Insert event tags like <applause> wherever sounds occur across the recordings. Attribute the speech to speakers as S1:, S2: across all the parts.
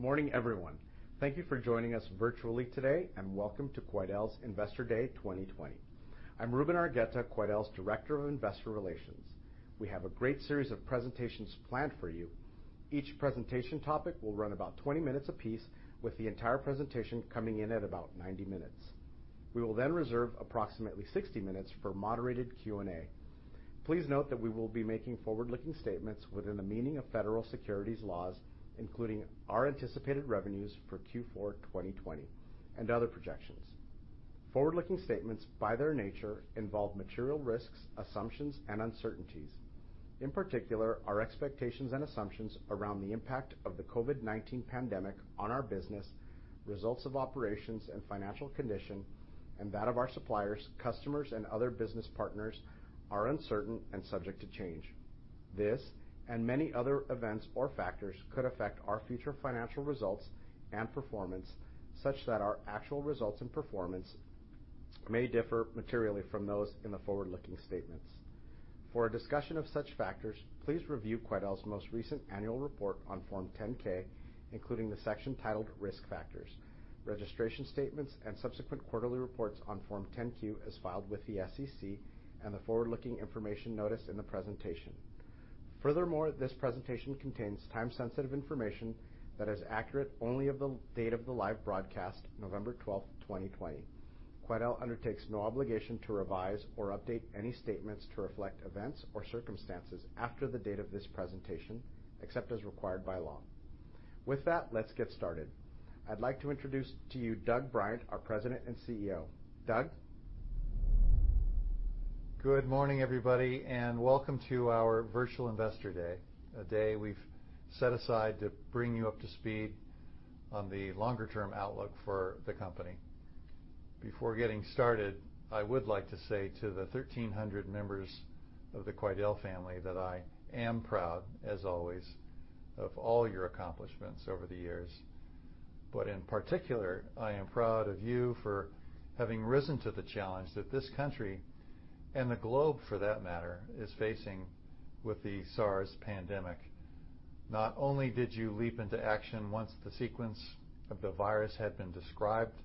S1: Good morning, everyone. Thank you for joining us virtually today, and welcome to Quidel's Investor Day 2020. I'm Ruben Argueta, Quidel's Director of Investor Relations. We have a great series of presentations planned for you. Each presentation topic will run about 20 minutes apiece, with the entire presentation coming in at about 90 minutes. We will reserve approximately 60 minutes for moderated Q&A. Please note that we will be making forward-looking statements within the meaning of federal securities laws, including our anticipated revenues for Q4 2020 and other projections. Forward-looking statements, by their nature, involve material risks, assumptions, and uncertainties. In particular, our expectations and assumptions around the impact of the COVID-19 pandemic on our business, results of operations and financial condition, and that of our suppliers, customers, and other business partners are uncertain and subject to change. This and many other events or factors could affect our future financial results and performance, such that our actual results and performance may differ materially from those in the forward-looking statements. For a discussion of such factors, please review Quidel's most recent annual report on Form 10-K, including the section titled Risk Factors, registration statements and subsequent quarterly reports on Form 10-Q as filed with the SEC, and the forward-looking information notice in the presentation. This presentation contains time-sensitive information that is accurate only of the date of the live broadcast, November 12th, 2020. Quidel undertakes no obligation to revise or update any statements to reflect events or circumstances after the date of this presentation, except as required by law. With that, let's get started. I'd like to introduce to you Doug Bryant, our President and CEO. Doug?
S2: Good morning, everybody, and welcome to our virtual Investor Day, a day we've set aside to bring you up to speed on the longer-term outlook for the company. Before getting started, I would like to say to the 1,300 members of the Quidel family that I am proud, as always, of all your accomplishments over the years. In particular, I am proud of you for having risen to the challenge that this country, and the globe for that matter, is facing with the SARS pandemic. Not only did you leap into action once the sequence of the virus had been described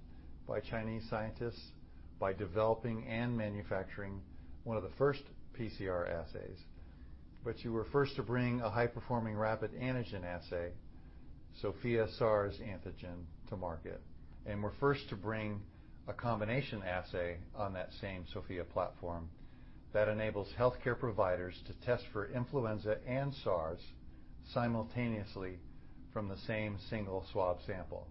S2: by Chinese scientists, by developing and manufacturing one of the first PCR assays, but you were first to bring a high-performing rapid antigen assay, Sofia SARS Antigen, to market, and were first to bring a combination assay on that same Sofia platform that enables healthcare providers to test for influenza and SARS simultaneously from the same single swab sample.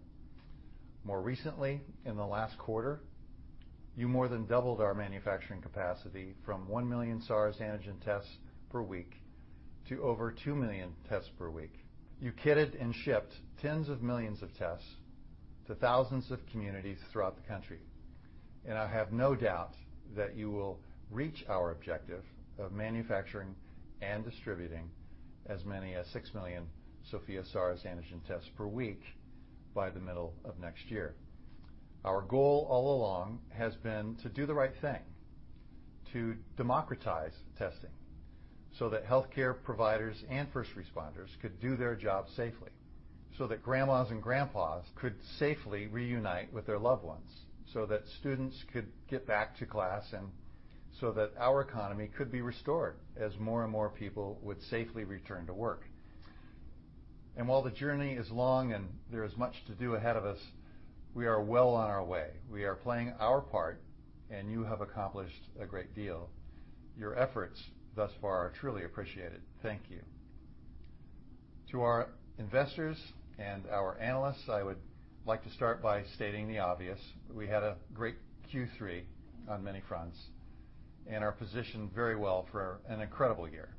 S2: More recently, in the last quarter, you more than doubled our manufacturing capacity from 1 million SARS antigen tests per week to over 2 million tests per week. You kitted and shipped tens of millions of tests to thousands of communities throughout the country. I have no doubt that you will reach our objective of manufacturing and distributing as many as 6 million Sofia SARS Antigen tests per week by the middle of next year. Our goal all along has been to do the right thing, to democratize testing so that healthcare providers and first responders could do their job safely, so that grandmas and grandpas could safely reunite with their loved ones, so that students could get back to class, so that our economy could be restored as more and more people would safely return to work. While the journey is long and there is much to do ahead of us, we are well on our way. We are playing our part. You have accomplished a great deal. Your efforts thus far are truly appreciated. Thank you. To our investors and our analysts, I would like to start by stating the obvious. We had a great Q3 on many fronts and are positioned very well for an incredible year,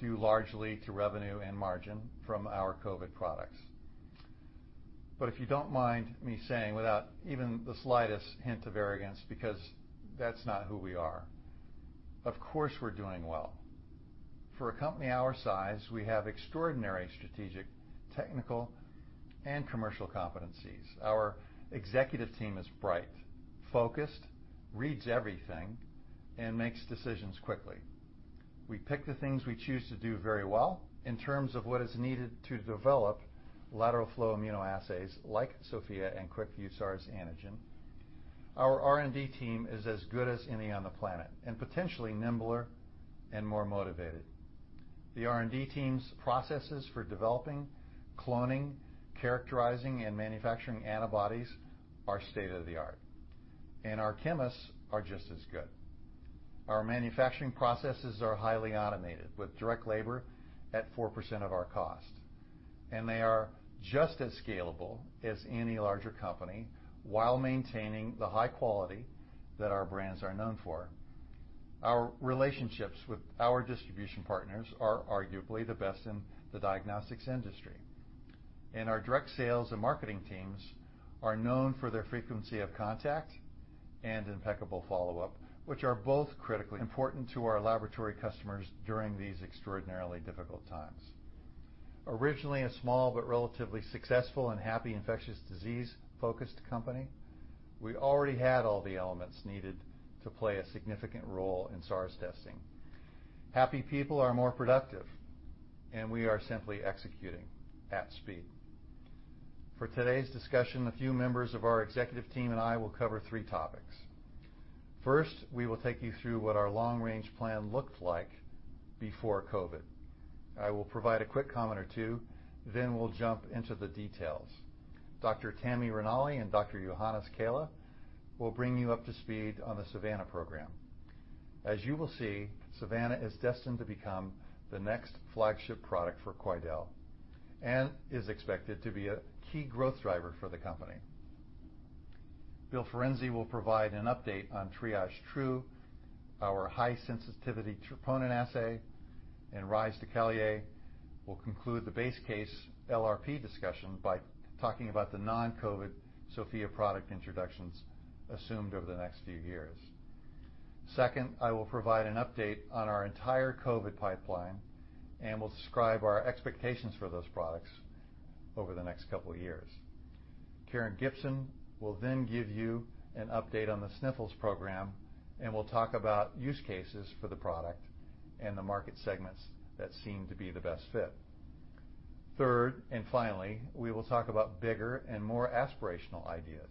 S2: due largely to revenue and margin from our COVID products. If you don't mind me saying, without even the slightest hint of arrogance, because that's not who we are, of course we're doing well. For a company our size, we have extraordinary strategic, technical, and commercial competencies. Our executive team is bright, focused, reads everything, and makes decisions quickly. We pick the things we choose to do very well in terms of what is needed to develop lateral flow immunoassays like Sofia and QuickVue SARS Antigen. Our R&D team is as good as any on the planet, and potentially nimbler and more motivated. The R&D team's processes for developing, cloning, characterizing, and manufacturing antibodies are state-of-the-art, and our chemists are just as good. Our manufacturing processes are highly automated, with direct labor at 4% of our cost. They are just as scalable as any larger company while maintaining the high quality that our brands are known for. Our relationships with our distribution partners are arguably the best in the diagnostics industry. Our direct sales and marketing teams are known for their frequency of contact and impeccable follow-up, which are both critically important to our laboratory customers during these extraordinarily difficult times. Originally a small but relatively successful and happy infectious disease-focused company, we already had all the elements needed to play a significant role in SARS testing. Happy people are more productive, and we are simply executing at speed. For today's discussion, a few members of our executive team and I will cover three topics. First, we will take you through what our long-range plan looked like before COVID. I will provide a quick comment or two, then we'll jump into the details. Dr. Tammi Ranalli and Dr. Johannes Kehle will bring you up to speed on the SAVANNA program. As you will see, SAVANNA is destined to become the next flagship product for Quidel and is expected to be a key growth driver for the company. Bill Ferenczy will provide an update on TriageTrue, our high-sensitivity troponin, and Rhys de Callier will conclude the base case LRP discussion by talking about the non-COVID Sofia product introductions assumed over the next few years. Second, I will provide an update on our entire COVID pipeline and will describe our expectations for those products over the next couple of years. Karen Gibson will then give you an update on the Sniffles program, and we'll talk about use cases for the product and the market segments that seem to be the best fit. Third and finally, we will talk about bigger and more aspirational ideas.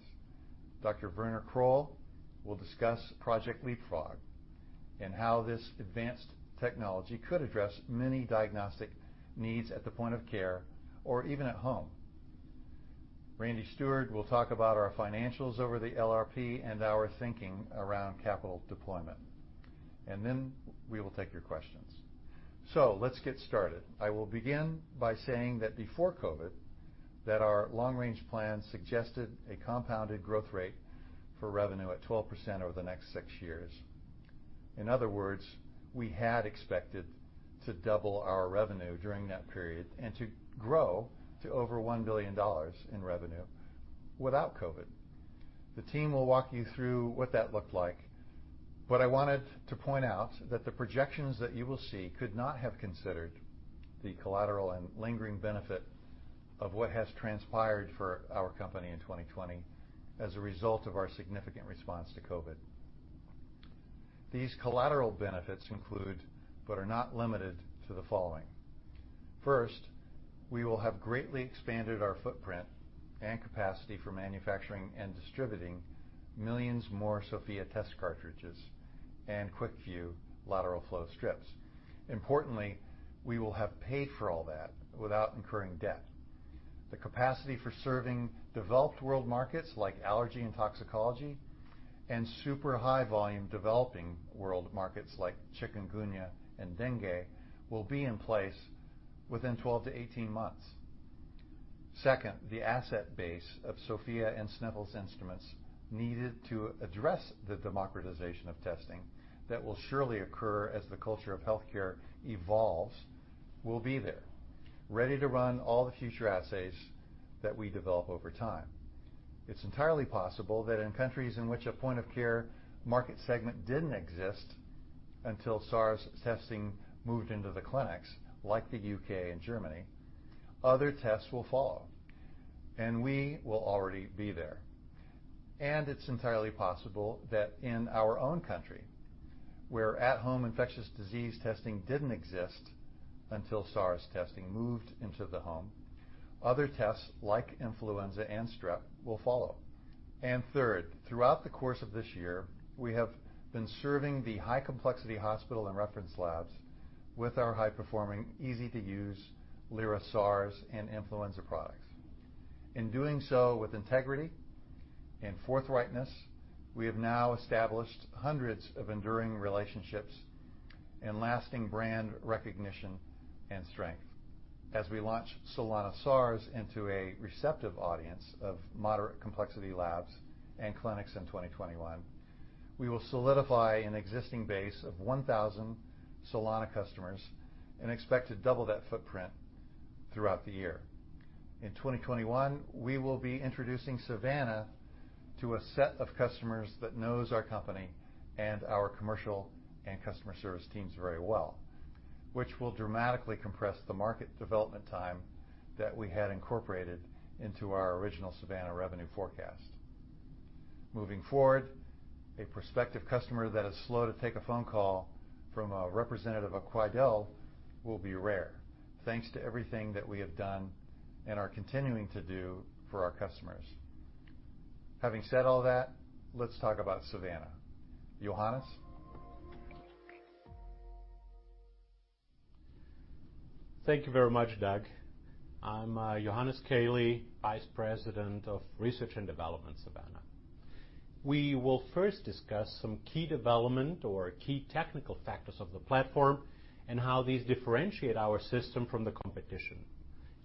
S2: Dr. Werner Kroll will discuss Project Leapfrog and how this advanced technology could address many diagnostic needs at the point of care or even at home. Randy Steward will talk about our financials over the LRP and our thinking around capital deployment, and then we will take your questions. Let's get started. I will begin by saying that before COVID, that our long-range plan suggested a compounded growth rate for revenue at 12% over the next six years. In other words, we had expected to double our revenue during that period and to grow to over $1 billion in revenue without COVID. The team will walk you through what that looked like, but I wanted to point out that the projections that you will see could not have considered the collateral and lingering benefit of what has transpired for our company in 2020 as a result of our significant response to COVID. These collateral benefits include, but are not limited to, the following. First, we will have greatly expanded our footprint and capacity for manufacturing and distributing millions more Sofia test cartridges and QuickVue lateral flow strips. Importantly, we will have paid for all that without incurring debt. The capacity for serving developed world markets like allergy and toxicology and super high volume developing world markets like chikungunya and dengue will be in place within 12 to 18 months. Second, the asset base of Sofia and Sniffles instruments needed to address the democratization of testing that will surely occur as the culture of healthcare evolves will be there, ready to run all the future assays that we develop over time. It's entirely possible that in countries in which a point-of-care market segment didn't exist until SARS testing moved into the clinics, like the U.K. and Germany, other tests will follow, and we will already be there. It's entirely possible that in our own country, where at-home infectious disease testing didn't exist until SARS testing moved into the home, other tests like influenza and Strep will follow. Third, throughout the course of this year, we have been serving the high-complexity hospital and reference labs with our high-performing, easy-to-use Lyra SARS and influenza products. In doing so with integrity and forthrightness, we have now established hundreds of enduring relationships and lasting brand recognition and strength. As we launch Solana SARS into a receptive audience of moderate-complexity labs and clinics in 2021, we will solidify an existing base of 1,000 Solana customers and expect to double that footprint throughout the year. In 2021, we will be introducing SAVANNA to a set of customers that knows our company and our commercial and customer service teams very well, which will dramatically compress the market development time that we had incorporated into our original SAVANNA revenue forecast. Moving forward, a prospective customer that is slow to take a phone call from a representative of Quidel will be rare, thanks to everything that we have done and are continuing to do for our customers. Having said all that, let's talk about SAVANNA. Johannes?
S3: Thank you very much, Doug. I'm Johannes Kehle, Vice President of Research and Development, SAVANNA. We will first discuss some key development or key technical factors of the platform and how these differentiate our system from the competition.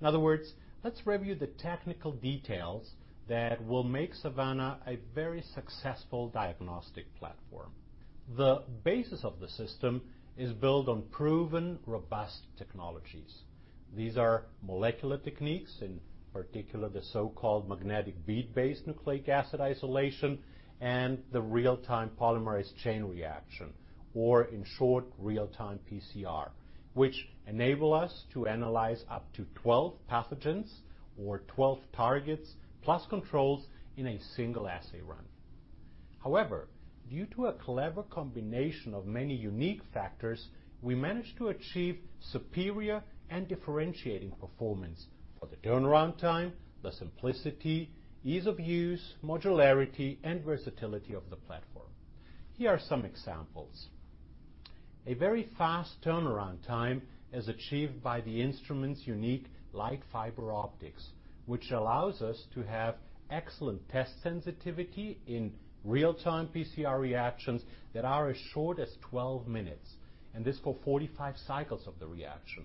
S3: In other words, let's review the technical details that will make SAVANNA a very successful diagnostic platform. The basis of the system is built on proven, robust technologies. These are molecular techniques, in particular, the so-called magnetic bead-based nucleic acid isolation and the real-time polymerase chain reaction, or in short, real-time PCR, which enable us to analyze up to 12 pathogens or 12 targets plus controls in a single assay run. Due to a clever combination of many unique factors, we managed to achieve superior and differentiating performance for the turnaround time, the simplicity, ease of use, modularity, and versatility of the platform. Here are some examples. A very fast turnaround time is achieved by the instrument's unique light fiber optics, which allows us to have excellent test sensitivity in real-time PCR reactions that are as short as 12 minutes, and this for 45 cycles of the reaction,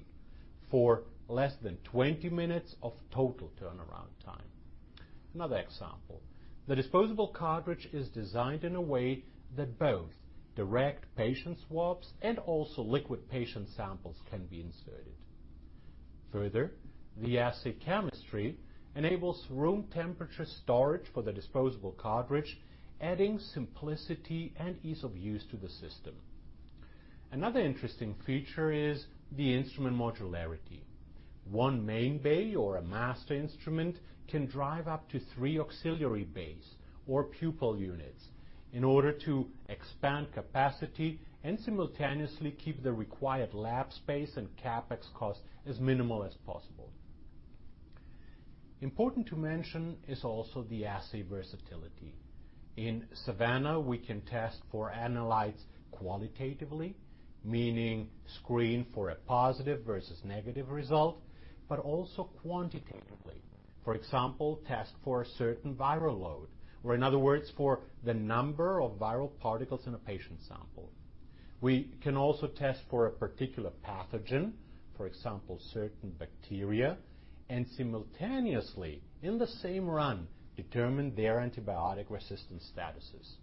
S3: for less than 20 minutes of total turnaround time. Another example, the disposable cartridge is designed in a way that both direct patient swabs and also liquid patient samples can be inserted. Further, the assay chemistry enables room temperature storage for the disposable cartridge, adding simplicity and ease of use to the system. Another interesting feature is the instrument modularity. One main bay or a master instrument can drive up to three auxiliary bays or pupil units in order to expand capacity and simultaneously keep the required lab space and CapEx cost as minimal as possible. Important to mention is also the assay versatility. In SAVANNA, we can test for analytes qualitatively, meaning screen for a positive versus negative result, but also quantitatively. For example, test for a certain viral load, or in other words, for the number of viral particles in a patient sample. We can also test for a particular pathogen, for example, certain bacteria, and simultaneously, in the same run, determine their antibiotic resistance statuses.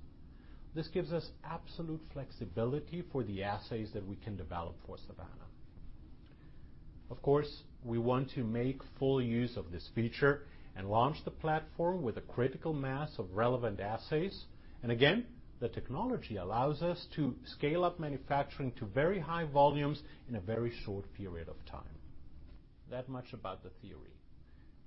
S3: This gives us absolute flexibility for the assays that we can develop for SAVANNA. Of course, we want to make full use of this feature and launch the platform with a critical mass of relevant assays. Again, the technology allows us to scale up manufacturing to very high volumes in a very short period of time. That much about the theory.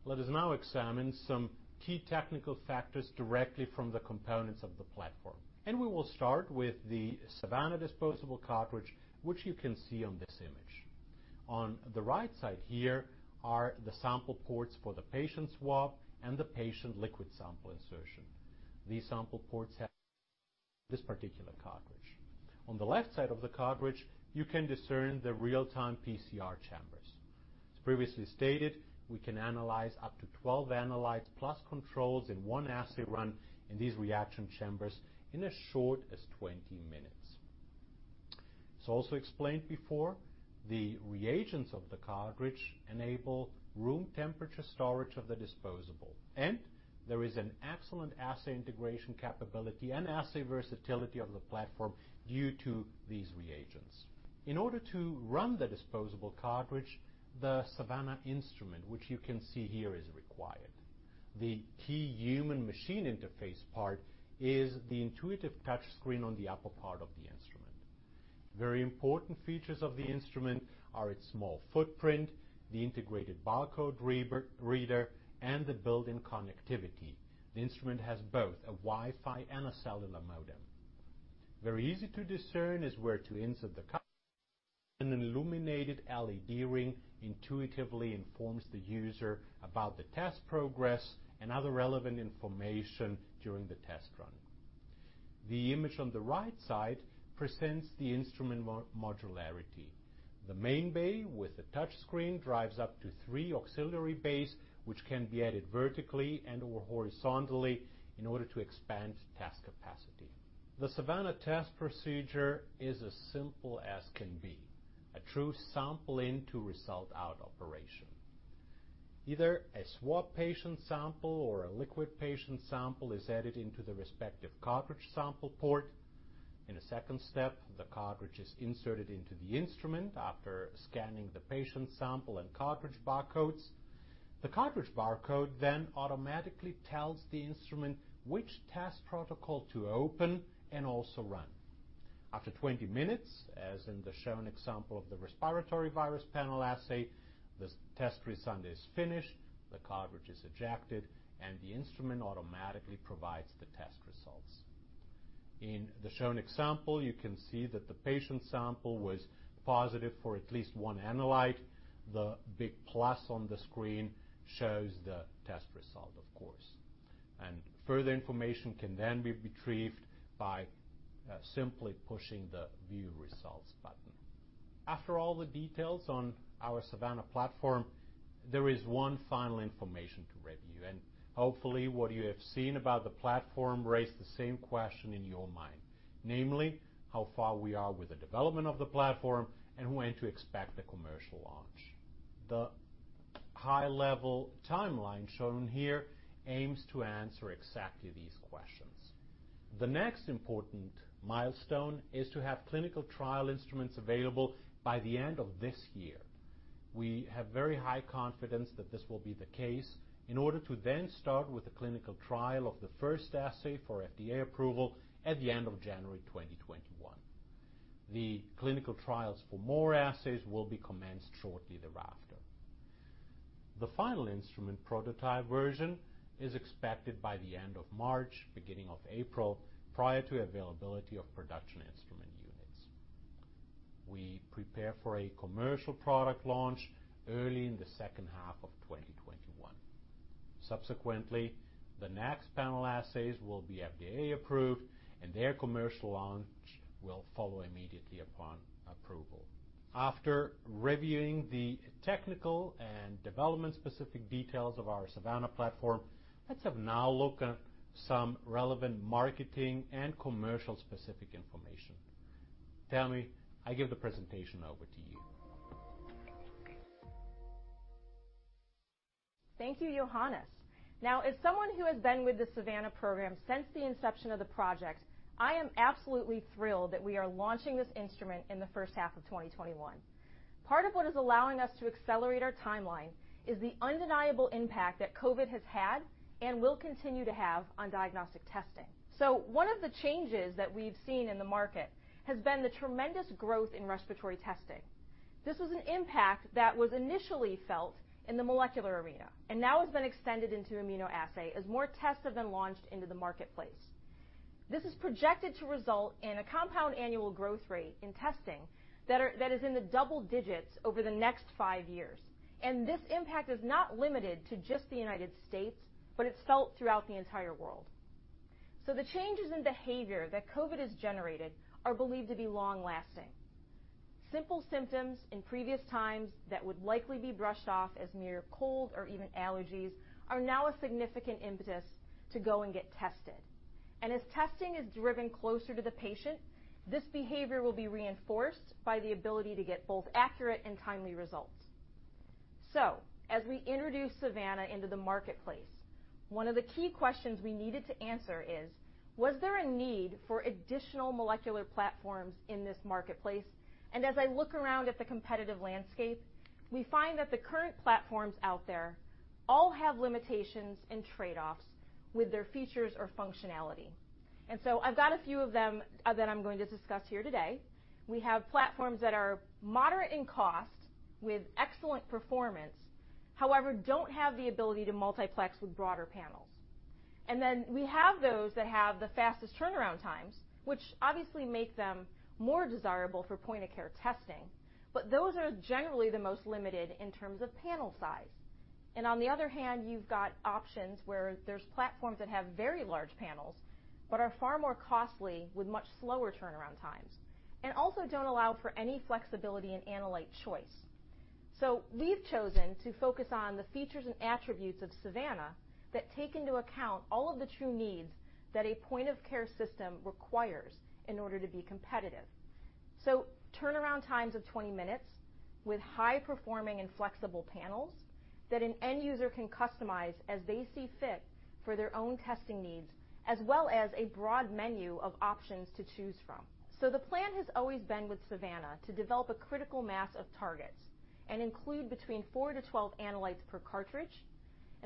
S3: Let us now examine some key technical factors directly from the components of the platform. We will start with the SAVANNA disposable cartridge, which you can see on this image. On the right side here are the sample ports for the patient swab and the patient liquid sample insertion. These sample ports have this particular cartridge. On the left side of the cartridge, you can discern the real-time PCR chambers. As previously stated, we can analyze up to 12 analytes plus controls in one assay run in these reaction chambers in as short as 20 minutes. As also explained before, the reagents of the cartridge enable room temperature storage of the disposable, and there is an excellent assay integration capability and assay versatility of the platform due to these reagents. In order to run the disposable cartridge, the SAVANNA instrument, which you can see here, is required. The key human-machine interface part is the intuitive touch screen on the upper part of the instrument. Very important features of the instrument are its small footprint, the integrated barcode reader, and the built-in connectivity. The instrument has both a Wi-Fi and a cellular modem. An illuminated LED ring intuitively informs the user about the test progress and other relevant information during the test run. The image on the right side presents the instrument modularity. The main bay with a touch screen drives up to three auxiliary bays, which can be added vertically and/or horizontally in order to expand test capacity. The SAVANNA test procedure is as simple as can be, a true sample in to result out operation. Either a swab patient sample or a liquid patient sample is added into the respective cartridge sample port. In a second step, the cartridge is inserted into the instrument after scanning the patient sample and cartridge barcodes. The cartridge barcode automatically tells the instrument which test protocol to open and also run. After 20 minutes, as in the shown example of the respiratory virus panel assay, this test is finished, the cartridge is ejected, and the instrument automatically provides the test results. In the shown example, you can see that the patient sample was positive for at least one analyte. The big plus on the screen shows the test result, of course. Further information can be retrieved by simply pushing the View Results button. After all the details on our SAVANNA platform, there is one final information to review, hopefully, what you have seen about the platform raised the same question in your mind, namely, how far we are with the development of the platform and when to expect the commercial launch. The high-level timeline shown here aims to answer exactly these questions. The next important milestone is to have clinical trial instruments available by the end of this year. We have very high confidence that this will be the case in order to then start with the clinical trial of the first assay for FDA approval at the end of January 2021. The clinical trials for more assays will be commenced shortly thereafter. The final instrument prototype version is expected by the end of March, beginning of April, prior to availability of production instrument units. We prepare for a commercial product launch early in the second half of 2021. Subsequently, the next panel assays will be FDA approved, and their commercial launch will follow immediately upon approval. After reviewing the technical and development specific details of our SAVANNA platform, let's have now look at some relevant marketing and commercial specific information. Tammi, I give the presentation over to you.
S4: Thank you, Johannes. As someone who has been with the SAVANNA program since the inception of the project, I am absolutely thrilled that we are launching this instrument in the first half of 2021. Part of what is allowing us to accelerate our timeline is the undeniable impact that COVID has had and will continue to have on diagnostic testing. One of the changes that we've seen in the market has been the tremendous growth in respiratory testing. This was an impact that was initially felt in the molecular arena, now has been extended into immunoassay as more tests have been launched into the marketplace. This is projected to result in a compound annual growth rate in testing that is in the double digits over the next five years. This impact is not limited to just the United States, it's felt throughout the entire world. The changes in behavior that COVID has generated are believed to be long-lasting. Simple symptoms in previous times that would likely be brushed off as mere cold or even allergies are now a significant impetus to go and get tested. As testing is driven closer to the patient, this behavior will be reinforced by the ability to get both accurate and timely results. As we introduce SAVANNA into the marketplace, one of the key questions we needed to answer is: Was there a need for additional molecular platforms in this marketplace? As I look around at the competitive landscape, we find that the current platforms out there all have limitations and trade-offs with their features or functionality. I've got a few of them that I'm going to discuss here today. We have platforms that are moderate in cost with excellent performance, however, don't have the ability to multiplex with broader panels. Then we have those that have the fastest turnaround times, which obviously make them more desirable for point-of-care testing. Those are generally the most limited in terms of panel size. On the other hand, you've got options where there's platforms that have very large panels, but are far more costly with much slower turnaround times, and also don't allow for any flexibility in analyte choice. We've chosen to focus on the features and attributes of SAVANNA that take into account all of the true needs that a point-of-care system requires in order to be competitive. Turnaround times of 20 minutes with high performing and flexible panels that an end user can customize as they see fit for their own testing needs, as well as a broad menu of options to choose from. The plan has always been with SAVANNA to develop a critical mass of targets and include between four to 12 analytes per cartridge.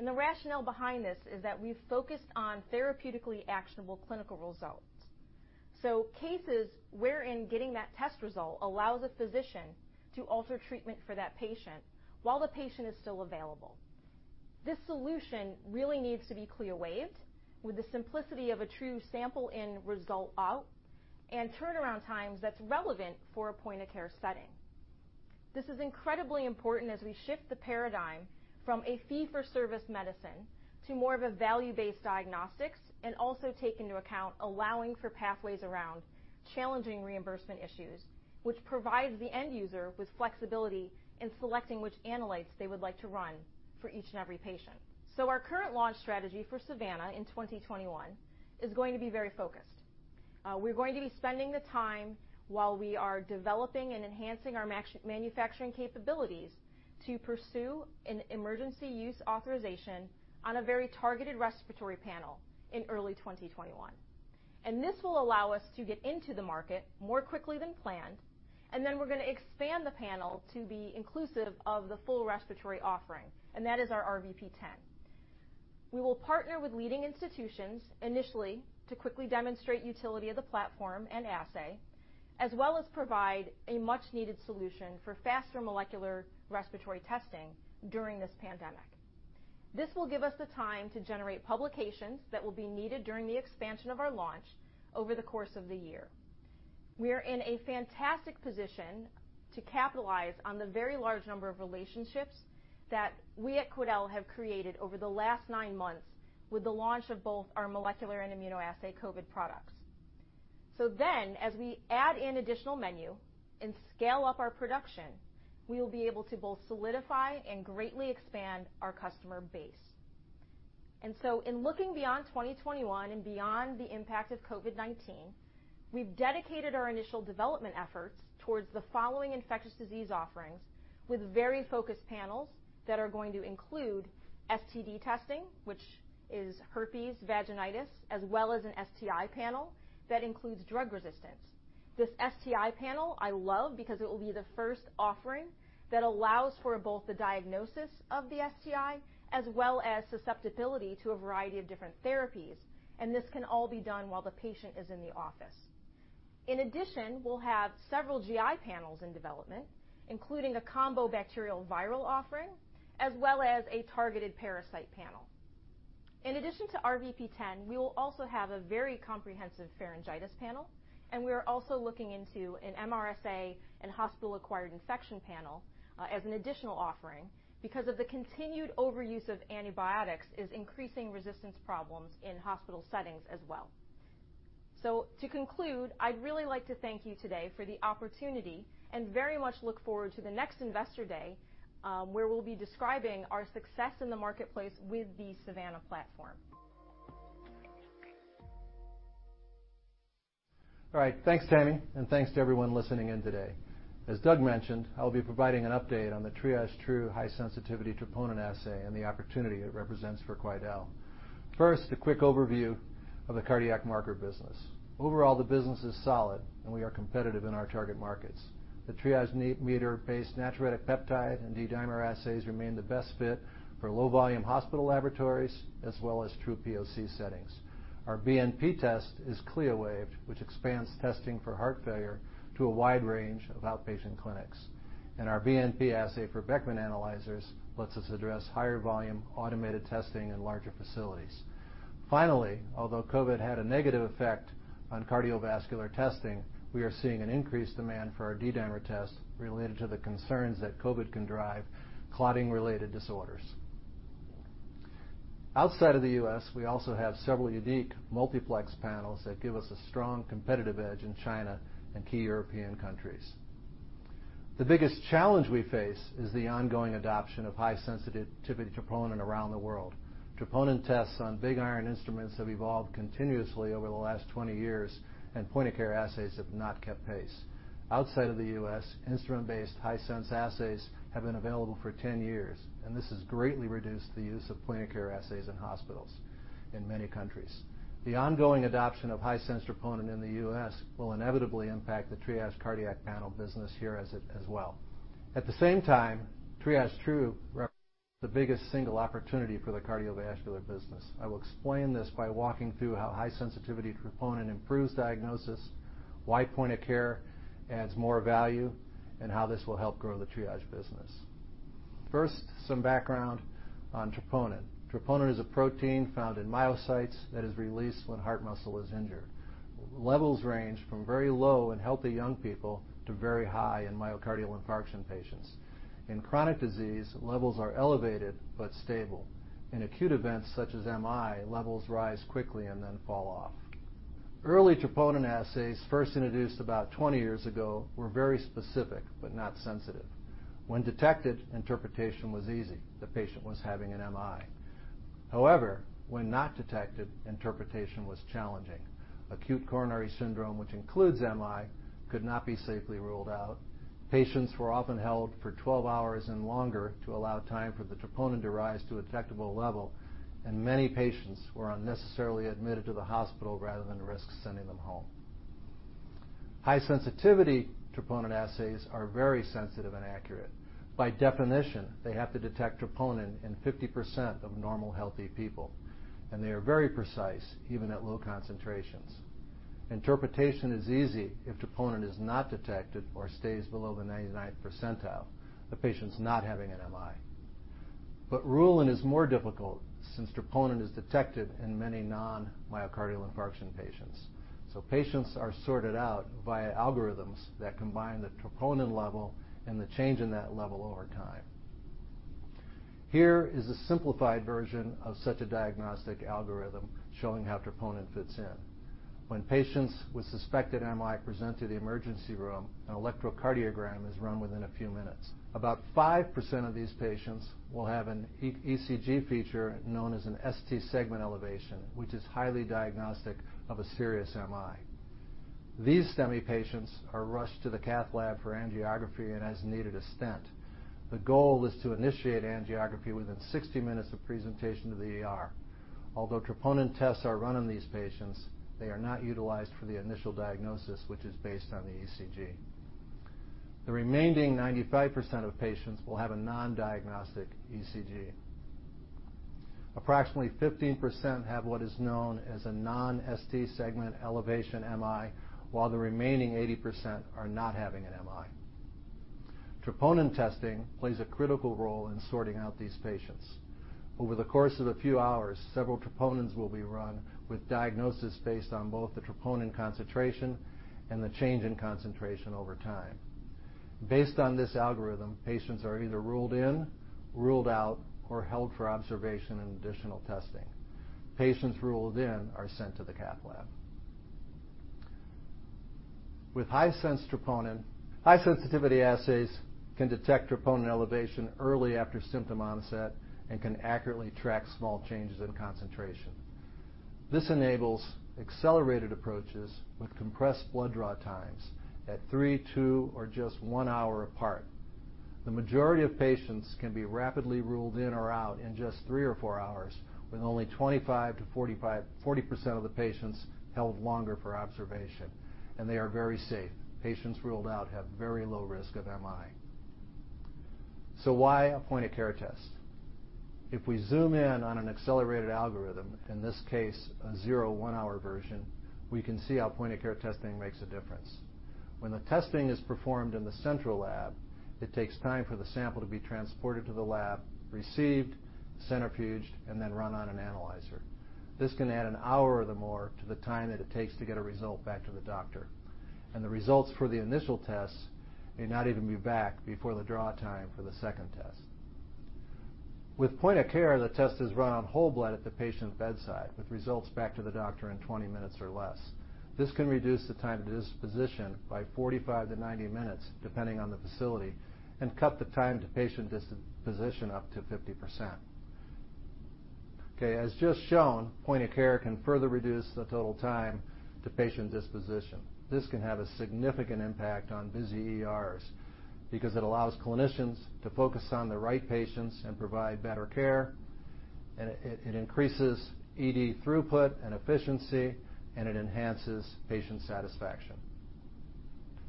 S4: The rationale behind this is that we've focused on therapeutically actionable clinical results. Cases wherein getting that test result allows a physician to alter treatment for that patient while the patient is still available. This solution really needs to be CLIA waived with the simplicity of a true sample in, result out, and turnaround times that's relevant for a point-of-care setting. This is incredibly important as we shift the paradigm from a fee-for-service medicine to more of a value-based diagnostics, and also take into account allowing for pathways around challenging reimbursement issues, which provides the end user with flexibility in selecting which analytes they would like to run for each and every patient. Our current launch strategy for SAVANNA in 2021 is going to be very focused. We're going to be spending the time, while we are developing and enhancing our manufacturing capabilities, to pursue an emergency use authorization on a very targeted respiratory panel in early 2021. This will allow us to get into the market more quickly than planned, then we're going to expand the panel to be inclusive of the full respiratory offering, and that is our RVP10. We will partner with leading institutions initially to quickly demonstrate utility of the platform and assay, as well as provide a much-needed solution for faster molecular respiratory testing during this pandemic. This will give us the time to generate publications that will be needed during the expansion of our launch over the course of the year. We are in a fantastic position to capitalize on the very large number of relationships that we at Quidel have created over the last nine months with the launch of both our molecular and immunoassay COVID products. As we add in additional menu and scale up our production, we will be able to both solidify and greatly expand our customer base. In looking beyond 2021 and beyond the impact of COVID-19, we've dedicated our initial development efforts towards the following infectious disease offerings with very focused panels that are going to include STD testing, which is herpes, vaginitis, as well as an STI panel that includes drug resistance. This STI panel I love because it will be the first offering that allows for both the diagnosis of the STI as well as susceptibility to a variety of different therapies, and this can all be done while the patient is in the office. In addition, we'll have several GI panels in development, including a combo bacterial viral offering, as well as a targeted parasite panel. In addition to RVP10, we will also have a very comprehensive pharyngitis panel. We are also looking into an MRSA and hospital-acquired infection panel as an additional offering because of the continued overuse of antibiotics is increasing resistance problems in hospital settings as well. To conclude, I'd really like to thank you today for the opportunity and very much look forward to the next Investor Day, where we'll be describing our success in the marketplace with the SAVANNA platform.
S5: All right, thanks, Tammi, and thanks to everyone listening in today. As Doug mentioned, I'll be providing an update on the TriageTrue high-sensitivity troponin assay and the opportunity it represents for Quidel. First, a quick overview of the cardiac marker business. Overall, the business is solid, and we are competitive in our target markets. The Triage meter-based natriuretic peptide and D-dimer assays remain the best fit for low-volume hospital laboratories as well as true POC settings. Our BNP test is CLIA waived, which expands testing for heart failure to a wide range of outpatient clinics. Our BNP assay for Beckman analyzers lets us address higher volume, automated testing in larger facilities. Finally, although COVID had a negative effect on cardiovascular testing, we are seeing an increased demand for our D-dimer test related to the concerns that COVID can drive clotting-related disorders. Outside of the U.S., we also have several unique multiplex panels that give us a strong competitive edge in China and key European countries. The biggest challenge we face is the ongoing adoption of high-sensitivity troponin around the world. Troponin tests on big iron instruments have evolved continuously over the last 20 years, point-of-care assays have not kept pace. Outside of the U.S., instrument-based high-sens assays have been available for 10 years, this has greatly reduced the use of point-of-care assays in hospitals in many countries. The ongoing adoption of high-sens troponin in the U.S. will inevitably impact the Triage cardiac panel business here as well. At the same time, TriageTrue represents the biggest single opportunity for the cardiovascular business. I will explain this by walking through how high-sensitivity troponin improves diagnosis, why point-of-care adds more value, and how this will help grow the Triage business. First, some background on troponin. Troponin is a protein found in myocytes that is released when heart muscle is injured. Levels range from very low in healthy young people to very high in myocardial infarction patients. In chronic disease, levels are elevated but stable. In acute events such as MI, levels rise quickly and then fall off. Early troponin assays, first introduced about 20 years ago, were very specific but not sensitive. When detected, interpretation was easy. The patient was having an MI. When not detected, interpretation was challenging. Acute coronary syndrome, which includes MI, could not be safely ruled out. Patients were often held for 12 hours and longer to allow time for the troponin to rise to a detectable level, and many patients were unnecessarily admitted to the hospital rather than risk sending them home. High-sensitivity troponin assays are very sensitive and accurate. By definition, they have to detect troponin in 50% of normal, healthy people, and they are very precise, even at low concentrations. Interpretation is easy if troponin is not detected or stays below the 99th percentile. The patient's not having an MI. Ruling is more difficult since troponin is detected in many non-myocardial infarction patients. Patients are sorted out via algorithms that combine the troponin level and the change in that level over time. Here is a simplified version of such a diagnostic algorithm showing how troponin fits in. When patients with suspected MI present to the emergency room, an electrocardiogram is run within a few minutes. About 5% of these patients will have an ECG feature known as an ST-segment elevation, which is highly diagnostic of a serious MI. These STEMI patients are rushed to the cath lab for angiography and, as needed, a stent. The goal is to initiate angiography within 60 minutes of presentation to the ER. Although troponin tests are run on these patients, they are not utilized for the initial diagnosis, which is based on the ECG. The remaining 95% of patients will have a non-diagnostic ECG. Approximately 15% have what is known as a non-ST-segment elevation MI, while the remaining 80% are not having an MI. Troponin testing plays a critical role in sorting out these patients. Over the course of a few hours, several troponins will be run with diagnosis based on both the troponin concentration and the change in concentration over time. Based on this algorithm, patients are either ruled in, ruled out, or held for observation and additional testing. Patients ruled in are sent to the cath lab. With high-sens troponin, high-sensitivity assays can detect troponin elevation early after symptom onset and can accurately track small changes in concentration. This enables accelerated approaches with compressed blood draw times at three, two, or just one hour apart. The majority of patients can be rapidly ruled in or out in just three or four hours, with only 25%-40% of the patients held longer for observation, and they are very safe. Patients ruled out have very low risk of MI. Why a point-of-care test? If we zoom in on an accelerated algorithm, in this case, a zero-one hour version, we can see how point-of-care testing makes a difference. When the testing is performed in the central lab, it takes time for the sample to be transported to the lab, received, centrifuged, and then run on an analyzer. This can add an hour or more to the time that it takes to get a result back to the doctor, and the results for the initial tests may not even be back before the draw time for the second test. With point of care, the test is run on whole blood at the patient bedside, with results back to the doctor in 20 minutes or less. This can reduce the time to disposition by 45-90 minutes, depending on the facility, and cut the time to patient disposition up to 50%. As just shown, point of care can further reduce the total time to patient disposition. This can have a significant impact on busy ERs because it allows clinicians to focus on the right patients and provide better care, and it increases ED throughput and efficiency, and it enhances patient satisfaction.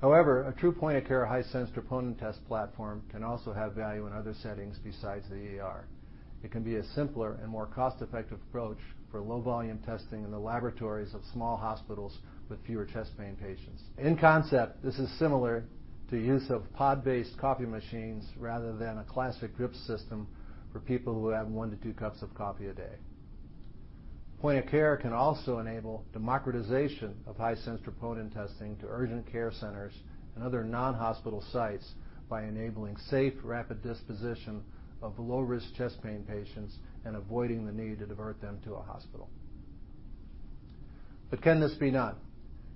S5: A true point-of-care high-sensitivity troponin test platform can also have value in other settings besides the ER. It can be a simpler and more cost-effective approach for low-volume testing in the laboratories of small hospitals with fewer chest pain patients. In concept, this is similar to use of pod-based coffee machines rather than a classic drip system for people who have one to two cups of coffee a day. Point of care can also enable democratization of high-sensitivity troponin testing to urgent care centers and other non-hospital sites by enabling safe, rapid disposition of low-risk chest pain patients and avoiding the need to divert them to a hospital. Can this be done?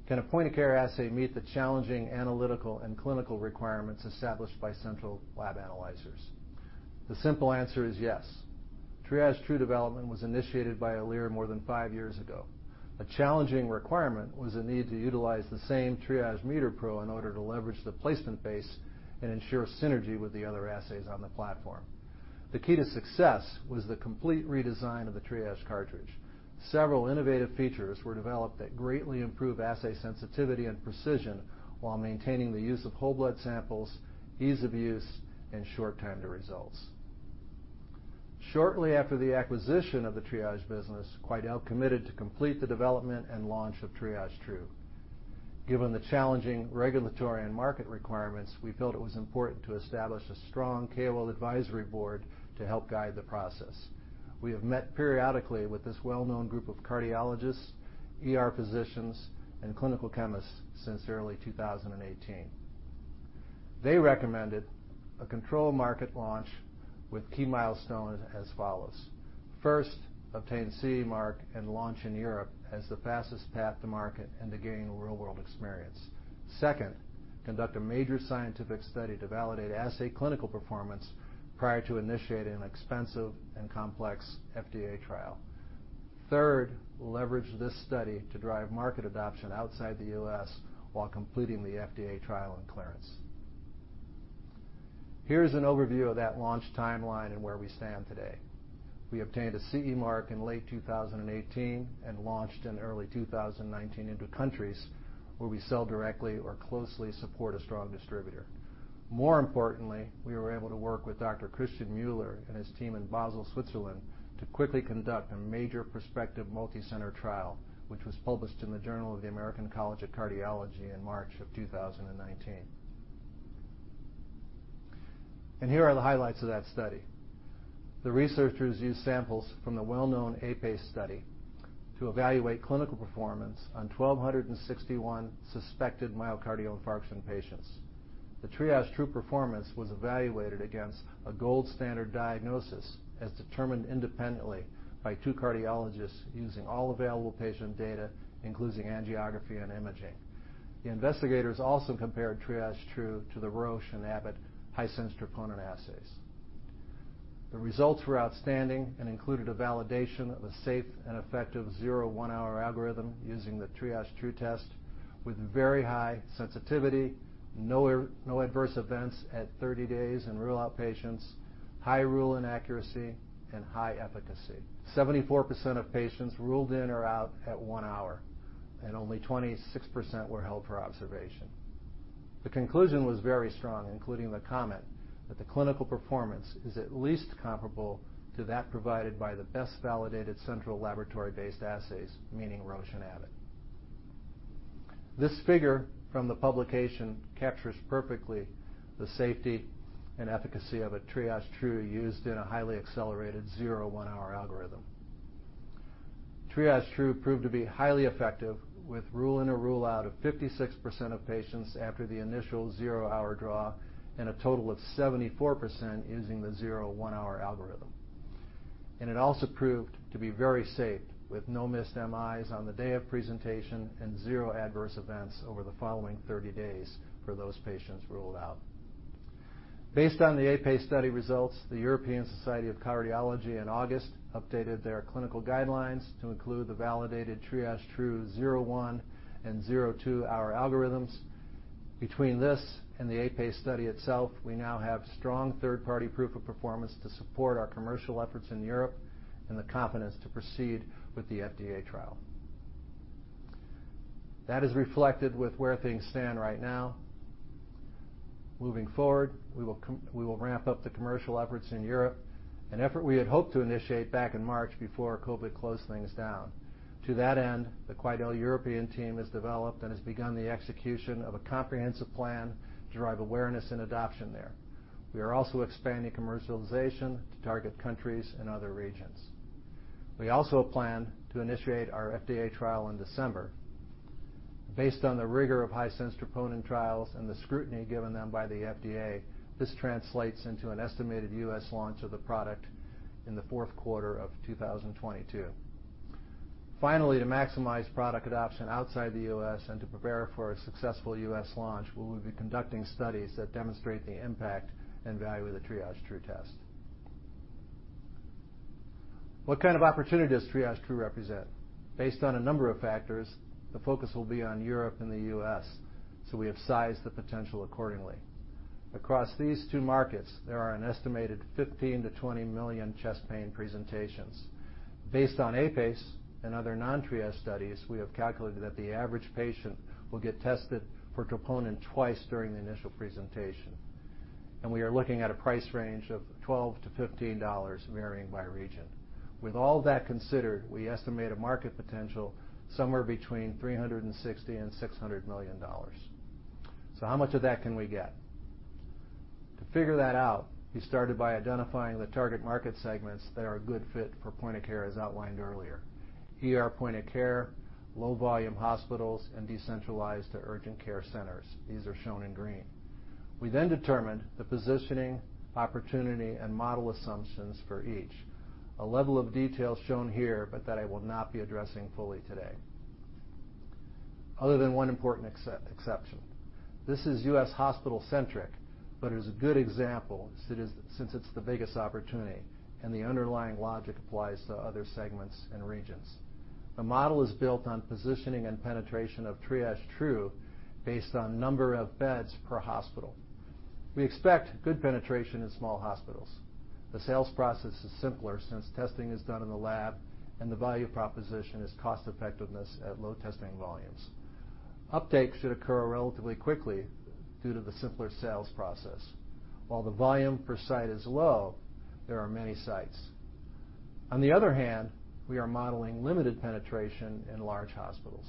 S5: Can a point-of-care assay meet the challenging analytical and clinical requirements established by central lab analyzers? The simple answer is yes. TriageTrue development was initiated by Alere more than five years ago. A challenging requirement was a need to utilize the same Triage MeterPro in order to leverage the placement base and ensure synergy with the other assays on the platform. The key to success was the complete redesign of the Triage cartridge. Several innovative features were developed that greatly improve assay sensitivity and precision while maintaining the use of whole blood samples, ease of use, and short time to results. Shortly after the acquisition of the Triage business, Quidel committed to complete the development and launch of TriageTrue. Given the challenging regulatory and market requirements, we felt it was important to establish a strong KOL advisory board to help guide the process. We have met periodically with this well-known group of cardiologists, ER physicians, and clinical chemists since early 2018. They recommended a control market launch with key milestones as follows. First, obtain CE mark and launch in Europe as the fastest path to market into gaining real-world experience. Second, conduct a major scientific study to validate assay clinical performance prior to initiating an expensive and complex FDA trial. Third, leverage this study to drive market adoption outside the U.S. while completing the FDA trial and clearance. Here is an overview of that launch timeline and where we stand today. We obtained a CE mark in late 2018 and launched in early 2019 into countries where we sell directly or closely support a strong distributor. More importantly, we were able to work with Dr. Christian Müller and his team in Basel, Switzerland, to quickly conduct a major prospective multi-center trial, which was published in the Journal of the American College of Cardiology in March of 2019. Here are the highlights of that study. The researchers used samples from the well-known APACE study to evaluate clinical performance on 1,261 suspected myocardial infarction patients. The TriageTrue performance was evaluated against a gold standard diagnosis as determined independently by two cardiologists using all available patient data, including angiography and imaging. The investigators also compared TriageTrue to the Roche and Abbott high-sensitivity troponin assays. The results were outstanding and included a validation of a safe and effective zero one-hour algorithm using the TriageTrue test with very high sensitivity, no adverse events at 30 days in rule-out patients, high rule-in accuracy, and high efficacy. 74% of patients ruled in or out at one hour, and only 26% were held for observation. The conclusion was very strong, including the comment that the clinical performance is at least comparable to that provided by the best-validated central laboratory-based assays, meaning Roche and Abbott. This figure from the publication captures perfectly the safety and efficacy of a TriageTrue used in a highly accelerated 0/1-hour algorithm. TriageTrue proved to be highly effective with rule-in or rule-out of 56% of patients after the initial zero-hour draw and a total of 74% using the 0/1-hour algorithm. It also proved to be very safe, with no missed MIs on the day of presentation and zero adverse events over the following 30 days for those patients ruled out. Based on the APACE study results, the European Society of Cardiology in August updated their clinical guidelines to include the validated TriageTrue 0/1 and 0/2-hour algorithms. Between this and the APACE study itself, we now have strong third-party proof of performance to support our commercial efforts in Europe and the confidence to proceed with the FDA trial. That is reflected with where things stand right now. Moving forward, we will ramp up the commercial efforts in Europe, an effort we had hoped to initiate back in March before COVID closed things down. To that end, the Quidel European team has developed and has begun the execution of a comprehensive plan to drive awareness and adoption there. We are also expanding commercialization to target countries and other regions. We also plan to initiate our FDA trial in December. Based on the rigor of high-sensitivity troponin trials and the scrutiny given them by the FDA, this translates into an estimated U.S. launch of the product in the fourth quarter of 2022. Finally, to maximize product adoption outside the U.S. and to prepare for a successful U.S. launch, we will be conducting studies that demonstrate the impact and value of the TriageTrue test. What kind of opportunity does TriageTrue represent? Based on a number of factors, the focus will be on Europe and the U.S., we have sized the potential accordingly. Across these two markets, there are an estimated 15 million-20 million chest pain presentations. Based on APACE and other non-Triage studies, we have calculated that the average patient will get tested for troponin twice during the initial presentation, and we are looking at a price range of $12-$15, varying by region. With all that considered, we estimate a market potential somewhere between $360 million-$600 million. How much of that can we get? To figure that out, we started by identifying the target market segments that are a good fit for point of care, as outlined earlier. ER point of care, low volume hospitals, and decentralized urgent care centers. These are shown in green. We then determined the positioning, opportunity, and model assumptions for each, a level of detail shown here, but that I will not be addressing fully today, other than one important exception. This is U.S. hospital-centric, but it is a good example since it's the biggest opportunity, and the underlying logic applies to other segments and regions. The model is built on positioning and penetration of TriageTrue based on number of beds per hospital. We expect good penetration in small hospitals. The sales process is simpler since testing is done in the lab, and the value proposition is cost effectiveness at low testing volumes. Uptake should occur relatively quickly due to the simpler sales process. While the volume per site is low, there are many sites. On the other hand, we are modeling limited penetration in large hospitals.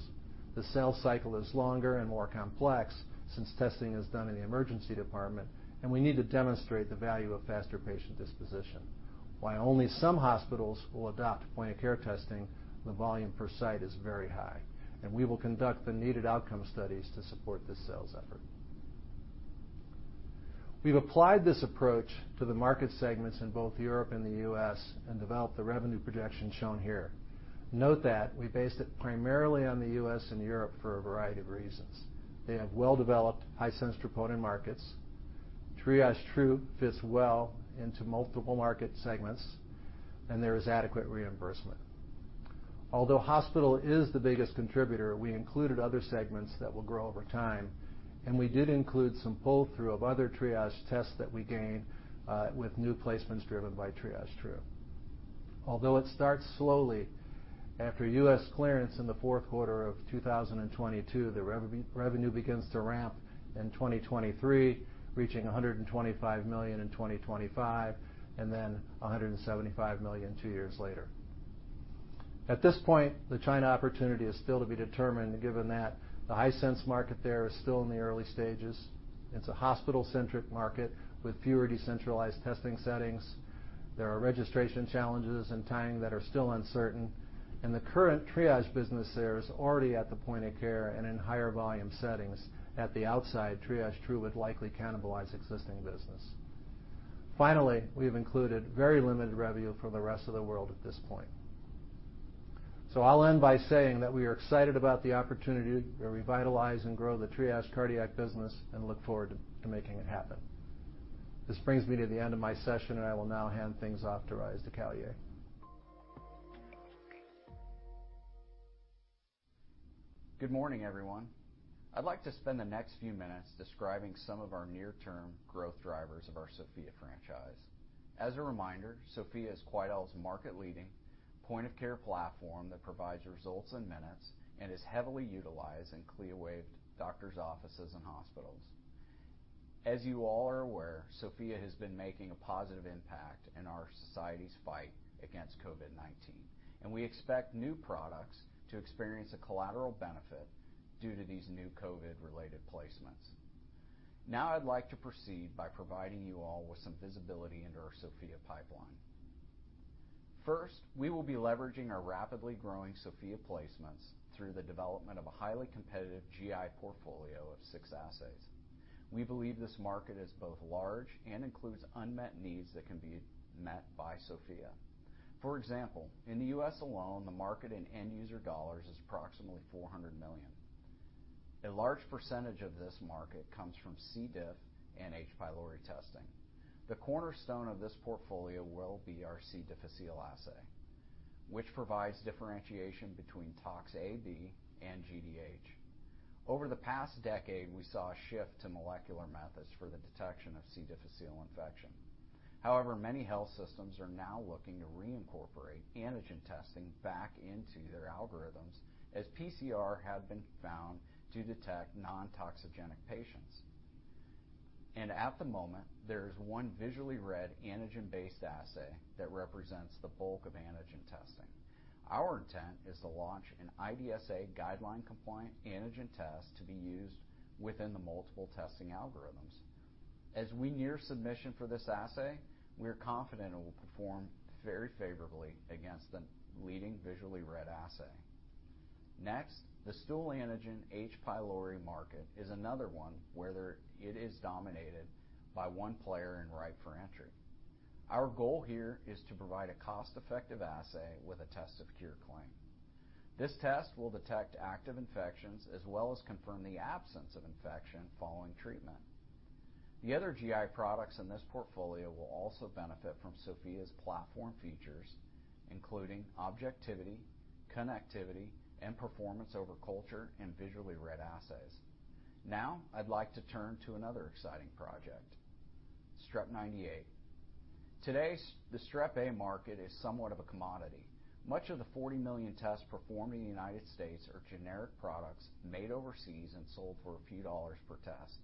S5: The sales cycle is longer and more complex since testing is done in the emergency department, and we need to demonstrate the value of faster patient disposition. While only some hospitals will adopt point of care testing, the volume per site is very high, and we will conduct the needed outcome studies to support this sales effort. We've applied this approach to the market segments in both Europe and the U.S. and developed the revenue projection shown here. Note that we based it primarily on the U.S. and Europe for a variety of reasons. They have well-developed, high-sensitivity troponin markets. TriageTrue fits well into multiple market segments, and there is adequate reimbursement. Although hospital is the biggest contributor, we included other segments that will grow over time, and we did include some pull-through of other Triage tests that we gain with new placements driven by TriageTrue. It starts slowly, after U.S. clearance in the fourth quarter of 2022, the revenue begins to ramp in 2023, reaching $125 million in 2025, and then $175 million two years later. At this point, the China opportunity is still to be determined, given that the high-sensitivity troponin market there is still in the early stages. It's a hospital-centric market with fewer decentralized testing settings. There are registration challenges and timing that are still uncertain, and the current Triage business there is already at the point of care and in higher volume settings. At the outside, TriageTrue would likely cannibalize existing business. Finally, we have included very limited revenue for the rest of the world at this point. I'll end by saying that we are excited about the opportunity to revitalize and grow the Triage cardiac business and look forward to making it happen. This brings me to the end of my session, and I will now hand things off to Rhys de Callier.
S6: Good morning, everyone. I'd like to spend the next few minutes describing some of our near-term growth drivers of our Sofia franchise. As a reminder, Sofia is Quidel's market-leading point-of-care platform that provides results in minutes and is heavily utilized in CLIA-waived doctor's offices and hospitals. As you all are aware, Sofia has been making a positive impact in our society's fight against COVID-19. We expect new products to experience a collateral benefit due to these new COVID-related placements. Now I'd like to proceed by providing you all with some visibility into our Sofia pipeline. First, we will be leveraging our rapidly growing Sofia placements through the development of a highly competitive GI portfolio of six assays. We believe this market is both large and includes unmet needs that can be met by Sofia. For example, in the U.S. alone, the market in end-user dollars is approximately $400 million. A large percentage of this market comes from C. diff and H. pylori testing. The cornerstone of this portfolio will be our C. difficile assay, which provides differentiation between toxin A/B and GDH. Over the past decade, we saw a shift to molecular methods for the detection of C. difficile infection. Many health systems are now looking to reincorporate antigen testing back into their algorithms, as PCR had been found to detect non-toxigenic patients. At the moment, there is one visually read antigen-based assay that represents the bulk of antigen testing. Our intent is to launch an IDSA guideline-compliant antigen test to be used within the multiple testing algorithms. As we near submission for this assay, we are confident it will perform very favorably against the leading visually read assay. Next, the stool antigen H. pylori market is another one where it is dominated by one player and ripe for entry. Our goal here is to provide a cost-effective assay with a test of cure claim. This test will detect active infections, as well as confirm the absence of infection following treatment. The other GI products in this portfolio will also benefit from Sofia's platform features, including objectivity, connectivity, and performance over culture and visually read assays. Now, I'd like to turn to another exciting project, Strep98. Today, the Strep A market is somewhat of a commodity. Much of the 40 million tests performed in the United States are generic products made overseas and sold for a few dollars per test.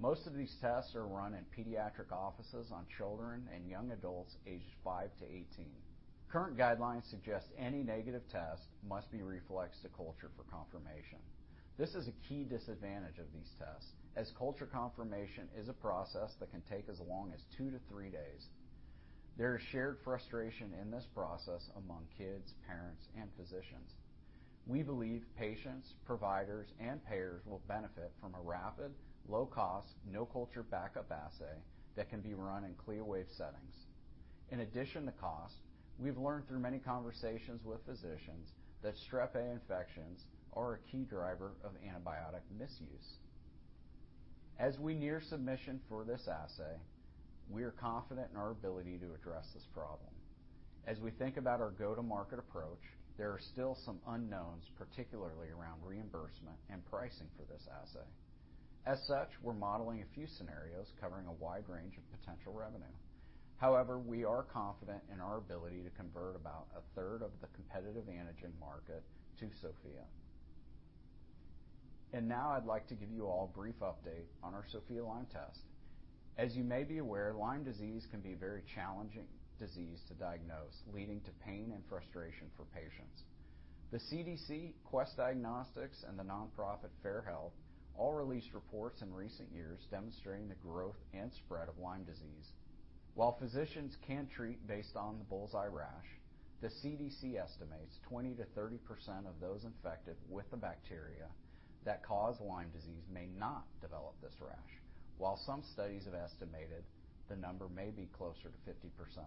S6: Most of these tests are run in pediatric offices on children and young adults aged 5-18. Current guidelines suggest any negative test must be reflexed to culture for confirmation. This is a key disadvantage of these tests, as culture confirmation is a process that can take as long as two to three days. There is shared frustration in this process among kids, parents, and physicians. We believe patients, providers, and payers will benefit from a rapid, low-cost, no culture backup assay that can be run in CLIA waived settings. In addition to cost, we've learned through many conversations with physicians that Strep A infections are a key driver of antibiotic misuse. As we near submission for this assay, we are confident in our ability to address this problem. As we think about our go-to-market approach, there are still some unknowns, particularly around reimbursement and pricing for this assay. As such, we're modeling a few scenarios covering a wide range of potential revenue. We are confident in our ability to convert about a third of the competitive antigen market to Sofia. Now I'd like to give you all a brief update on our Sofia Lyme test. As you may be aware, Lyme disease can be a very challenging disease to diagnose, leading to pain and frustration for patients. The CDC, Quest Diagnostics, and the nonprofit FAIR Health all released reports in recent years demonstrating the growth and spread of Lyme disease. While physicians can treat based on the bull's eye rash, the CDC estimates 20%-30% of those infected with the bacteria that cause Lyme disease may not develop this rash, while some studies have estimated the number may be closer to 50%.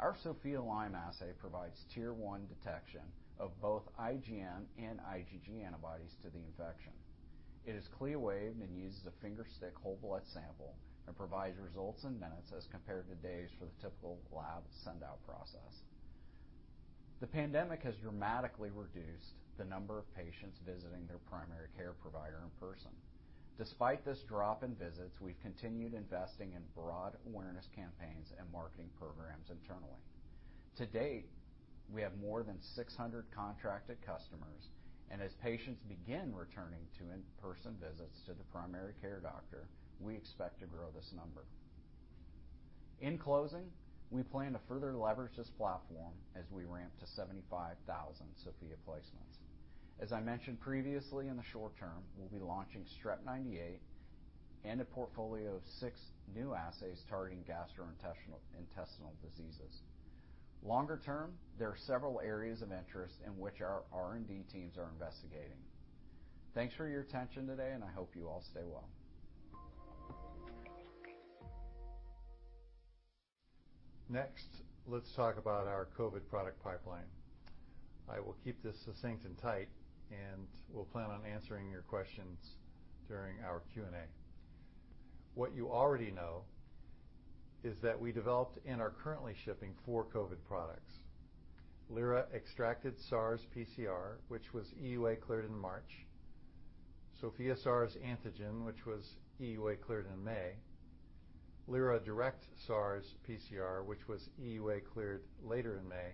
S6: Our Sofia Lyme assay provides Tier 1 detection of both IgM and IgG antibodies to the infection. It is CLIA-waived and uses a finger stick whole blood sample and provides results in minutes as compared to days for the typical lab send out process. The pandemic has dramatically reduced the number of patients visiting their primary care provider in person. Despite this drop in visits, we've continued investing in broad awareness campaigns and marketing programs internally. To date, we have more than 600 contracted customers. As patients begin returning to in-person visits to the primary care doctor, we expect to grow this number. In closing, we plan to further leverage this platform as we ramp to 75,000 Sofia placements. As I mentioned previously, in the short term, we'll be launching Strep98 and a portfolio of six new assays targeting gastrointestinal diseases. Longer term, there are several areas of interest in which our R&D teams are investigating. Thanks for your attention today, and I hope you all stay well.
S2: Next, let's talk about our COVID product pipeline. I will keep this succinct and tight. We'll plan on answering your questions during our Q&A. What you already know is that we developed and are currently shipping four COVID products. Lyra Extracted SARS PCR, which was EUA cleared in March, Sofia SARS Antigen, which was EUA cleared in May, Lyra Direct SARS PCR, which was EUA cleared later in May,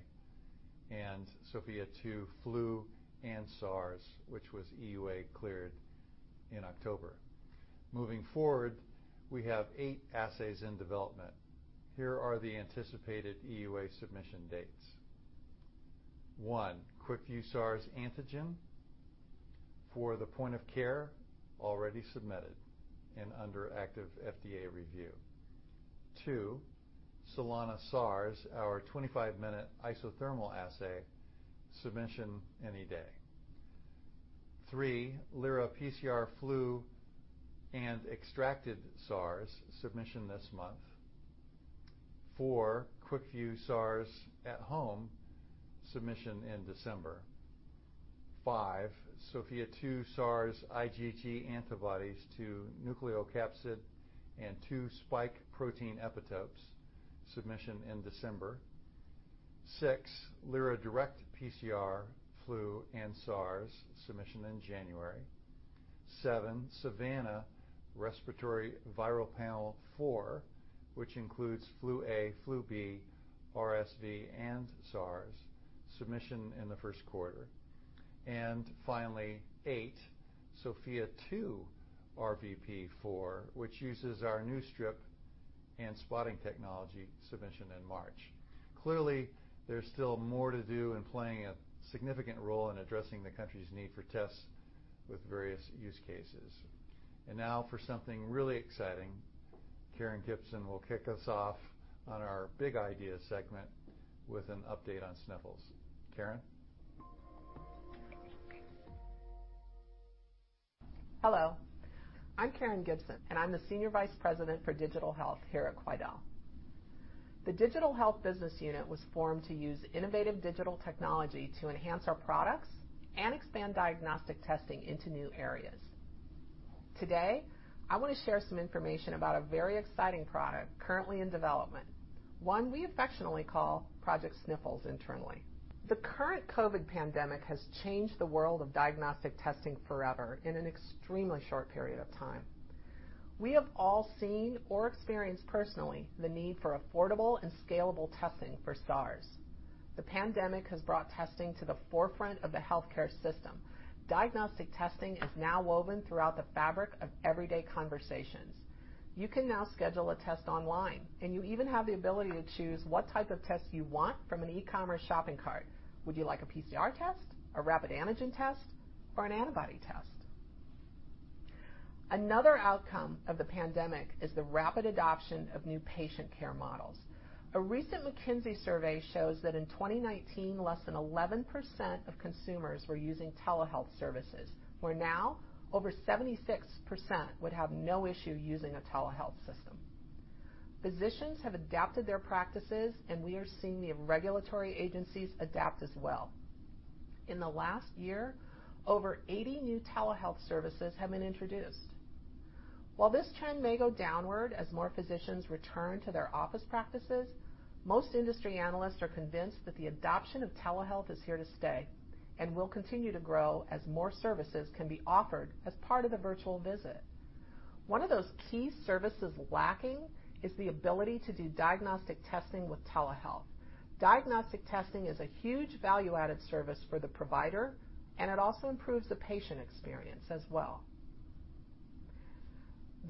S2: and Sofia 2 Flu and SARS, which was EUA cleared in October. Moving forward, we have eight assays in development. Here are the anticipated EUA submission dates. One, QuickVue SARS Antigen for the point of care, already submitted and under active FDA review. Two, Solana SARS, our 25-minute isothermal assay, submission any day. Three, Lyra PCR Flu and Extracted SARS, submission this month. Four, QuickVue SARS At-Home, submission in December. Five, Sofia 2 SARS IgG Antibodies to nucleocapsid and two spike protein epitopes, submission in December. Six, Lyra Direct PCR flu and SARS submission in January. Seven, SAVANNA Respiratory Viral Panel-4, which includes flu A, flu B, RSV, and SARS submission in the first quarter. Finally, eight, Sofia 2 RVP4, which uses our new strip and spotting technology submission in March. Clearly, there's still more to do in playing a significant role in addressing the country's need for tests with various use cases. Now for something really exciting, Karen Gibson will kick us off on our big idea segment with an update on Sniffles. Karen?
S7: Hello, I'm Karen Gibson. I'm the Senior Vice President for Digital Health here at Quidel. The Digital Health business unit was formed to use innovative digital technology to enhance our products and expand diagnostic testing into new areas. Today, I want to share some information about a very exciting product currently in development, one we affectionately call Project Sniffles internally. The current COVID pandemic has changed the world of diagnostic testing forever in an extremely short period of time. We have all seen or experienced personally the need for affordable and scalable testing for SARS. The pandemic has brought testing to the forefront of the healthcare system. Diagnostic testing is now woven throughout the fabric of everyday conversations. You can now schedule a test online. You even have the ability to choose what type of test you want from an e-commerce shopping cart. Would you like a PCR test, a rapid antigen test, or an antibody test? Another outcome of the pandemic is the rapid adoption of new patient care models. A recent McKinsey survey shows that in 2019, less than 11% of consumers were using telehealth services, where now, over 76% would have no issue using a telehealth system. Physicians have adapted their practices, and we are seeing the regulatory agencies adapt as well. In the last year, over 80 new telehealth services have been introduced. While this trend may go downward as more physicians return to their office practices, most industry analysts are convinced that the adoption of telehealth is here to stay and will continue to grow as more services can be offered as part of the virtual visit. One of those key services lacking is the ability to do diagnostic testing with telehealth. Diagnostic testing is a huge value-added service for the provider, and it also improves the patient experience as well.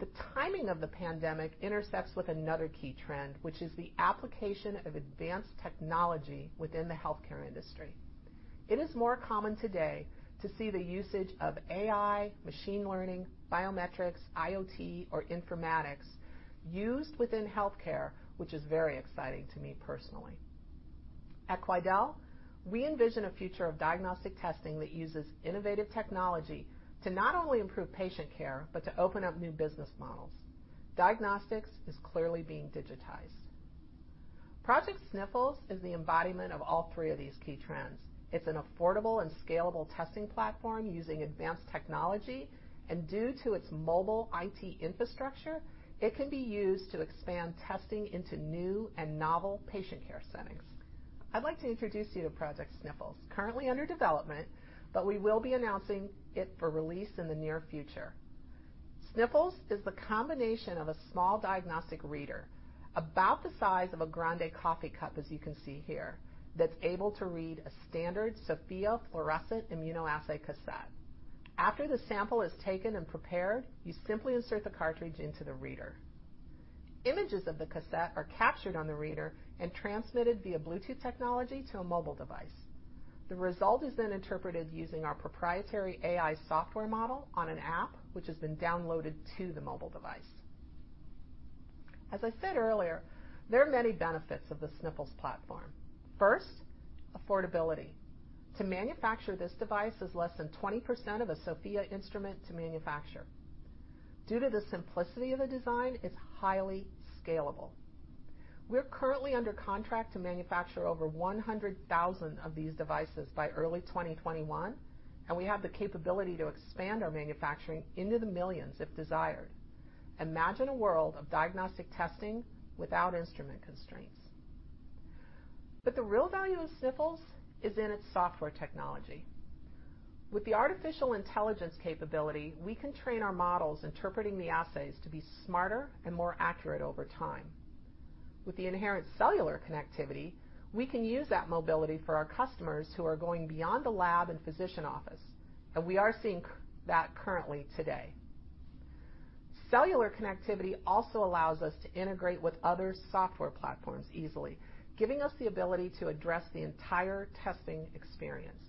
S7: The timing of the pandemic intersects with another key trend, which is the application of advanced technology within the healthcare industry. It is more common today to see the usage of AI, machine learning, biometrics, IoT, or informatics used within healthcare, which is very exciting to me personally. At Quidel, we envision a future of diagnostic testing that uses innovative technology to not only improve patient care but to open up new business models. Diagnostics is clearly being digitized. Project Sniffles is the embodiment of all three of these key trends. It's an affordable and scalable testing platform using advanced technology, and due to its mobile IT infrastructure, it can be used to expand testing into new and novel patient care settings. I'd like to introduce you to Project Sniffles, currently under development, we will be announcing it for release in the near future. Sniffles is the combination of a small diagnostic reader about the size of a grande coffee cup, as you can see here, that's able to read a standard Sofia fluorescent immunoassay cassette. After the sample is taken and prepared, you simply insert the cartridge into the reader. Images of the cassette are captured on the reader and transmitted via Bluetooth technology to a mobile device. The result is interpreted using our proprietary AI software model on an app, which has been downloaded to the mobile device. As I said earlier, there are many benefits of the Sniffles platform. First, affordability. To manufacture this device is less than 20% of a Sofia instrument to manufacture. Due to the simplicity of the design, it's highly scalable. We're currently under contract to manufacture over 100,000 of these devices by early 2021, and we have the capability to expand our manufacturing into the millions if desired. Imagine a world of diagnostic testing without instrument constraints. The real value of Sniffles is in its software technology. With the artificial intelligence capability, we can train our models interpreting the assays to be smarter and more accurate over time. With the inherent cellular connectivity, we can use that mobility for our customers who are going beyond the lab and physician office, and we are seeing that currently today. Cellular connectivity also allows us to integrate with other software platforms easily, giving us the ability to address the entire testing experience.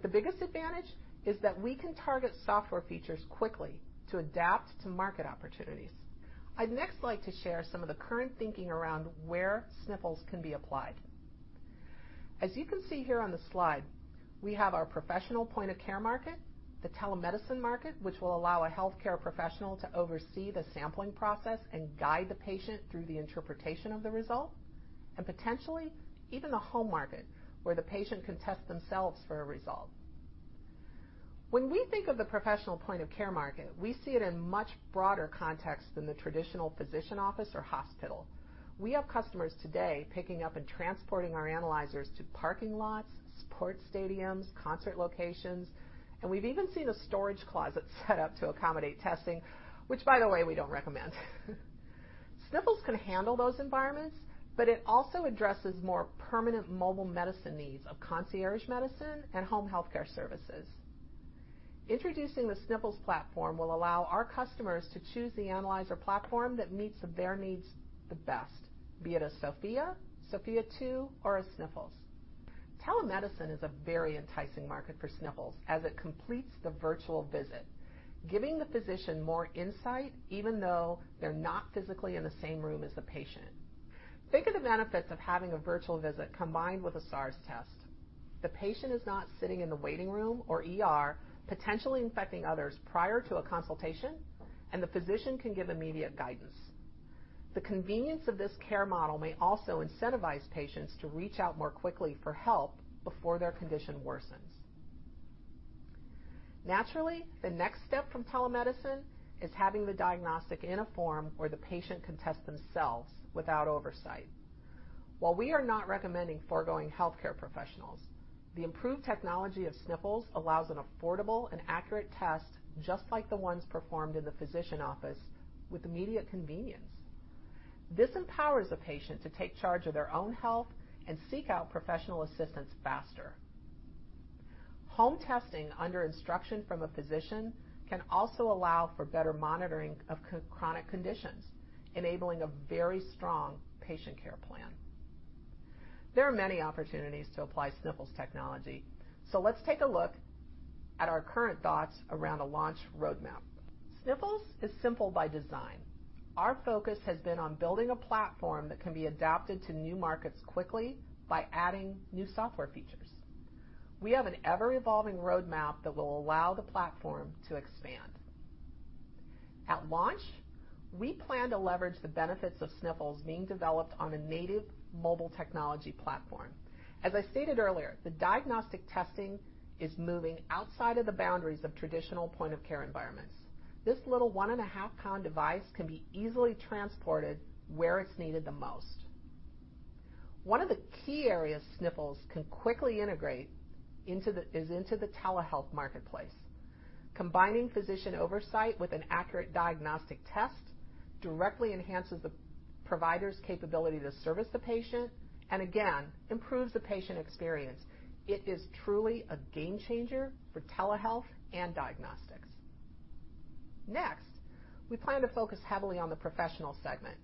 S7: The biggest advantage is that we can target software features quickly to adapt to market opportunities. I'd next like to share some of the current thinking around where Sniffles can be applied. As you can see here on the slide, we have our professional point-of-care market, the telemedicine market, which will allow a healthcare professional to oversee the sampling process and guide the patient through the interpretation of the result, and potentially, even a home market, where the patient can test themselves for a result. When we think of the professional point of care market, we see it in much broader context than the traditional physician office or hospital. We have customers today picking up and transporting our analyzers to parking lots, sports stadiums, concert locations, and we've even seen a storage closet set up to accommodate testing, which by the way, we don't recommend. Sniffles can handle those environments, but it also addresses more permanent mobile medicine needs of concierge medicine and home healthcare services. Introducing the Sniffles platform will allow our customers to choose the analyzer platform that meets their needs the best, be it a Sofia, Sofia 2, or a Sniffles. Telemedicine is a very enticing market for Sniffles as it completes the virtual visit, giving the physician more insight, even though they're not physically in the same room as the patient. Think of the benefits of having a virtual visit combined with a SARS test. The patient is not sitting in the waiting room or ER, potentially infecting others prior to a consultation, and the physician can give immediate guidance. The convenience of this care model may also incentivize patients to reach out more quickly for help before their condition worsens. Naturally, the next step from telemedicine is having the diagnostic in a form where the patient can test themselves without oversight. While we are not recommending foregoing healthcare professionals, the improved technology of Sniffles allows an affordable and accurate test, just like the ones performed in the physician office with immediate convenience. This empowers a patient to take charge of their own health and seek out professional assistance faster. Home testing under instruction from a physician can also allow for better monitoring of chronic conditions, enabling a very strong patient care plan. There are many opportunities to apply Sniffles technology. Let's take a look at our current thoughts around a launch roadmap. Sniffles is simple by design. Our focus has been on building a platform that can be adapted to new markets quickly by adding new software features. We have an ever-evolving roadmap that will allow the platform to expand. At launch, we plan to leverage the benefits of Sniffles being developed on a native mobile technology platform. As I stated earlier, the diagnostic testing is moving outside of the boundaries of traditional point of care environments. This little 1.5 lb device can be easily transported where it's needed the most. One of the key areas Sniffles can quickly integrate is into the telehealth marketplace. Combining physician oversight with an accurate diagnostic test directly enhances the provider's capability to service the patient, and again, improves the patient experience. It is truly a game changer for telehealth and diagnostics. Next, we plan to focus heavily on the professional segment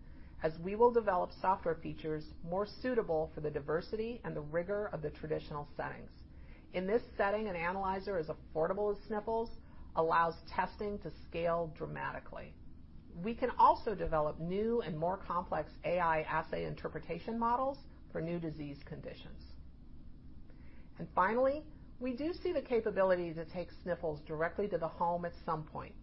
S7: as we will develop software features more suitable for the diversity and the rigor of the traditional settings. In this setting, an analyzer as affordable as Sniffles allows testing to scale dramatically. We can also develop new and more complex AI assay interpretation models for new disease conditions. Finally, we do see the capability to take Sniffles directly to the home at some point.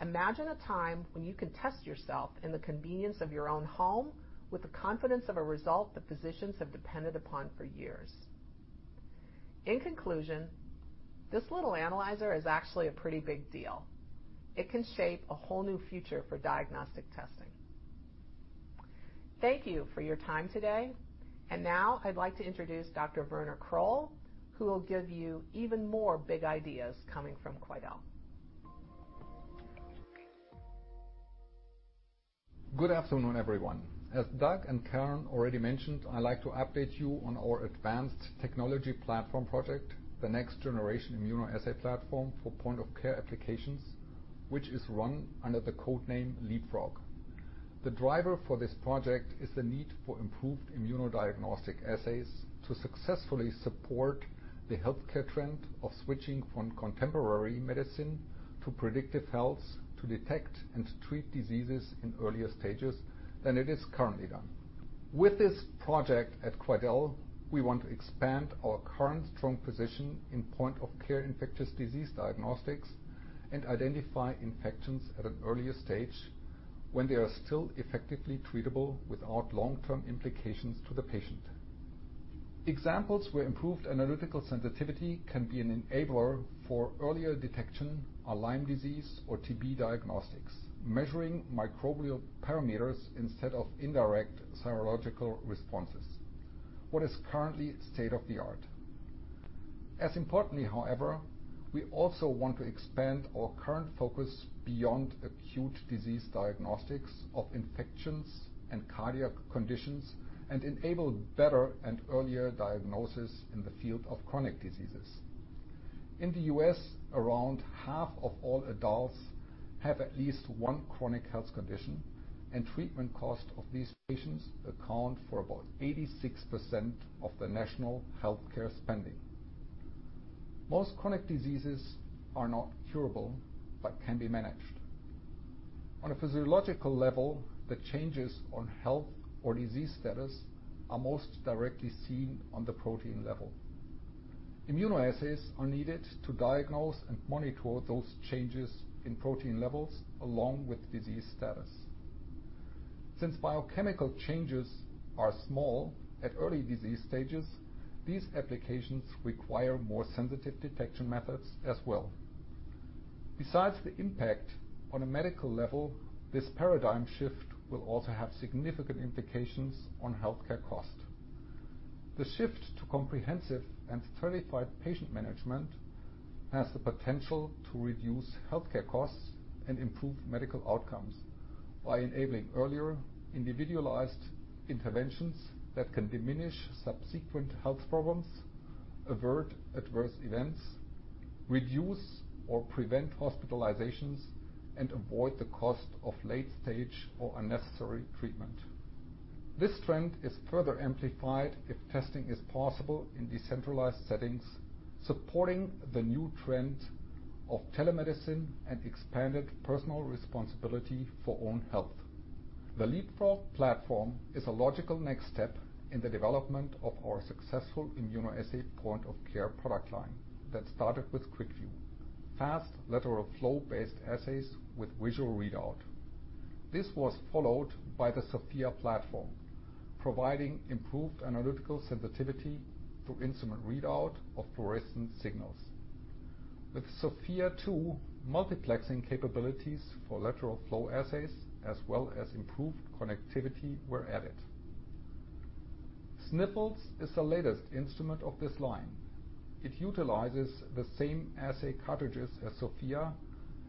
S7: Imagine a time when you can test yourself in the convenience of your own home with the confidence of a result that physicians have depended upon for years. In conclusion, this little analyzer is actually a pretty big deal. It can shape a whole new future for diagnostic testing. Thank you for your time today. Now I'd like to introduce Dr. Werner Kroll, who will give you even more big ideas coming from Quidel.
S8: Good afternoon, everyone. As Doug and Karen already mentioned, I'd like to update you on our advanced technology platform project, the next generation immunoassay platform for point of care applications, which is run under the code name Leapfrog. The driver for this project is the need for improved immunodiagnostic assays to successfully support the healthcare trend of switching from contemporary medicine to predictive health, to detect and treat diseases in earlier stages than it is currently done. With this project at Quidel, we want to expand our current strong position in point of care infectious disease diagnostics and identify infections at an earlier stage when they are still effectively treatable without long-term implications to the patient. Examples where improved analytical sensitivity can be an enabler for earlier detection are Lyme disease or TB diagnostics, measuring microbial parameters instead of indirect serological responses, what is currently state-of-the-art. As importantly, however, we also want to expand our current focus beyond acute disease diagnostics of infections and cardiac conditions and enable better and earlier diagnosis in the field of chronic diseases. In the U.S., around half of all adults have at least one chronic health condition, and treatment cost of these patients account for about 86% of the national healthcare spending. Most chronic diseases are not curable but can be managed. On a physiological level, the changes on health or disease status are most directly seen on the protein level. Immunoassays are needed to diagnose and monitor those changes in protein levels along with disease status. Since biochemical changes are small at early disease stages, these applications require more sensitive detection methods as well. Besides the impact on a medical level, this paradigm shift will also have significant implications on healthcare cost. The shift to comprehensive and stratified patient management has the potential to reduce healthcare costs and improve medical outcomes by enabling earlier individualized interventions that can diminish subsequent health problems, avert adverse events, reduce or prevent hospitalizations, and avoid the cost of late-stage or unnecessary treatment. This trend is further amplified if testing is possible in decentralized settings, supporting the new trend of telemedicine and expanded personal responsibility for own health. The Leapfrog platform is a logical next step in the development of our successful immunoassay point-of-care product line that started with QuickVue, fast lateral flow-based assays with visual readout. This was followed by the Sofia platform, providing improved analytical sensitivity through instrument readout of fluorescent signals. With Sofia 2, multiplexing capabilities for lateral flow assays, as well as improved connectivity, were added. Sniffles is the latest instrument of this line. It utilizes the same assay cartridges as Sofia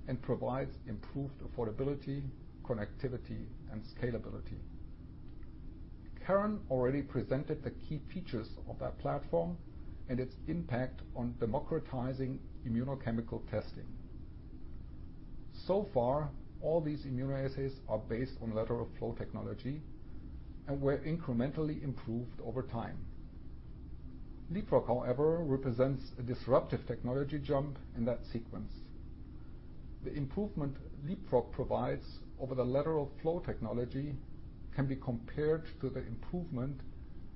S8: and provides improved affordability, connectivity, and scalability. Karen already presented the key features of that platform and its impact on democratizing immunochemical testing. So far, all these immunoassays are based on lateral flow technology and were incrementally improved over time. Leapfrog, however, represents a disruptive technology jump in that sequence. The improvement Leapfrog provides over the lateral flow technology can be compared to the improvement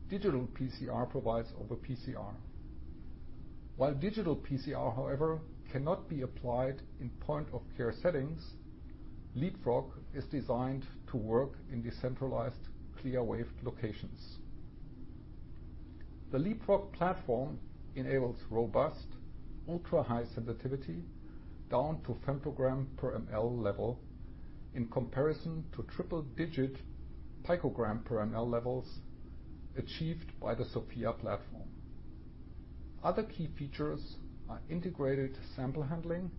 S8: digital PCR provides over PCR. While digital PCR, however, cannot be applied in point-of-care settings, Leapfrog is designed to work in decentralized, CLIA waived locations. The Leapfrog platform enables robust, ultra-high sensitivity down to femtogram per mL level in comparison to triple-digit picogram per mL levels achieved by the Sofia platform. Other key features are integrated sample handling,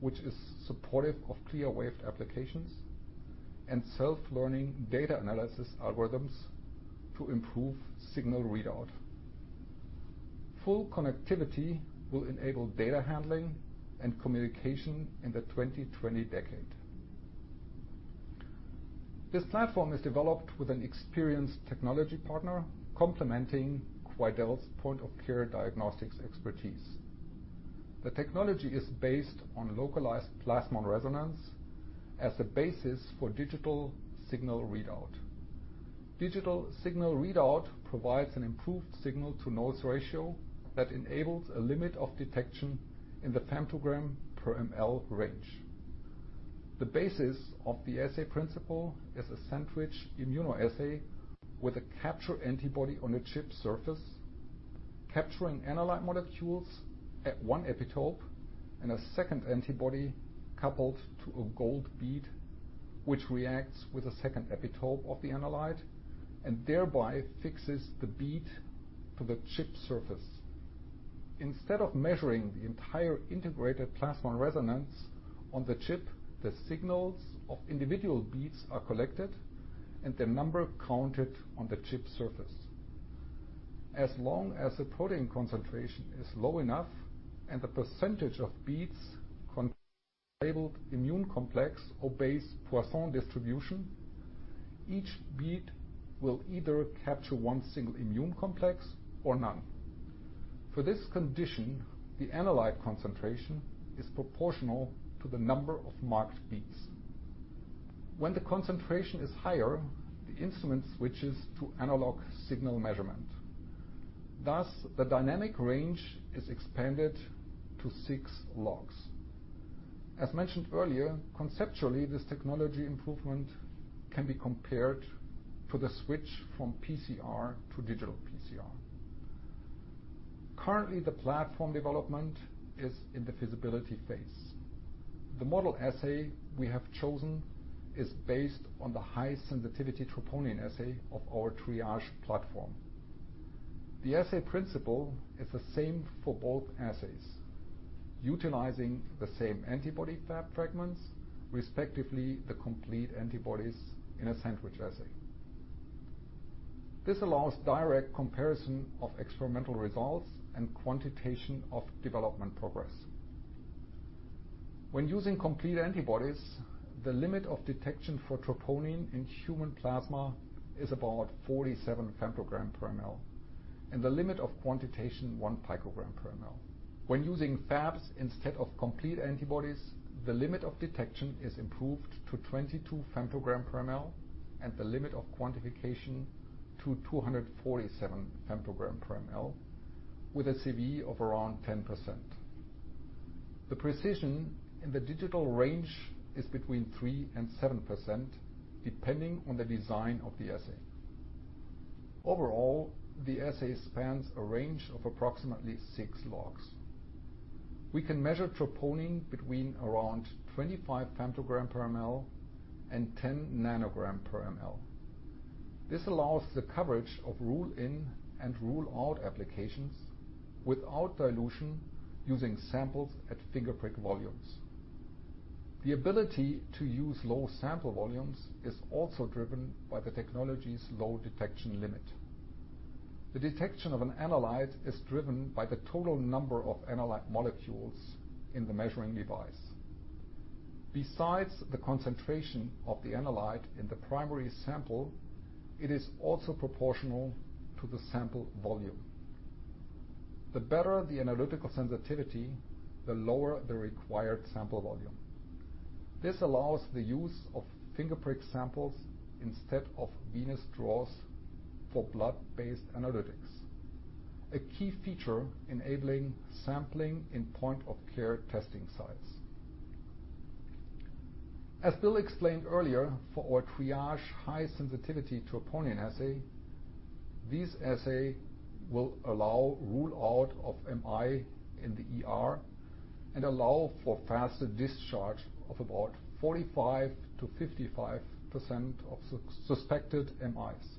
S8: which is supportive of CLIA waived applications, and self-learning data analysis algorithms to improve signal readout. Full connectivity will enable data handling and communication in the 2020 decade. This platform is developed with an experienced technology partner, complementing Quidel's point-of-care diagnostics expertise. The technology is based on localized plasmon resonance as a basis for digital signal readout. Digital signal readout provides an improved signal-to-noise ratio that enables a limit of detection in the femtogram per mL range. The basis of the assay principle is a sandwich immunoassay with a capture antibody on a chip surface, capturing analyte molecules at one epitope, and a second antibody coupled to a gold bead, which reacts with a second epitope of the analyte and thereby fixes the bead to the chip surface. Instead of measuring the entire integrated plasmon resonance on the chip, the signals of individual beads are collected, and the number counted on the chip surface. As long as the protein concentration is low enough and the percentage of beads labeled immune complex obeys Poisson distribution, each bead will either capture one single immune complex or none. For this condition, the analyte concentration is proportional to the number of marked beads. When the concentration is higher, the instrument switches to analog signal measurement. Thus, the dynamic range is expanded to six logs. As mentioned earlier, conceptually, this technology improvement can be compared for the switch from PCR to digital PCR. Currently, the platform development is in the feasibility phase. The model assay we have chosen is based on the high-sensitivity troponin assay of our Triage platform. The assay principle is the same for both assays, utilizing the same antibody Fab fragments, respectively, the complete antibodies in a sandwich assay. This allows direct comparison of experimental results and quantitation of development progress. When using complete antibodies, the limit of detection for troponin in human plasma is about 47 femtogram per mL, and the limit of quantitation, one picogram per mL. When using Fabs instead of complete antibodies, the limit of detection is improved to 22 femtogram per mL and the limit of quantification to 247 femtogram per mL with a CV of around 10%. The precision in the digital range is between 3% and 7%, depending on the design of the assay. Overall, the assay spans a range of approximately six logs. We can measure troponin between around 25 femtogram per mL and 10 nanogram per mL. This allows the coverage of rule-in and rule-out applications without dilution using samples at finger prick volumes. The ability to use low sample volumes is also driven by the technology's low detection limit. The detection of an analyte is driven by the total number of analyte molecules in the measuring device. Besides the concentration of the analyte in the primary sample, it is also proportional to the sample volume. The better the analytical sensitivity, the lower the required sample volume. This allows the use of finger prick samples instead of venous draws for blood-based analytics, a key feature enabling sampling in point-of-care testing sites. As Bill explained earlier, for our Triage high-sensitivity troponin assay, this assay will allow rule-out of MI in the ER, and allow for faster discharge of about 45%-55% of suspected MIs.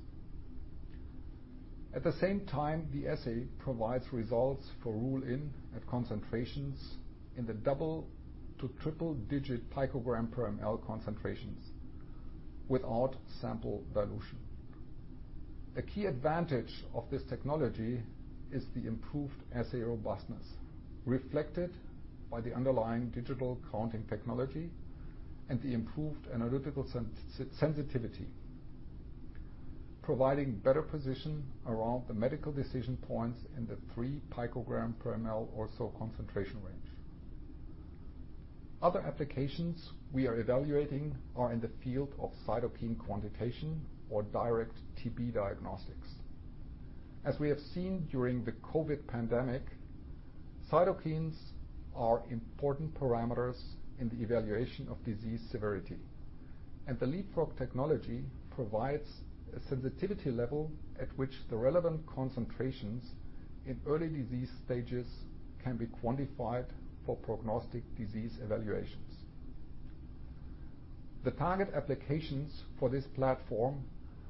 S8: At the same time, the assay provides results for rule-in at concentrations in the double- to triple-digit picogram per mL concentrations without sample dilution. A key advantage of this technology is the improved assay robustness, reflected by the underlying digital counting technology and the improved analytical sensitivity, providing better position around the medical decision points in the three picogram per mL or so concentration range. Other applications we are evaluating are in the field of cytokine quantitation or direct TB diagnostics. As we have seen during the COVID pandemic, cytokines are important parameters in the evaluation of disease severity, and the Leapfrog technology provides a sensitivity level at which the relevant concentrations in early disease stages can be quantified for prognostic disease evaluations. The target applications for this platform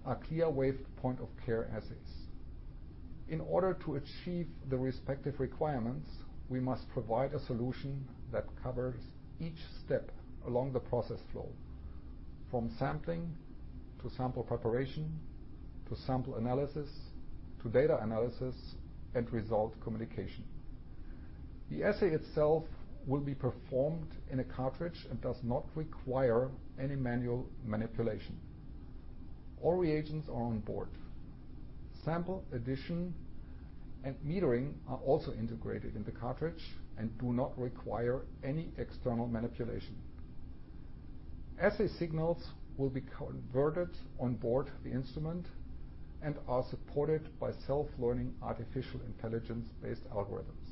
S8: are CLIA waived point-of-care assays. In order to achieve the respective requirements, we must provide a solution that covers each step along the process flow, from sampling to sample preparation, to sample analysis, to data analysis, and result communication. The assay itself will be performed in a cartridge and does not require any manual manipulation. All reagents are on board. Sample addition and metering are also integrated in the cartridge and do not require any external manipulation. Assay signals will be converted on board the instrument and are supported by self-learning, artificial intelligence-based algorithms.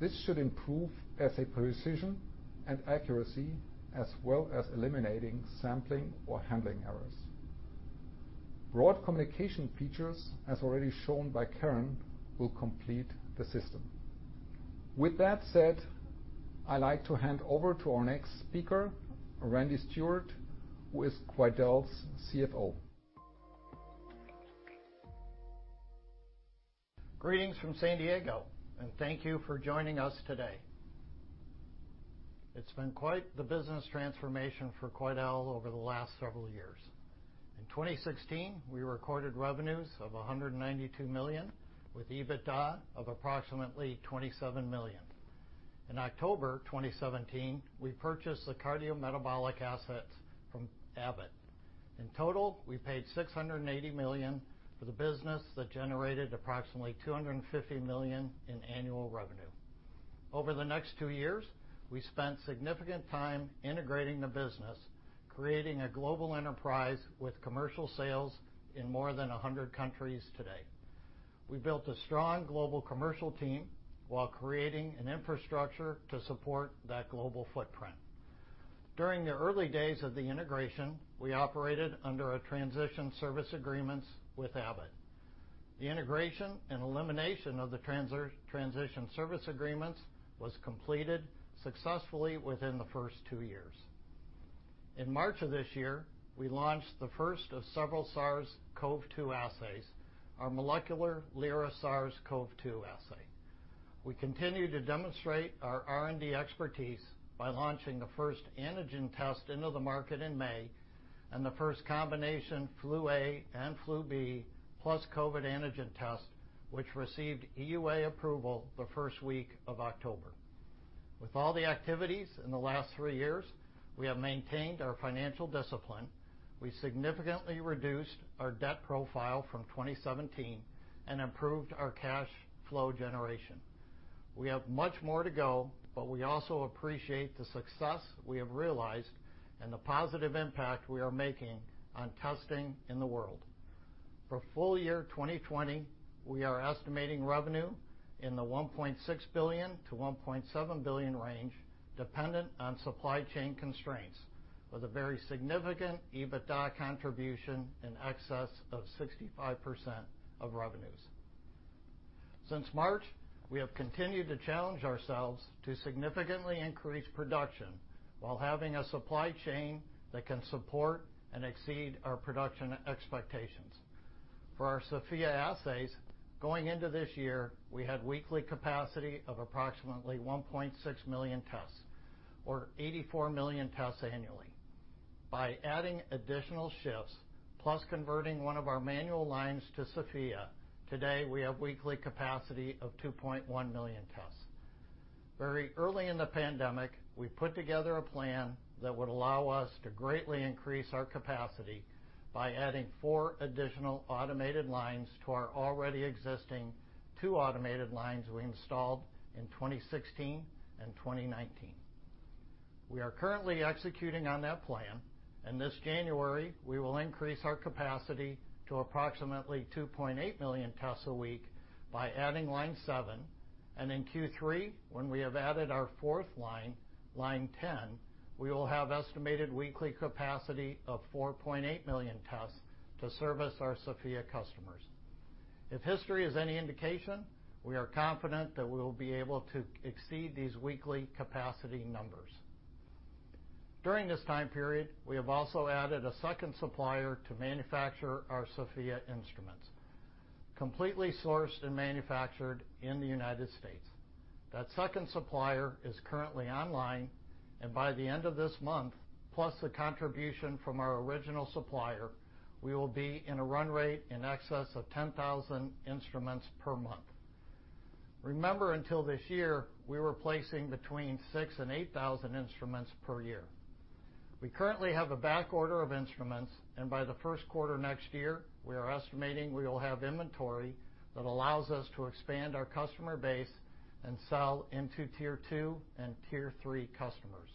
S8: This should improve assay precision and accuracy, as well as eliminating sampling or handling errors. Broad communication features, as already shown by Karen, will complete the system. With that said, I'd like to hand over to our next speaker, Randy Steward, who is Quidel's CFO.
S9: Greetings from San Diego. Thank you for joining us today. It's been quite the business transformation for Quidel over the last several years. In 2016, we recorded revenues of $192 million, with EBITDA of approximately $27 million. In October 2017, we purchased the cardiometabolic asset from Abbott. In total, we paid $680 million for the business that generated approximately $250 million in annual revenue. Over the next two years, we spent significant time integrating the business, creating a global enterprise with commercial sales in more than 100 countries today. We built a strong global commercial team while creating an infrastructure to support that global footprint. During the early days of the integration, we operated under a transition service agreement with Abbott. The integration and elimination of the transition service agreement was completed successfully within the first two years. In March of this year, we launched the first of several SARS-CoV-2 assays, our molecular Lyra SARS-CoV-2 assay. We continue to demonstrate our R&D expertise by launching the first antigen test into the market in May, and the first combination flu A and flu B, plus COVID antigen test, which received EUA approval the first week of October. With all the activities in the last three years, we have maintained our financial discipline. We significantly reduced our debt profile from 2017 and improved our cash flow generation. We have much more to go. We also appreciate the success we have realized and the positive impact we are making on testing in the world. For full year 2020, we are estimating revenue in the $1.6 billion-$1.7 billion range, dependent on supply chain constraints, with a very significant EBITDA contribution in excess of 65% of revenues. Since March, we have continued to challenge ourselves to significantly increase production while having a supply chain that can support and exceed our production expectations. For our Sofia assays, going into this year, we had weekly capacity of approximately 1.6 million tests, or 84 million tests annually. By adding additional shifts, plus converting one of our manual lines to Sofia, today we have weekly capacity of 2.1 million tests. Very early in the pandemic, we put together a plan that would allow us to greatly increase our capacity by adding four additional automated lines to our already existing two automated lines we installed in 2016 and 2019. We are currently executing on that plan. This January, we will increase our capacity to approximately 2.8 million tests a week by adding line 7. In Q3, when we have added our fourth line, line 10, we will have estimated weekly capacity of 4.8 million tests to service our Sofia customers. If history is any indication, we are confident that we will be able to exceed these weekly capacity numbers. During this time period, we have also added a second supplier to manufacture our Sofia instruments, completely sourced and manufactured in the United States. That second supplier is currently online. By the end of this month, plus the contribution from our original supplier, we will be in a run rate in excess of 10,000 instruments per month. Remember, until this year, we were placing between 6,000 and 8,000 instruments per year. We currently have a back order of instruments, by the first quarter next year, we are estimating we will have inventory that allows us to expand our customer base and sell into Tier 2 and Tier 3 customers.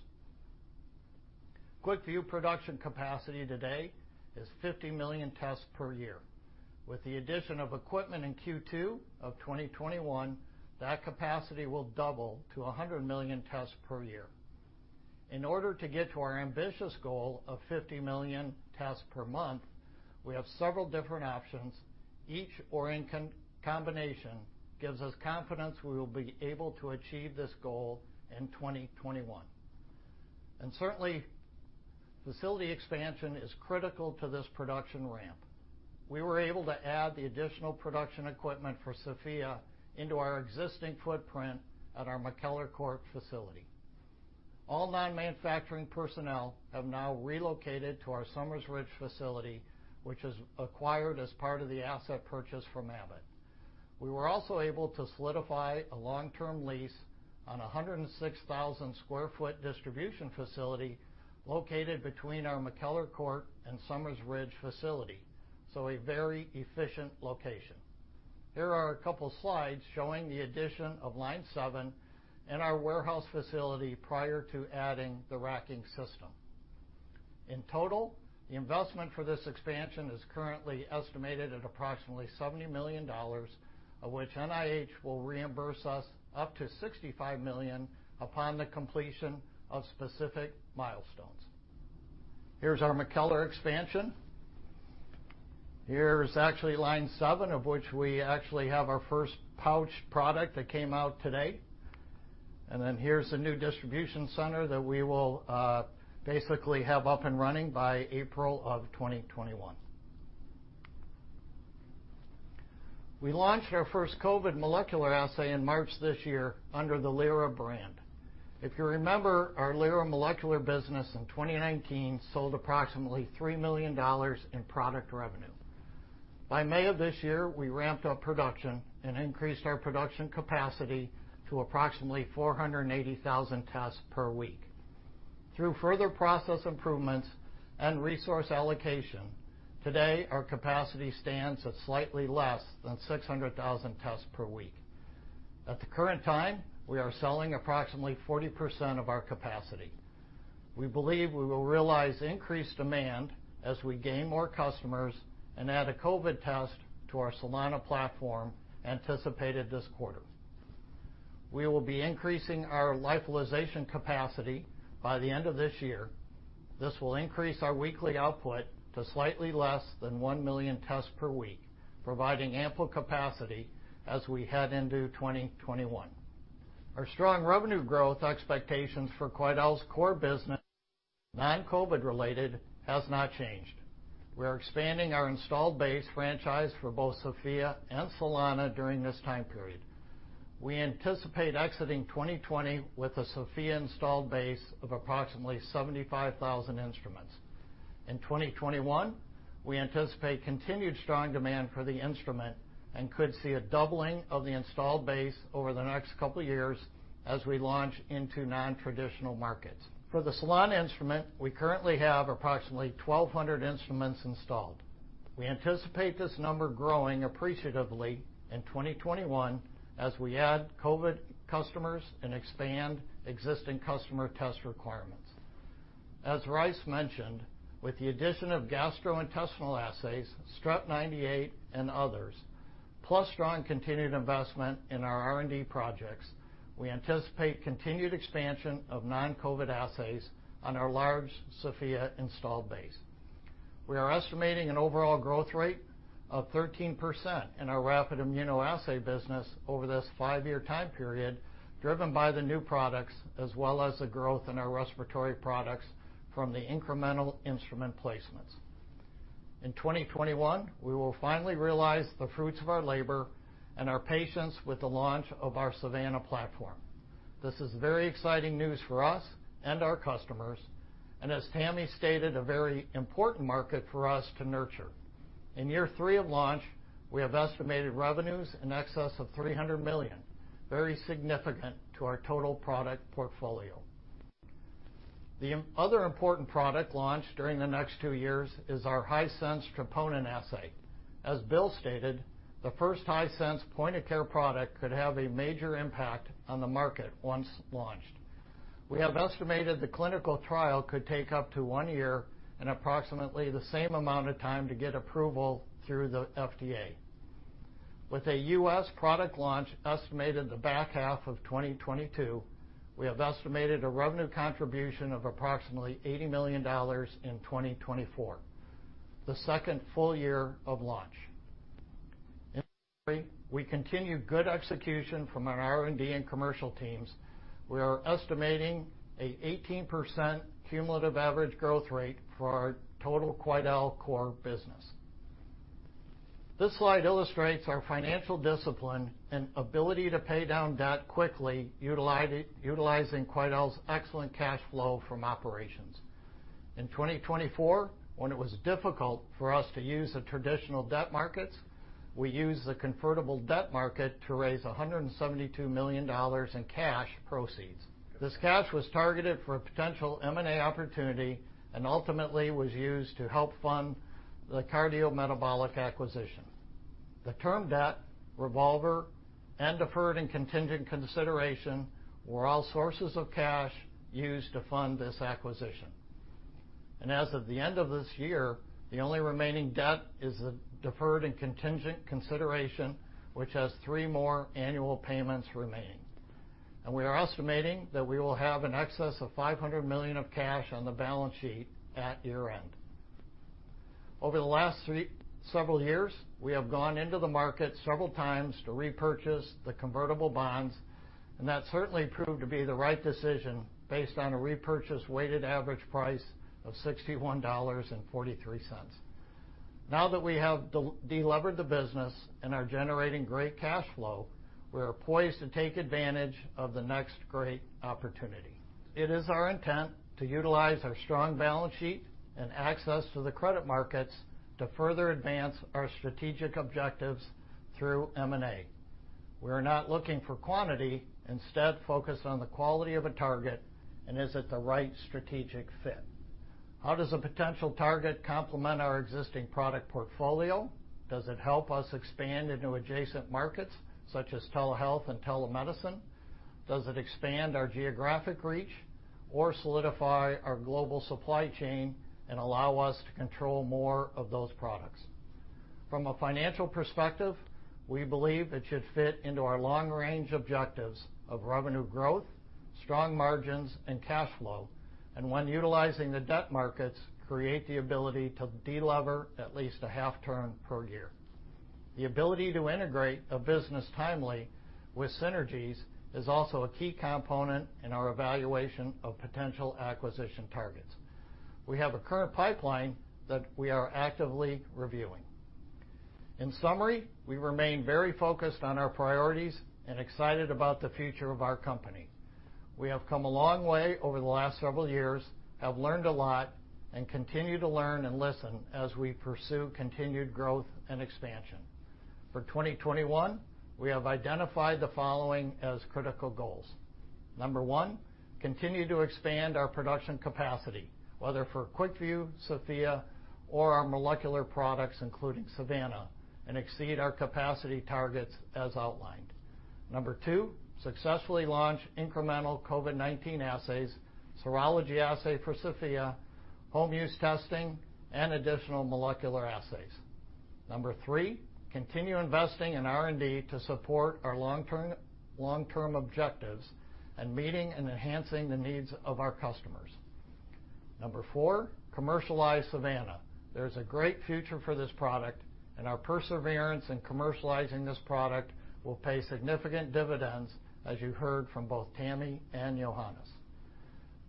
S9: QuickVue production capacity today is 50 million tests per year. With the addition of equipment in Q2 of 2021, that capacity will double to 100 million tests per year. In order to get to our ambitious goal of 50 million tests per month, we have several different options. Each or in combination gives us confidence we will be able to achieve this goal in 2021. Certainly, facility expansion is critical to this production ramp. We were able to add the additional production equipment for Sofia into our existing footprint at our McKellar Court facility. All non-manufacturing personnel have now relocated to our Summers Ridge facility, which is acquired as part of the asset purchase from Abbott. We were also able to solidify a long-term lease on 106,000 sq ft distribution facility located between our McKellar Court and Summers Ridge facility. A very efficient location. Here are a couple slides showing the addition of line 7 in our warehouse facility prior to adding the racking system. In total, the investment for this expansion is currently estimated at approximately $70 million, of which NIH will reimburse us up to $65 million upon the completion of specific milestones. Here's our McKellar expansion. Here's actually line 7, of which we actually have our first pouch product that came out today. Here's the new distribution center that we will basically have up and running by April of 2021. We launched our first COVID molecular assay in March this year under the Lyra brand. If you remember, our Lyra molecular business in 2019 sold approximately $3 million in product revenue. By May of this year, we ramped up production and increased our production capacity to approximately 480,000 tests per week. Through further process improvements and resource allocation, today our capacity stands at slightly less than 600,000 tests per week. At the current time, we are selling approximately 40% of our capacity. We believe we will realize increased demand as we gain more customers and add a COVID test to our Solana platform anticipated this quarter. We will be increasing our lyophilization capacity by the end of this year. This will increase our weekly output to slightly less than 1 million tests per week, providing ample capacity as we head into 2021. Our strong revenue growth expectations for Quidel's core business, non-COVID related, has not changed. We are expanding our installed base franchise for both Sofia and Solana during this time period. We anticipate exiting 2020 with a Sofia installed base of approximately 75,000 instruments. In 2021, we anticipate continued strong demand for the instrument and could see a doubling of the installed base over the next couple years as we launch into non-traditional markets. For the Solana instrument, we currently have approximately 1,200 instruments installed. We anticipate this number growing appreciatively in 2021 as we add COVID customers and expand existing customer test requirements. As Rhys mentioned, with the addition of gastrointestinal assays, Strep98, and others, plus strong continued investment in our R&D projects, we anticipate continued expansion of non-COVID assays on our large Sofia installed base. We are estimating an overall growth rate of 13% in our rapid immunoassay business over this five-year time period, driven by the new products as well as the growth in our respiratory products from the incremental instrument placements. In 2021, we will finally realize the fruits of our labor and our patience with the launch of our SAVANNA platform. This is very exciting news for us and our customers, as Tammi stated, a very important market for us to nurture. In year three of launch, we have estimated revenues in excess of $300 million, very significant to our total product portfolio. The other important product launch during the next two years is our high-sense troponin assay. As Bill stated, the first high-sense point-of-care product could have a major impact on the market once launched. We have estimated the clinical trial could take up to one year and approximately the same amount of time to get approval through the FDA. With a U.S. product launch estimated in the back half of 2022, we have estimated a revenue contribution of approximately $80 million in 2024, the second full year of launch. In summary, we continue good execution from our R&D and commercial teams. We are estimating an 18% cumulative average growth rate for our total Quidel core business. This slide illustrates our financial discipline and ability to pay down debt quickly utilizing Quidel's excellent cash flow from operations. In 2024, when it was difficult for us to use the traditional debt markets, we used the convertible debt market to raise $172 million in cash proceeds. This cash was targeted for a potential M&A opportunity and ultimately was used to help fund the cardiometabolic acquisition. The term debt, revolver, and deferred and contingent consideration were all sources of cash used to fund this acquisition. As of the end of this year, the only remaining debt is the deferred and contingent consideration, which has three more annual payments remaining. We are estimating that we will have in excess of $500 million of cash on the balance sheet at year-end. Over the last several years, we have gone into the market several times to repurchase the convertible bonds, and that certainly proved to be the right decision based on a repurchase weighted average price of $61.43. Now that we have delevered the business and are generating great cash flow, we are poised to take advantage of the next great opportunity. It is our intent to utilize our strong balance sheet and access to the credit markets to further advance our strategic objectives through M&A. We are not looking for quantity, instead focused on the quality of a target and is it the right strategic fit. How does a potential target complement our existing product portfolio? Does it help us expand into adjacent markets, such as telehealth and telemedicine? Does it expand our geographic reach or solidify our global supply chain and allow us to control more of those products? From a financial perspective, we believe it should fit into our long-range objectives of revenue growth, strong margins, and cash flow, and when utilizing the debt markets, create the ability to delever at least a half turn per year. The ability to integrate a business timely with synergies is also a key component in our evaluation of potential acquisition targets. We have a current pipeline that we are actively reviewing. In summary, we remain very focused on our priorities and excited about the future of our company. We have come a long way over the last several years, have learned a lot, and continue to learn and listen as we pursue continued growth and expansion. For 2021, we have identified the following as critical goals. Number one, continue to expand our production capacity, whether for QuickVue, Sofia, or our molecular products, including SAVANNA, and exceed our capacity targets as outlined. Number two, successfully launch incremental COVID-19 assays, serology assay for Sofia, home-use testing, and additional molecular assays. Number three, continue investing in R&D to support our long-term objectives and meeting and enhancing the needs of our customers. Number four, commercialize SAVANNA. There's a great future for this product, Our perseverance in commercializing this product will pay significant dividends, as you heard from both Tammi and Johannes.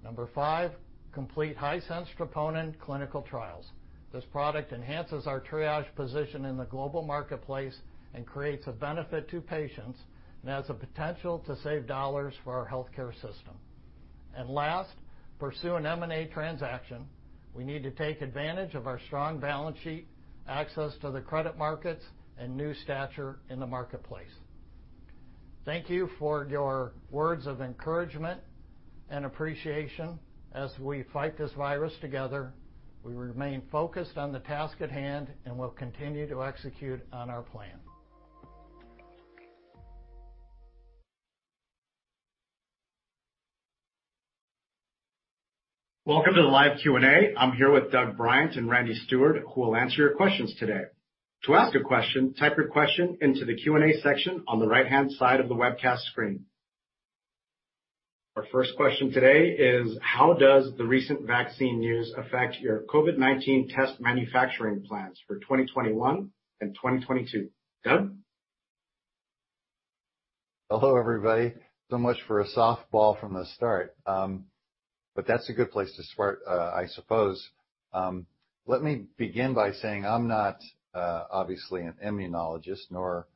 S9: Number five, complete TriageTrue clinical trials. This product enhances our Triage position in the global marketplace and creates a benefit to patients and has the potential to save dollars for our healthcare system. Last, pursue an M&A transaction. We need to take advantage of our strong balance sheet, access to the credit markets, and new stature in the marketplace. Thank you for your words of encouragement and appreciation. As we fight this virus together, we remain focused on the task at hand and will continue to execute on our plan.
S1: Welcome to the live Q&A. I'm here with Doug Bryant and Randy Steward, who will answer your questions today. To ask a question, type your question into the Q&A section on the right-hand side of the webcast screen. Our first question today is, how does the recent vaccine news affect your COVID-19 test manufacturing plans for 2021 and 2022? Doug?
S2: Hello, everybody. Much for a softball from the start. That's a good place to start, I suppose. Let me begin by saying I'm not, obviously, an immunologist, nor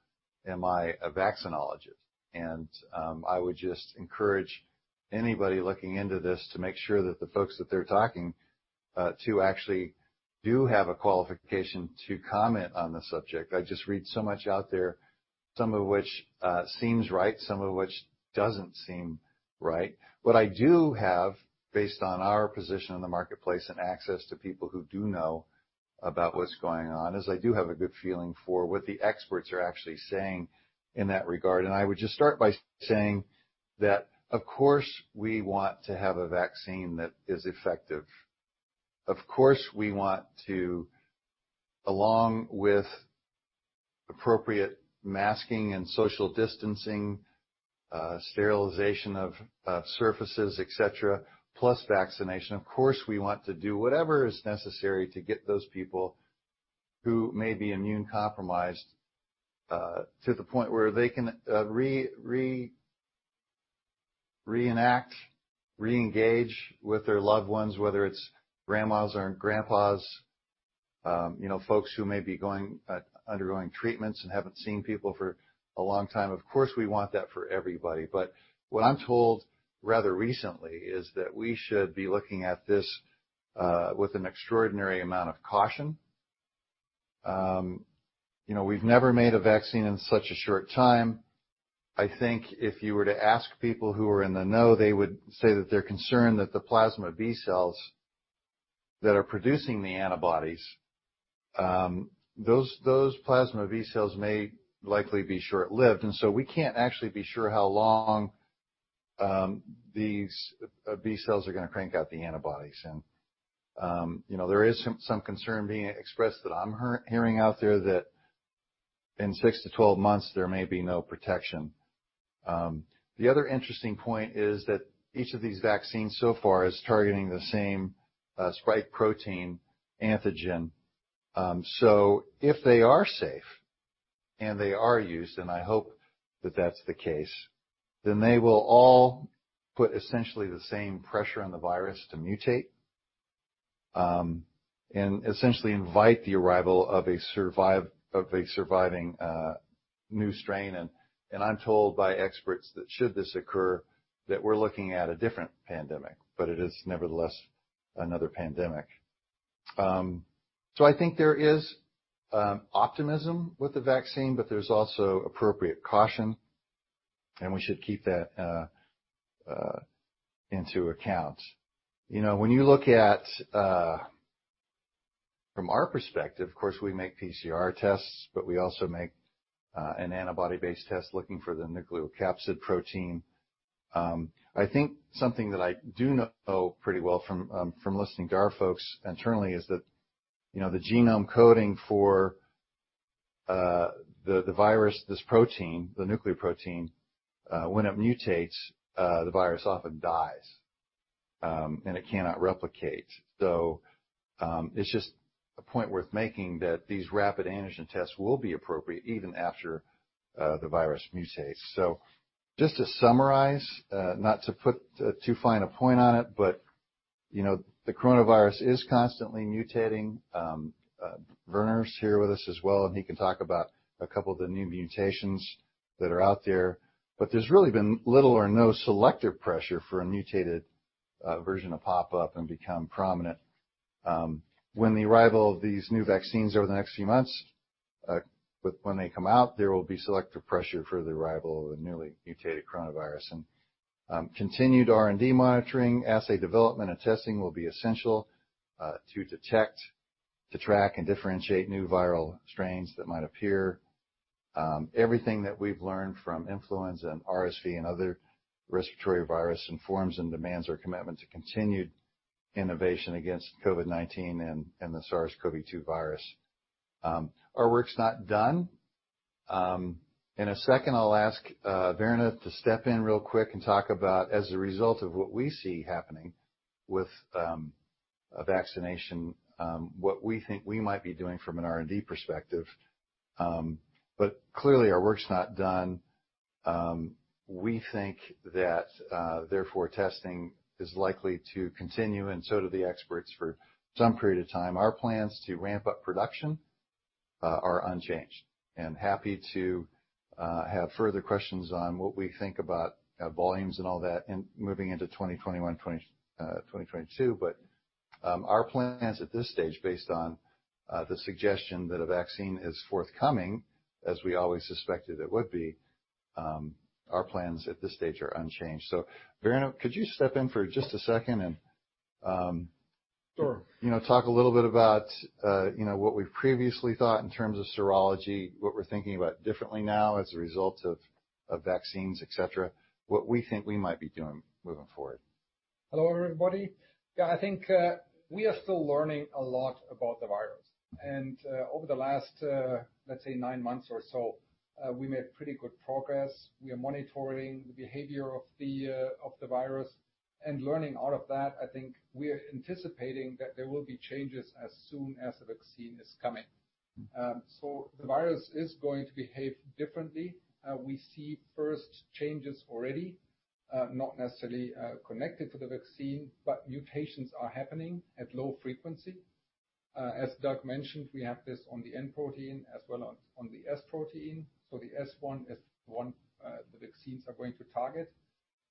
S2: am I a vaccinologist. I would just encourage anybody looking into this to make sure that the folks that they're talking to actually do have a qualification to comment on the subject. I just read so much out there, some of which seems right, some of which doesn't seem right. What I do have, based on our position in the marketplace and access to people who do know about what's going on, is I do have a good feeling for what the experts are actually saying in that regard. I would just start by saying that, of course, we want to have a vaccine that is effective. Of course, we want to, along with appropriate masking and social distancing, sterilization of surfaces, et cetera, plus vaccination, of course, we want to do whatever is necessary to get those people who may be immune-compromised to the point where they can reenact, re-engage with their loved ones, whether it's grandmas or grandpas, folks who may be undergoing treatments and haven't seen people for a long time. Of course, we want that for everybody. What I'm told rather recently is that we should be looking at this with an extraordinary amount of caution. We've never made a vaccine in such a short time. I think if you were to ask people who are in the know, they would say that they're concerned that the plasma B cells that are producing the antibodies, those plasma B cells may likely be short-lived, we can't actually be sure how long these B cells are going to crank out the antibodies. There is some concern being expressed that I'm hearing out there that in 6-12 months, there may be no protection. The other interesting point is that each of these vaccines so far is targeting the same spike protein antigen. If they are safe, and they are used, and I hope that that's the case, then they will all put essentially the same pressure on the virus to mutate, and essentially invite the arrival of a surviving new strain. I'm told by experts that should this occur, that we're looking at a different pandemic, but it is nevertheless another pandemic. I think there is optimism with the vaccine, but there's also appropriate caution, and we should keep that into account. When you look at from our perspective, of course, we make PCR tests, but we also make an antibody-based test looking for the nucleocapsid protein. I think something that I do know pretty well from listening to our folks internally is that the genome coding for the virus, this protein, the nucleocapsid protein, when it mutates, the virus often dies, and it cannot replicate. It's just a point worth making that these rapid antigen tests will be appropriate even after the virus mutates. Just to summarize, not to put too fine a point on it, but the coronavirus is constantly mutating. Werner's here with us as well. He can talk about a couple of the new mutations that are out there, but there's really been little or no selective pressure for a mutated version to pop up and become prominent. When the arrival of these new vaccines over the next few months, when they come out, there will be selective pressure for the arrival of a newly mutated coronavirus. Continued R&D monitoring, assay development, and testing will be essential to detect, to track, and differentiate new viral strains that might appear. Everything that we've learned from influenza and RSV and other respiratory virus informs and demands our commitment to continued innovation against COVID-19 and the SARS-CoV-2 virus. Our work's not done. In a second, I'll ask Werner to step in real quick and talk about, as a result of what we see happening with a vaccination, what we think we might be doing from an R&D perspective. Clearly, our work's not done. We think that, therefore, testing is likely to continue, and so do the experts, for some period of time. Our plans to ramp up production are unchanged. We are happy to have further questions on what we think about volumes and all that and moving into 2021, 2022. Our plans at this stage, based on the suggestion that a vaccine is forthcoming, as we always suspected it would be, our plans at this stage are unchanged. Werner, could you step in for just a second.
S8: Sure.
S2: Talk a little bit about what we've previously thought in terms of serology, what we're thinking about differently now as a result of vaccines, et cetera, what we think we might be doing moving forward.
S8: Hello, everybody. Yeah, I think we are still learning a lot about the virus. Over the last, let's say nine months or so, we made pretty good progress. We are monitoring the behavior of the virus and learning out of that, I think we are anticipating that there will be changes as soon as the vaccine is coming. The virus is going to behave differently. We see first changes already, not necessarily connected to the vaccine, but mutations are happening at low frequency. As Doug mentioned, we have this on the N protein as well as on the S protein. The S1 is the one the vaccines are going to target.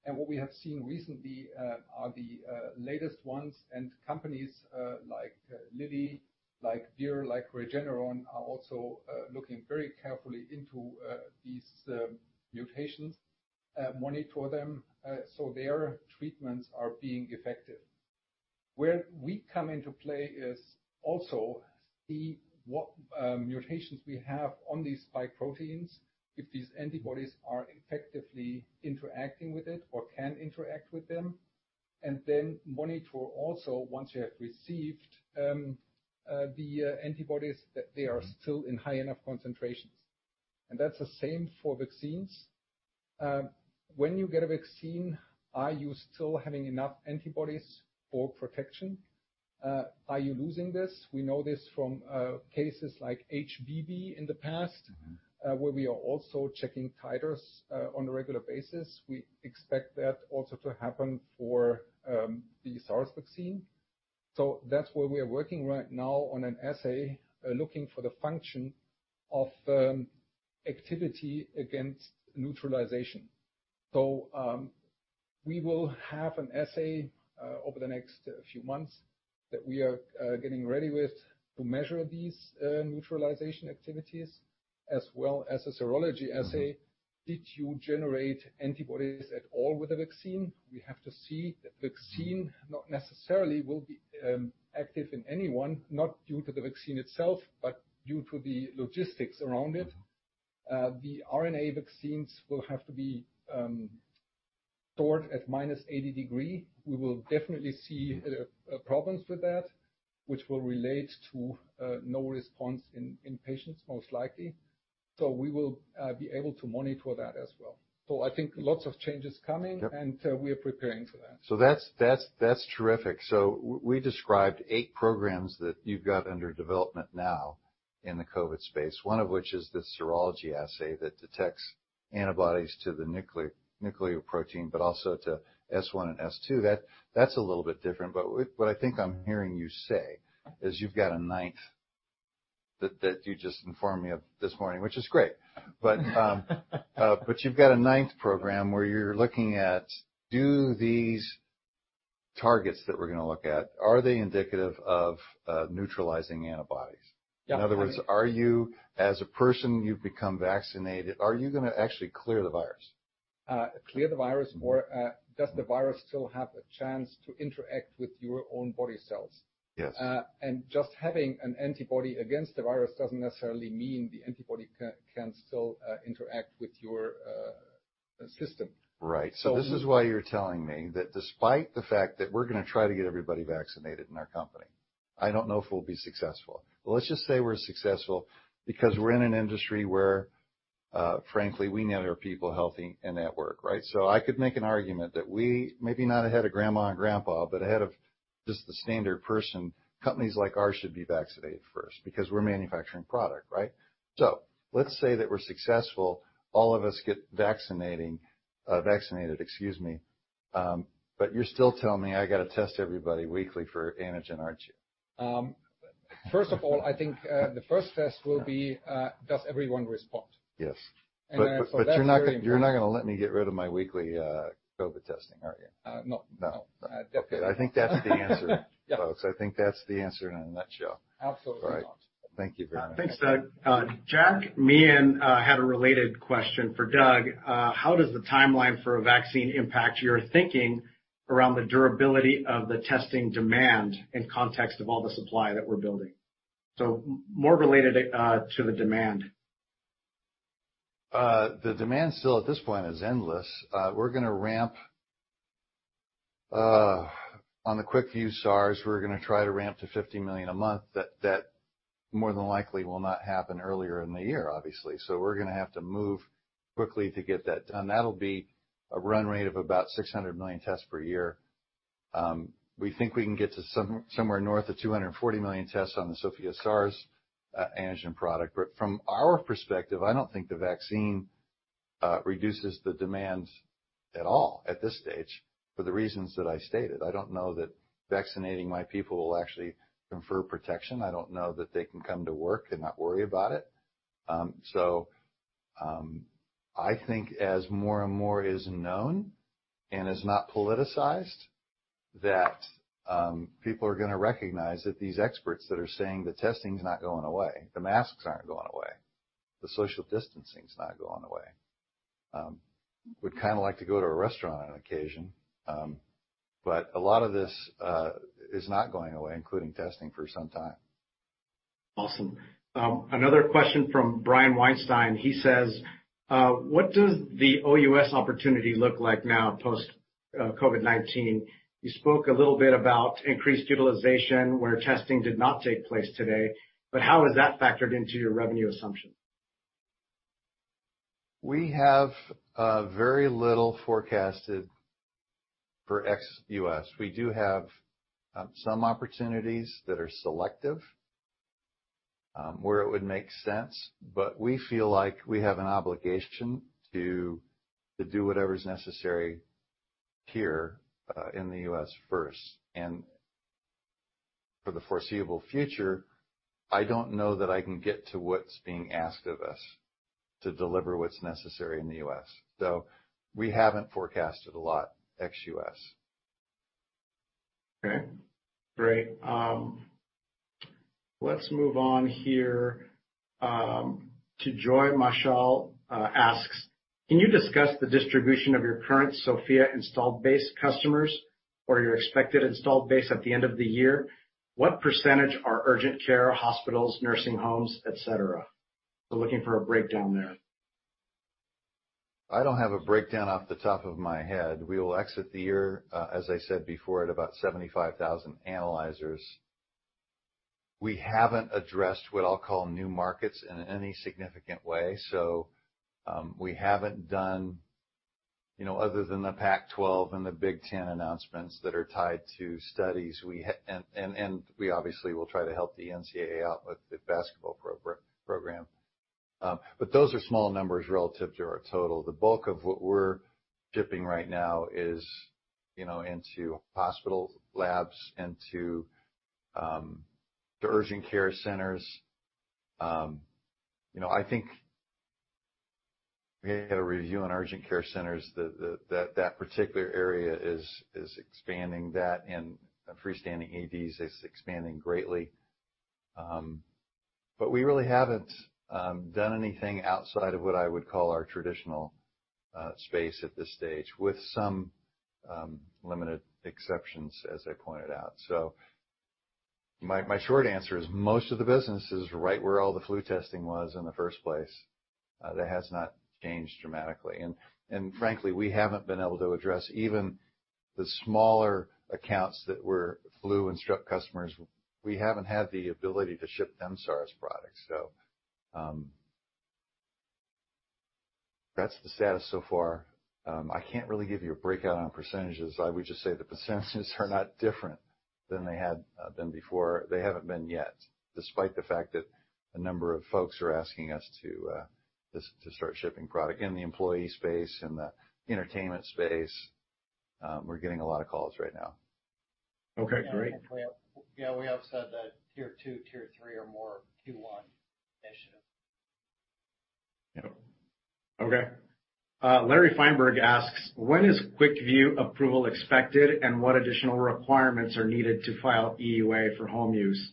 S8: What we have seen recently are the latest ones, and companies like Lilly, like Vir, like Regeneron, are also looking very carefully into these mutations, monitor them so their treatments are being effective. Where we come into play is also see what mutations we have on these spike proteins, if these antibodies are effectively interacting with it or can interact with them. Then monitor also, once you have received the antibodies, that they are still in high enough concentrations. That's the same for vaccines. When you get a vaccine, are you still having enough antibodies for protection? Are you losing this? We know this from cases like HBV in the past, where we are also checking titers on a regular basis. We expect that also to happen for the SARS vaccine. That's where we are working right now on an assay, looking for the function of activity against neutralization. We will have an assay over the next few months that we are getting ready with to measure these neutralization activities, as well as a serology assay. Did you generate antibodies at all with the vaccine? We have to see. The vaccine not necessarily will be active in anyone, not due to the vaccine itself, but due to the logistics around it. The RNA vaccines will have to be stored at -80 degrees. We will definitely see problems with that, which will relate to no response in patients, most likely. We will be able to monitor that as well. I think lots of changes coming. We are preparing for that.
S2: That's terrific. We described eight programs that you've got under development now in the COVID space. One of which is the serology assay that detects antibodies to the nucleocapsid protein, but also to S1 and S2. That's a little bit different, but what I think I'm hearing you say is you've got a ninth that you just informed me of this morning, which is great. You've got a ninth program where you're looking at, do these targets that we're going to look at, are they indicative of neutralizing antibodies?
S8: Yeah.
S2: In other words, are you, as a person, you've become vaccinated, are you going to actually clear the virus?
S8: Clear the virus or does the virus still have a chance to interact with your own body cells?
S2: Yes.
S8: Just having an antibody against the virus doesn't necessarily mean the antibody can still interact with your system.
S2: Right. This is why you're telling me that despite the fact that we're going to try to get everybody vaccinated in our company, I don't know if we'll be successful. Well, let's just say we're successful because we're in an industry where, frankly, we need our people healthy and at work, right? I could make an argument that we, maybe not ahead of grandma and grandpa, but ahead of just the standard person, companies like ours should be vaccinated first because we're manufacturing product, right? Let's say that we're successful. All of us get vaccinated, excuse me, but you're still telling me I got to test everybody weekly for antigen, aren't you?
S8: First of all, I think the first test will be, does everyone respond?
S2: Yes.
S8: Therefore, that's very important.
S2: You're not going to let me get rid of my weekly COVID testing, are you?
S8: No.
S2: No.
S8: Definitely.
S2: Okay, I think that's the answer, folks. I think that's the answer in a nutshell.
S8: Absolutely not.
S2: All right. Thank you very much.
S1: Thanks, Doug. Jack Meehan had a related question for Doug. How does the timeline for a vaccine impact your thinking around the durability of the testing demand in context of all the supply that we're building? More related to the demand.
S2: The demand still, at this point, is endless. We're going to ramp on the QuickVue SARS, we're going to try to ramp to 50 million a month. That more than likely will not happen earlier in the year, obviously. We're going to have to move quickly to get that done. That'll be a run rate of about 600 million tests per year. We think we can get to somewhere north of 240 million tests on the Sofia SARS antigen product. From our perspective, I don't think the vaccine reduces the demand at all at this stage for the reasons that I stated. I don't know that vaccinating my people will actually confer protection. I don't know that they can come to work and not worry about it. I think as more and more is known and is not politicized, that people are going to recognize that these experts that are saying the testing's not going away, the masks aren't going away, the social distancing's not going away. I would kind of like to go to a restaurant on occasion. A lot of this is not going away, including testing, for some time.
S1: Awesome. Another question from Brian Weinstein. He says: what does the OUS opportunity look like now post-COVID-19? You spoke a little bit about increased utilization where testing did not take place today, how is that factored into your revenue assumption?
S2: We have very little forecasted for ex-U.S. We do have some opportunities that are selective, where it would make sense, but we feel like we have an obligation to do whatever's necessary here in the U.S. first. For the foreseeable future, I don't know that I can get to what's being asked of us to deliver what's necessary in the U.S. We haven't forecasted a lot ex-U.S.
S1: Okay, great. Let's move on here, to Joy Mitchell asks: can you discuss the distribution of your current Sofia installed base customers or your expected installed base at the end of the year? What percentage are urgent care hospitals, nursing homes, et cetera? Looking for a breakdown there.
S2: I don't have a breakdown off the top of my head. We will exit the year, as I said before, at about 75,000 analyzers. We haven't addressed what I'll call new markets in any significant way. We haven't done, other than the Pac-12 and the Big Ten announcements that are tied to studies, and we obviously will try to help the NCAA out with the basketball program. Those are small numbers relative to our total. The bulk of what we're shipping right now is into hospital labs, into the urgent care centers. I think we had a review on urgent care centers, that particular area is expanding. That and freestanding EDs is expanding greatly. We really haven't done anything outside of what I would call our traditional space at this stage, with some limited exceptions, as I pointed out. My short answer is most of the business is right where all the flu testing was in the first place. That has not changed dramatically. Frankly, we haven't been able to address even the smaller accounts that were flu and strep customers. We haven't had the ability to ship them SARS products. That's the status so far. I can't really give you a breakout on percentages. I would just say the percentages are not different than they had been before. They haven't been yet, despite the fact that a number of folks are asking us to start shipping product in the employee space and the entertainment space. We're getting a lot of calls right now.
S1: Okay, great.
S9: Yeah, we have said that Tier 2, Tier 3 are more Q1 initiatives.
S2: Yep.
S1: Okay. Larry Feinberg asks: when is QuickVue approval expected, and what additional requirements are needed to file EUA for home use,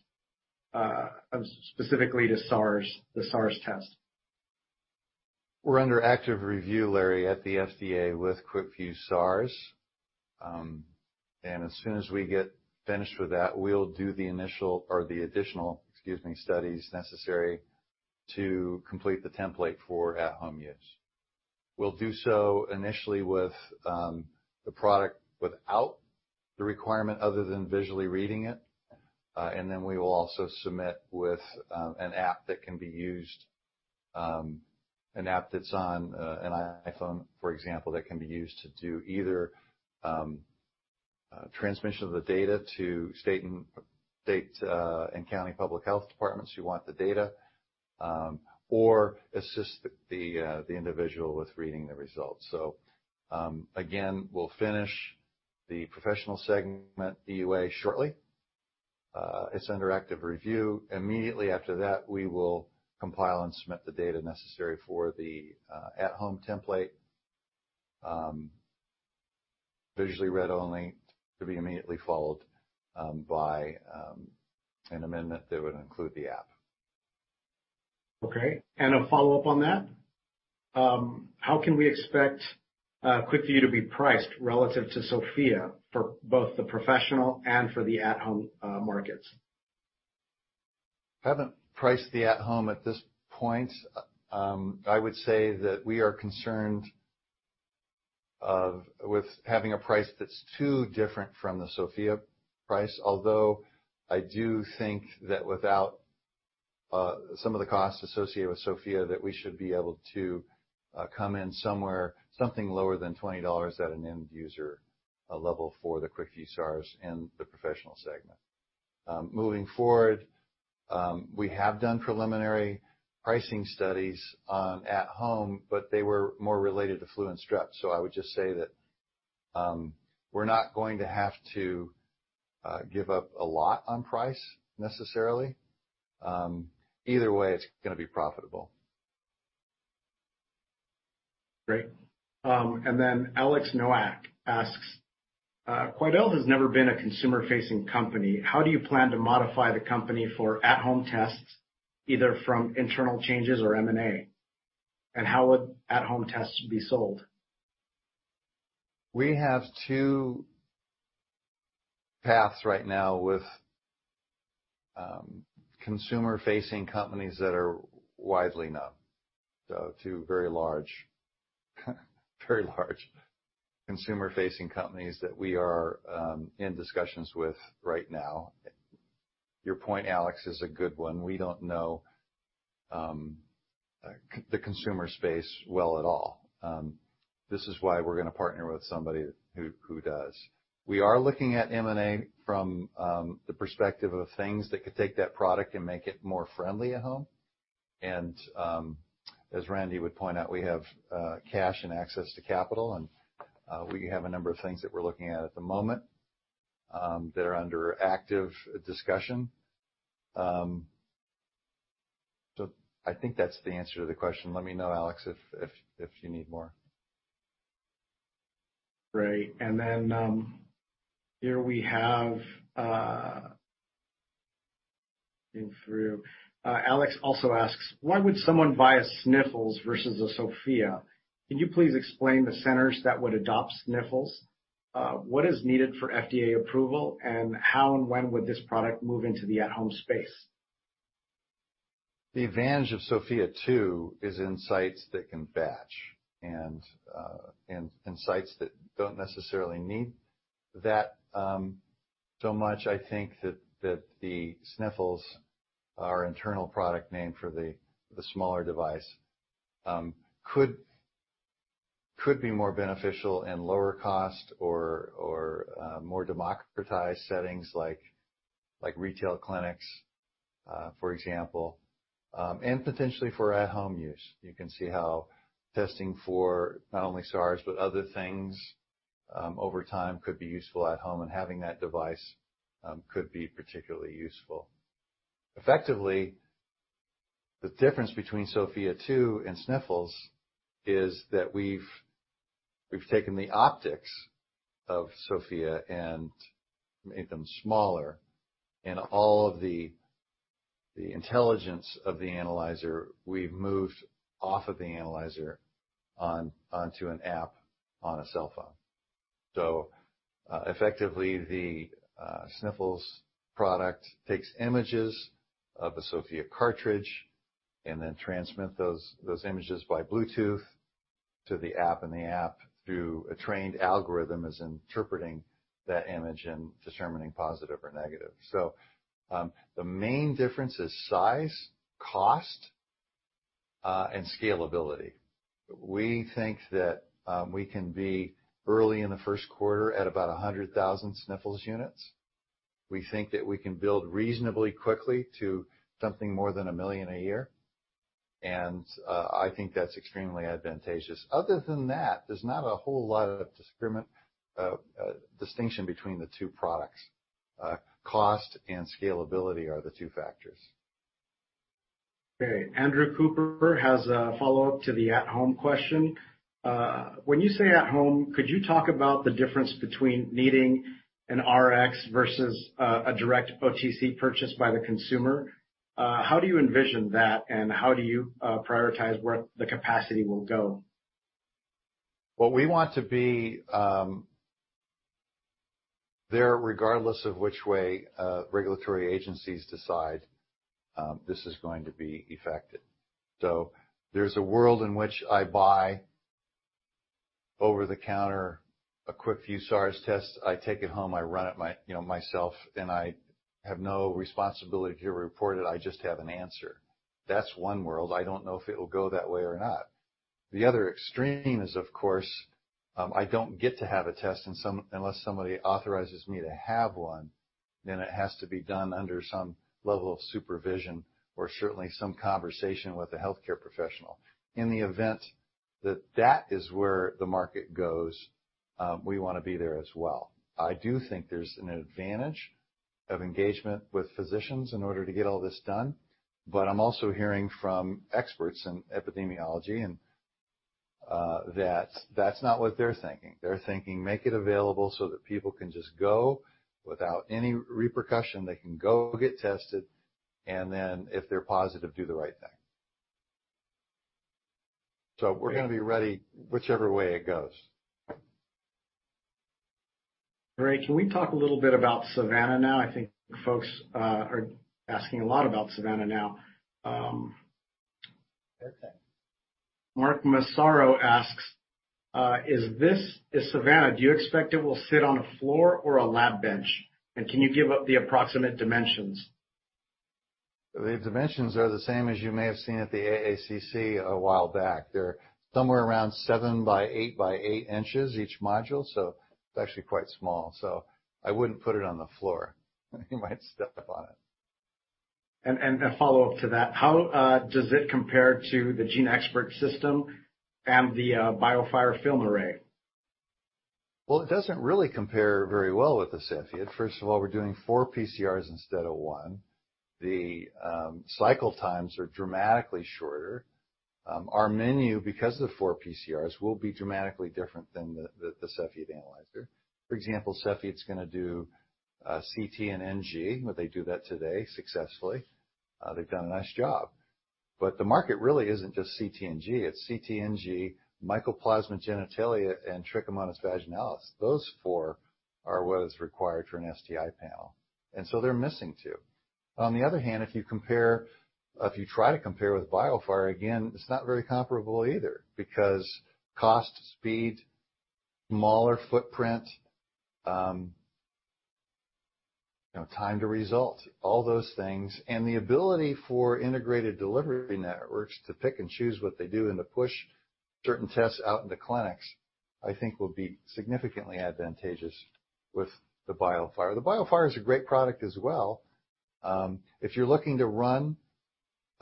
S1: specifically the SARS test?
S2: We're under active review, Larry, at the FDA with QuickVue SARS. As soon as we get finished with that, we'll do the initial or the additional, excuse me, studies necessary to complete the template for at-home use. We'll do so initially with the product without the requirement other than visually reading it. Then we will also submit with an app that can be used, an app that's on an iPhone, for example, that can be used to do either transmission of the data to state and county public health departments who want the data, or assist the individual with reading the results. Again, we'll finish the professional segment EUA shortly. It's under active review. Immediately after that, we will compile and submit the data necessary for the at-home template. Visually read only to be immediately followed by an amendment that would include the app.
S1: Okay. A follow-up on that. How can we expect QuickVue to be priced relative to Sofia for both the professional and for the at-home markets?
S2: Haven't priced the at-home at this point. I would say that we are concerned with having a price that's too different from the Sofia price. I do think that without some of the costs associated with Sofia, that we should be able to come in somewhere, something lower than $20 at an end user level for the QuickVue SARS in the professional segment. We have done preliminary pricing studies on at home, but they were more related to flu and strep. I would just say that we're not going to have to give up a lot on price necessarily. Either way, it's going to be profitable.
S1: Great. Alex Nowak asks Quidel has never been a consumer-facing company. How do you plan to modify the company for at-home tests, either from internal changes or M&A? How would at-home tests be sold?
S2: We have two paths right now with consumer-facing companies that are widely known. Two very large consumer-facing companies that we are in discussions with right now. Your point, Alex, is a good one. We don't know the consumer space well at all. This is why we're going to partner with somebody who does. We are looking at M&A from the perspective of things that could take that product and make it more friendly at home. As Randy would point out, we have cash and access to capital, and we have a number of things that we're looking at at the moment that are under active discussion. I think that's the answer to the question. Let me know, Alex, if you need more.
S1: Great, here we have-- in through. Alex also asks, why would someone buy a Sniffles versus a Sofia? Can you please explain the centers that would adopt Sniffles? What is needed for FDA approval? How and when would this product move into the at-home space?
S2: The advantage of Sofia 2 is in sites that can batch, and sites that don't necessarily need that so much. I think that the Sniffles, our internal product name for the smaller device, could be more beneficial in lower cost or more democratized settings like retail clinics, for example, and potentially for at-home use. You can see how testing for not only SARS, but other things over time could be useful at home, and having that device could be particularly useful. Effectively, the difference between Sofia 2 and Sniffles is that we've taken the optics of Sofia and made them smaller, and all of the intelligence of the analyzer we've moved off of the analyzer onto an app on a cell phone. Effectively, the Sniffles product takes images of a Sofia cartridge and then transmits those images by Bluetooth to the app, and the app, through a trained algorithm, is interpreting that image and determining positive or negative. The main difference is size, cost, and scalability. We think that we can be early in the first quarter at about 100,000 Sniffles units. We think that we can build reasonably quickly to something more than 1 million a year, I think that's extremely advantageous. Other than that, there's not a whole lot of distinction between the two products. Cost and scalability are the two factors.
S1: Okay, Andrew Cooper has a follow-up to the at-home question. When you say at home, could you talk about the difference between needing an RX versus a direct OTC purchase by the consumer? How do you envision that, and how do you prioritize where the capacity will go?
S2: Well, we want to be there regardless of which way regulatory agencies decide this is going to be affected. There's a world in which I buy over-the-counter, a QuickVue SARS tests. I take it home, I run it myself, and I have no responsibility to report it. I just have an answer. That's one world. I don't know if it will go that way or not. The other extreme is, of course, I don't get to have a test unless somebody authorizes me to have one, then it has to be done under some level of supervision, or certainly some conversation with a healthcare professional. In the event that that is where the market goes, we want to be there as well. I do think there's an advantage of engagement with physicians in order to get all this done, but I'm also hearing from experts in epidemiology, and that's not what they're thinking. They're thinking, make it available so that people can just go without any repercussion. They can go get tested, and then if they're positive, do the right thing. We're going to be ready whichever way it goes.
S1: Great. Can we talk a little bit about SAVANNA now? I think folks are asking a lot about SAVANNA now.
S2: Okay.
S1: Mark Massaro asks, is SAVANNA, do you expect it will sit on a floor or a lab bench? Can you give the approximate dimensions?
S2: The dimensions are the same as you may have seen at the AACC a while back. They're somewhere around seven by 8x8 inches each module, so it's actually quite small. I wouldn't put it on the floor. You might step on it.
S1: A follow-up to that, how does it compare to the GeneXpert system and the BioFire FilmArray?
S2: Well, it doesn't really compare very well with the Sofia. First of all, we're doing four PCRs instead of one. The cycle times are dramatically shorter. Our menu, because of the four PCRs, will be dramatically different than the Cepheid analyzer. For example, Cepheid's going to do CT and NG, but they do that today successfully. They've done a nice job. The market really isn't just CT NG, it's CT NG, Mycoplasma genitalium, and Trichomonas vaginalis. Those four are what is required for an STI panel, and so they're missing two. On the other hand, if you try to compare with BioFire, again, it's not very comparable either, because cost, speed, smaller footprint, time to result, all those things, and the ability for integrated delivery networks to pick and choose what they do and to push certain tests out into clinics, I think will be significantly advantageous with the BioFire. The BioFire is a great product as well. If you're looking to run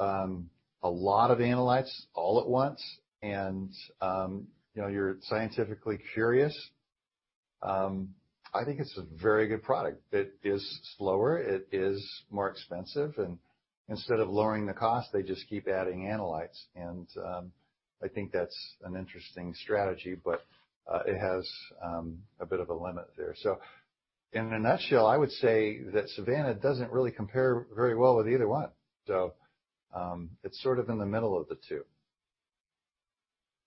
S2: a lot of analytes all at once and you're scientifically curious, I think it's a very good product. It is slower, it is more expensive, and instead of lowering the cost, they just keep adding analytes, and I think that's an interesting strategy, but it has a bit of a limit there. In a nutshell, I would say that SAVANNA doesn't really compare very well with either one. It's sort of in the middle of the two.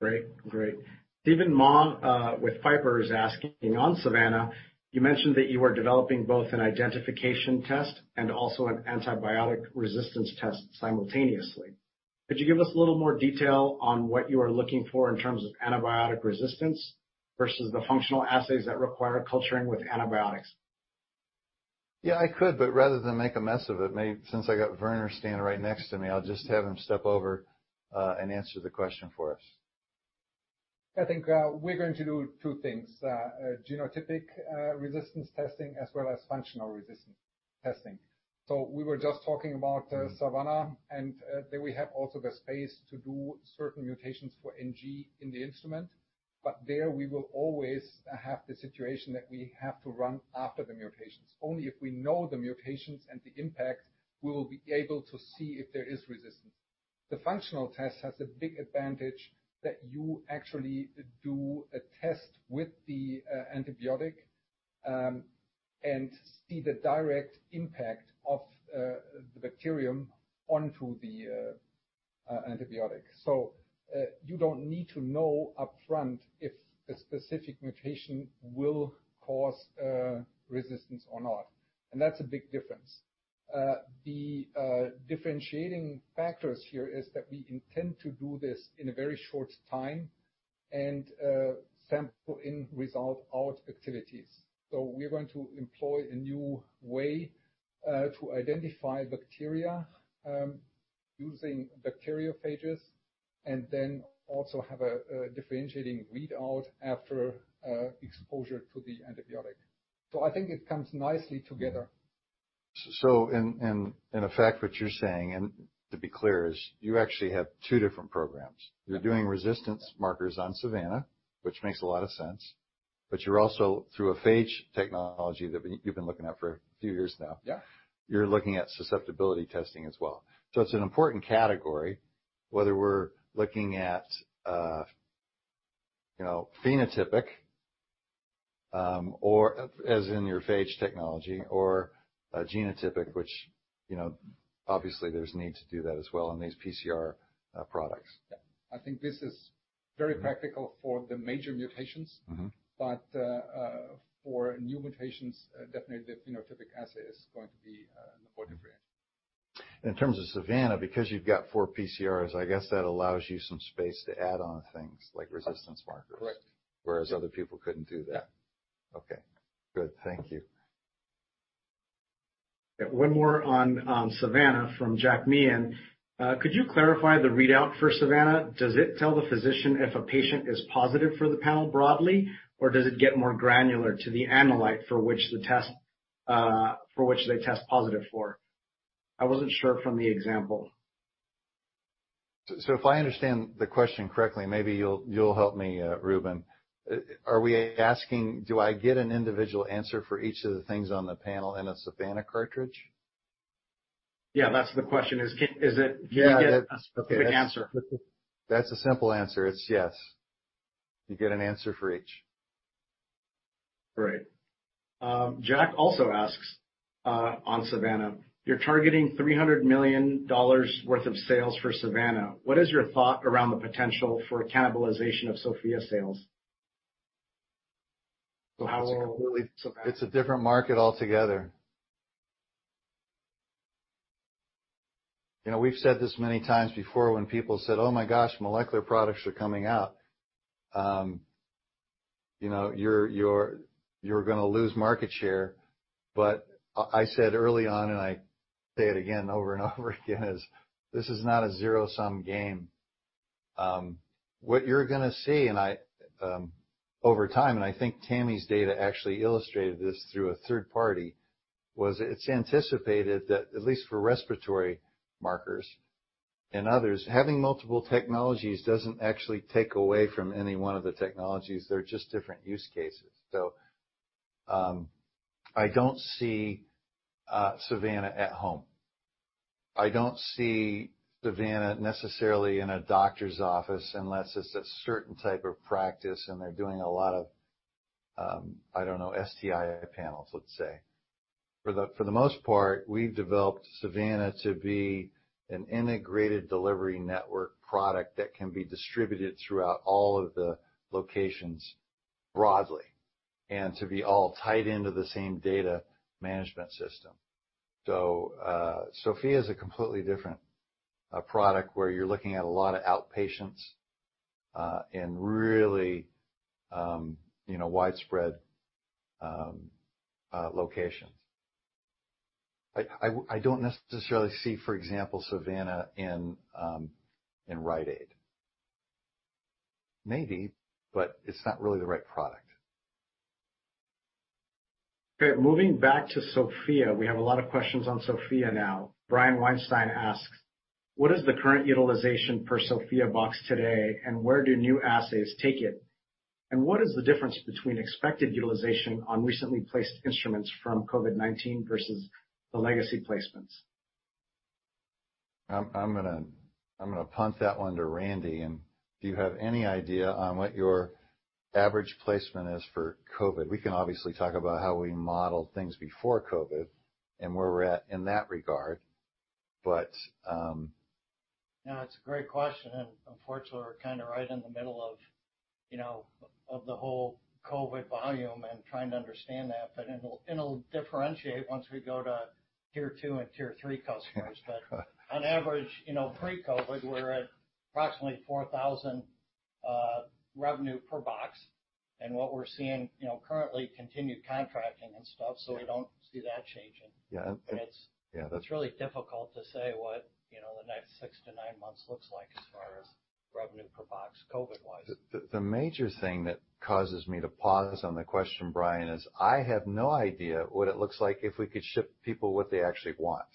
S1: Great. Steven Mah with Piper is asking, "On SAVANNA, you mentioned that you are developing both an identification test and also an antibiotic resistance test simultaneously. Could you give us a little more detail on what you are looking for in terms of antibiotic resistance versus the functional assays that require culturing with antibiotics?
S2: Yeah, I could, but rather than make a mess of it, since I got Werner standing right next to me, I'll just have him step over and answer the question for us.
S8: I think we're going to do two things, genotypic resistance testing as well as functional resistance testing. We were just talking about SAVANNA, and there we have also the space to do certain mutations for NG in the instrument. There, we will always have the situation that we have to run after the mutations. Only if we know the mutations and the impact, we will be able to see if there is resistance. The functional test has a big advantage that you actually do a test with the antibiotic, and see the direct impact of the bacterium onto the antibiotic. You don't need to know up front if a specific mutation will cause resistance or not, and that's a big difference. The differentiating factors here is that we intend to do this in a very short time, and sample in, result out activities. We're going to employ a new way to identify bacteria, using bacteriophages, and then also have a differentiating readout after exposure to the antibiotic. I think it comes nicely together.
S2: In effect, what you're saying, and to be clear, is you actually have two different programs. You're doing resistance markers on SAVANNA, which makes a lot of sense, but you're also, through a phage technology that you've been looking at for a few years now. You're looking at susceptibility testing as well. It's an important category, whether we're looking at phenotypic, as in your phage technology, or genotypic, which obviously there's need to do that as well on these PCR products.
S8: Yeah. I think this is very practical for the major mutations. For new mutations, definitely the phenotypic assay is going to be more differentiated.
S2: In terms of SAVANNA, because you've got four PCRs, I guess that allows you some space to add on things like resistance markers.
S8: Correct.
S2: Whereas other people couldn't do that.
S8: Yeah.
S2: Okay, good. Thank you.
S1: One more on SAVANNA from Jack Meehan. Could you clarify the readout for SAVANNA? Does it tell the physician if a patient is positive for the panel broadly, or does it get more granular to the analyte for which they test positive for? I wasn't sure from the example.
S2: If I understand the question correctly, maybe you'll help me, Ruben. Are we asking, do I get an individual answer for each of the things on the panel in a SAVANNA cartridge?
S1: Yeah, that's the question. Do you get a specific answer?
S2: That's a simple answer. It's yes. You get an answer for each.
S1: Great. Jack also asks, on SAVANNA, "You're targeting $300 million worth of sales for SAVANNA. What is your thought around the potential for cannibalization of Sofia sales? How's it?
S2: It's a different market altogether. We've said this many times before when people said, "Oh my gosh, molecular products are coming out. You're going to lose market share." I said early on, and I say it again over and over again, this is not a zero-sum game. What you're going to see over time, and I think Tammi's data actually illustrated this through a third party, was it's anticipated that, at least for respiratory markers and others, having multiple technologies doesn't actually take away from any one of the technologies. They're just different use cases. I don't see SAVANNA at home. I don't see SAVANNA necessarily in a doctor's office unless it's a certain type of practice and they're doing a lot of, I don't know, STI panels, let's say. For the most part, we've developed SAVANNA to be an integrated delivery network product that can be distributed throughout all of the locations broadly, and to be all tied into the same data management system. Sofia is a completely different product, where you're looking at a lot of outpatients in really widespread locations. I don't necessarily see, for example, SAVANNA in Rite Aid. Maybe, but it's not really the right product.
S1: Okay. Moving back to Sofia. We have a lot of questions on Sofia now. Brian Weinstein asks, "What is the current utilization per Sofia box today, and where do new assays take it? And what is the difference between expected utilization on recently placed instruments from COVID-19 versus the legacy placements?
S2: I'm going to punt that one to Randy, and do you have any idea on what your average placement is for COVID? We can obviously talk about how we modeled things before COVID and where we're at in that regard.
S9: Yeah, it's a great question. Unfortunately, we're right in the middle of the whole COVID volume and trying to understand that. It'll differentiate once we go to Tier 2 and Tier 3 customers. On average, pre-COVID, we're at approximately $4,000 revenue per box. What we're seeing currently, continued contracting and stuff, we don't see that changing.
S2: Yeah.
S9: It's really difficult to say what the next six to nine months looks like as far as revenue per box, COVID-wise.
S2: The major thing that causes me to pause on the question, Brian, is I have no idea what it looks like if we could ship people what they actually want.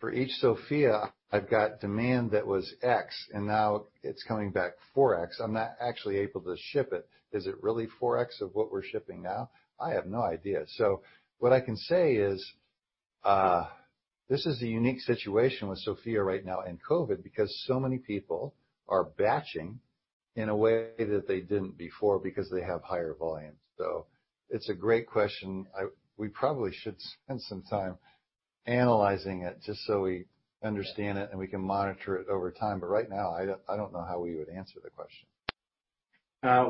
S2: For each Sofia, I've got demand that was X, and now it's coming back 4X. I'm not actually able to ship it. Is it really 4X of what we're shipping now? I have no idea. What I can say is, this is a unique situation with Sofia right now and COVID because so many people are batching in a way that they didn't before because they have higher volumes. It's a great question. We probably should spend some time analyzing it just so we understand it, and we can monitor it over time. Right now, I don't know how we would answer the question.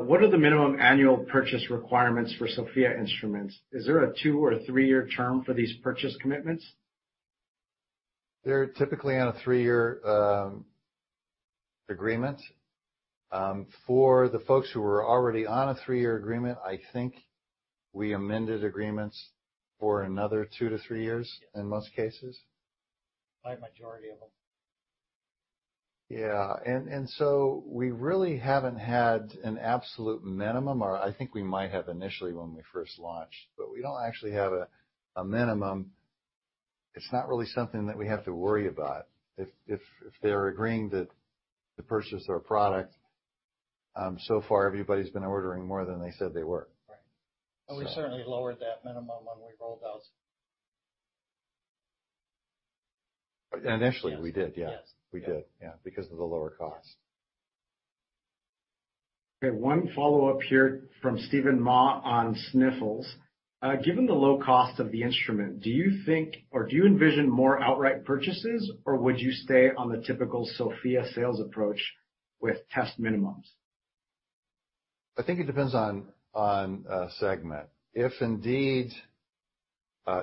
S1: What are the minimum annual purchase requirements for Sofia instruments? Is there a two or three-year term for these purchase commitments?
S2: They're typically on a three-year agreement. For the folks who were already on a three-year agreement, I think we amended agreements for another two to three years in most cases.
S9: By majority of them.
S2: Yeah. We really haven't had an absolute minimum. I think we might have initially when we first launched, but we don't actually have a minimum. It's not really something that we have to worry about. If they're agreeing to purchase our product, so far everybody's been ordering more than they said they were.
S9: Right. We certainly lowered that minimum when we rolled out.
S2: Initially, we did.
S9: Yes.
S2: We did, yeah, because of the lower cost.
S1: Okay, one follow-up here from Steven Mah on Sniffles. "Given the low cost of the instrument, do you think or do you envision more outright purchases, or would you stay on the typical Sofia sales approach with test minimums?
S2: I think it depends on segment. If indeed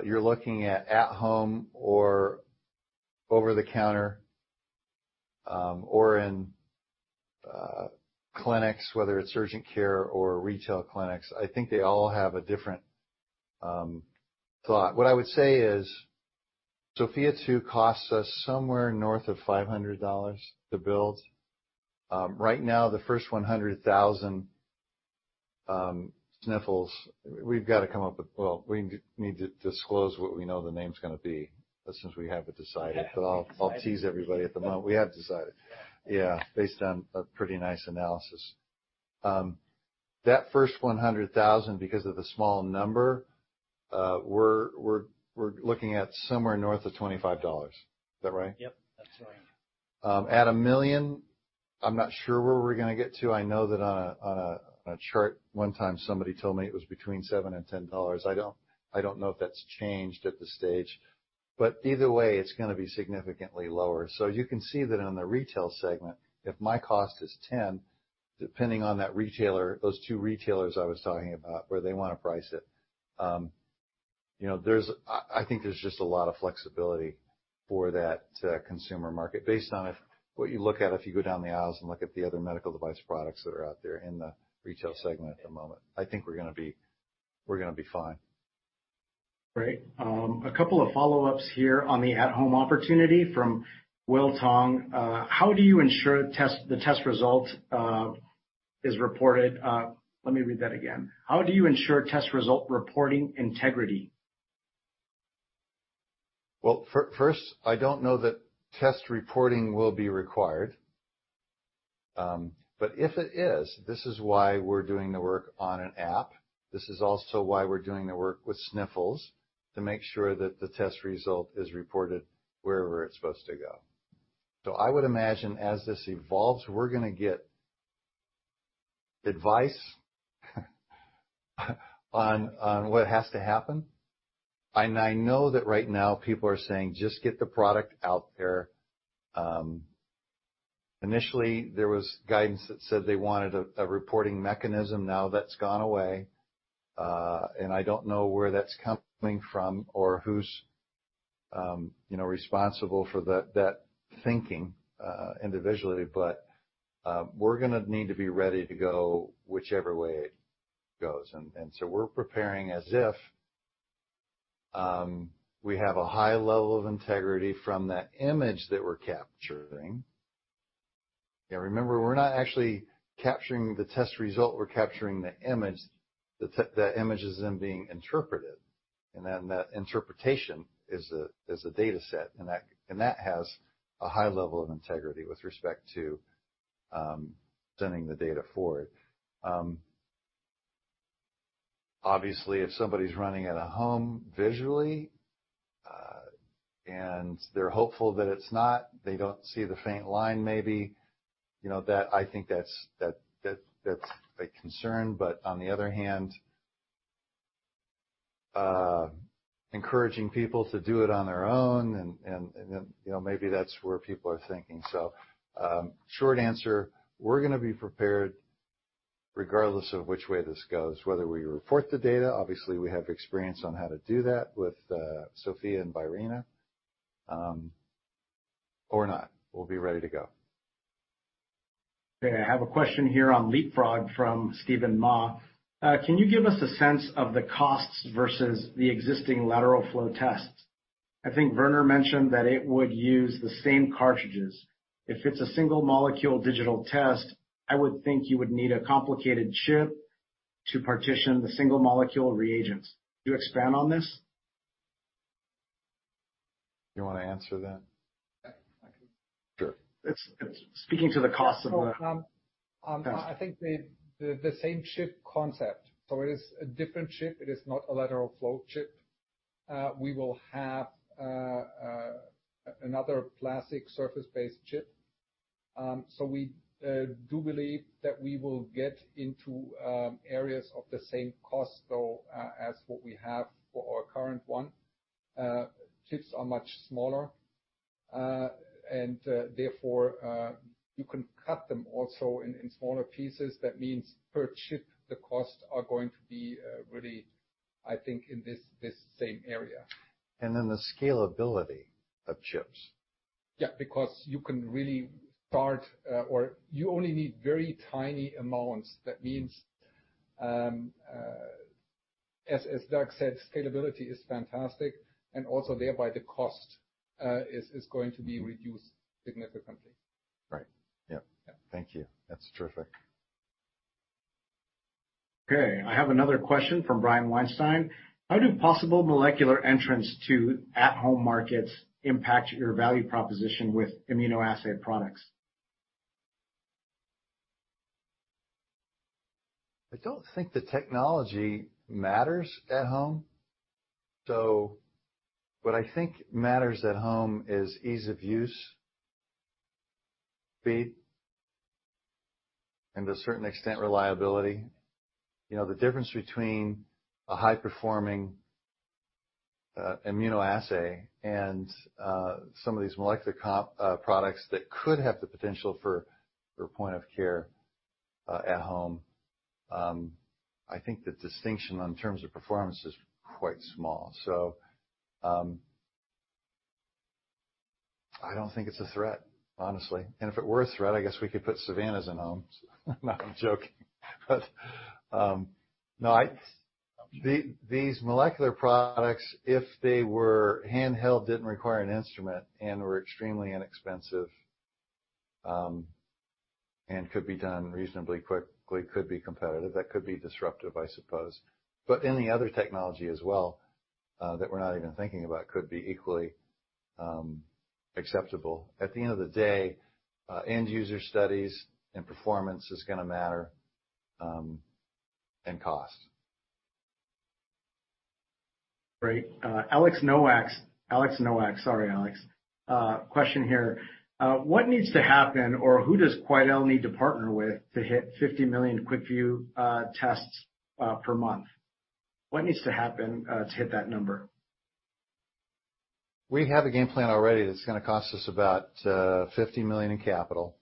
S2: you're looking at at-home or over-the-counter, or in clinics, whether it's urgent care or retail clinics, I think they all have a different thought. What I would say is Sofia 2 costs us somewhere north of $500 to build. Right now, the first 100,000 Sniffles, we need to disclose what we know the name's going to be, since we have it decided. I'll tease everybody at the moment. We have decided. Yeah. Based on a pretty nice analysis. That first 100,000, because of the small number, we're looking at somewhere north of $25. Is that right?
S9: Yep, that's right.
S2: At a million, I'm not sure where we're going to get to. I know that on a chart one time somebody told me it was between $7 and $10. I don't know if that's changed at this stage. Either way, it's going to be significantly lower. You can see that on the retail segment, if my cost is $10, depending on that retailer, those two retailers I was talking about, where they want to price it. I think there's just a lot of flexibility for that consumer market based on what you look at if you go down the aisles and look at the other medical device products that are out there in the retail segment at the moment. I think we're going to be fine.
S1: Great. A couple of follow-ups here on the at-home opportunity from Will Tong. "How do you ensure the test result is reported?" Let me read that again. "How do you ensure test result reporting integrity?
S2: Well, first, I don't know that test reporting will be required. If it is, this is why we're doing the work on an app. This is also why we're doing the work with Sniffles to make sure that the test result is reported wherever it's supposed to go. I would imagine as this evolves, we're going to get advice on what has to happen. I know that right now people are saying, "Just get the product out there." Initially, there was guidance that said they wanted a reporting mechanism. Now that's gone away. I don't know where that's coming from or who's responsible for that thinking individually, but we're going to need to be ready to go whichever way it goes. We're preparing as if we have a high level of integrity from that image that we're capturing. Remember, we're not actually capturing the test result, we're capturing the image. The image is then being interpreted. That interpretation is a data set, and that has a high level of integrity with respect to sending the data forward. Obviously, if somebody's running it at home visually, and they're hopeful that it's not, they don't see the faint line, maybe, I think that's a concern. On the other hand, encouraging people to do it on their own and then maybe that's where people are thinking. Short answer, we're going to be prepared regardless of which way this goes, whether we report the data, obviously, we have experience on how to do that with Sofia and Virena, or not. We'll be ready to go.
S1: Okay, I have a question here on Leapfrog from Steven Mah. Can you give us a sense of the costs versus the existing lateral flow tests? I think Werner mentioned that it would use the same cartridges. If it's a single molecule digital test, I would think you would need a complicated chip to partition the single molecule reagents. Could you expand on this?
S2: You want to answer that?
S8: Yeah, I can.
S2: Sure. Speaking to the cost of.
S8: I think the same chip concept. It is a different chip. It is not a lateral flow chip. We will have another plastic surface-based chip. We do believe that we will get into areas of the same cost though as what we have for our current one. Chips are much smaller, and therefore, you can cut them also in smaller pieces. That means per chip, the costs are going to be really, I think, in this same area.
S2: The scalability of chips.
S8: Yeah, because you can really start or you only need very tiny amounts. That means, as Doug said, scalability is fantastic, and also thereby the cost is going to be reduced significantly.
S2: Right. Yep.
S8: Yep.
S2: Thank you. That's terrific.
S1: Okay, I have another question from Brian Weinstein. How do possible molecular entrants to at-home markets impact your value proposition with immunoassay products?
S2: I don't think the technology matters at home. What I think matters at home is ease of use, speed, and to a certain extent, reliability. The difference between a high-performing immunoassay and some of these molecular products that could have the potential for point of care at home, I think the distinction in terms of performance is quite small. I don't think it's a threat, honestly. If it were a threat, I guess we could put SAVANNAs in homes. No, I'm joking. These molecular products, if they were handheld, didn't require an instrument and were extremely inexpensive, and could be done reasonably quickly, could be competitive. That could be disruptive, I suppose. Any other technology as well, that we're not even thinking about, could be equally acceptable. At the end of the day, end-user studies and performance is going to matter, and cost.
S1: Great. Alex Nowak. Sorry, Alex. Question here. What needs to happen, or who does Quidel need to partner with to hit 50 million QuickVue tests per month? What needs to happen to hit that number?
S2: We have a game plan already that's going to cost us about $50 million in capital.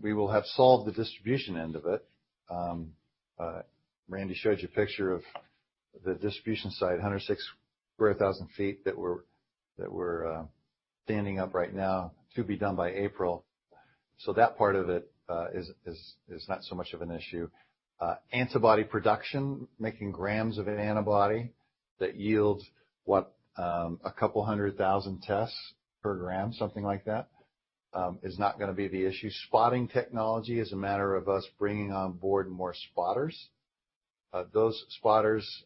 S2: We will have solved the distribution end of it. Randy showed you a picture of the distribution site, 106,000 sq ft that we're standing up right now to be done by April. That part of it is not so much of an issue. Antibody production, making grams of an antibody that yields, what, a couple hundred thousand tests per gram, something like that, is not going to be the issue. Spotting technology is a matter of us bringing on board more spotters. Those spotters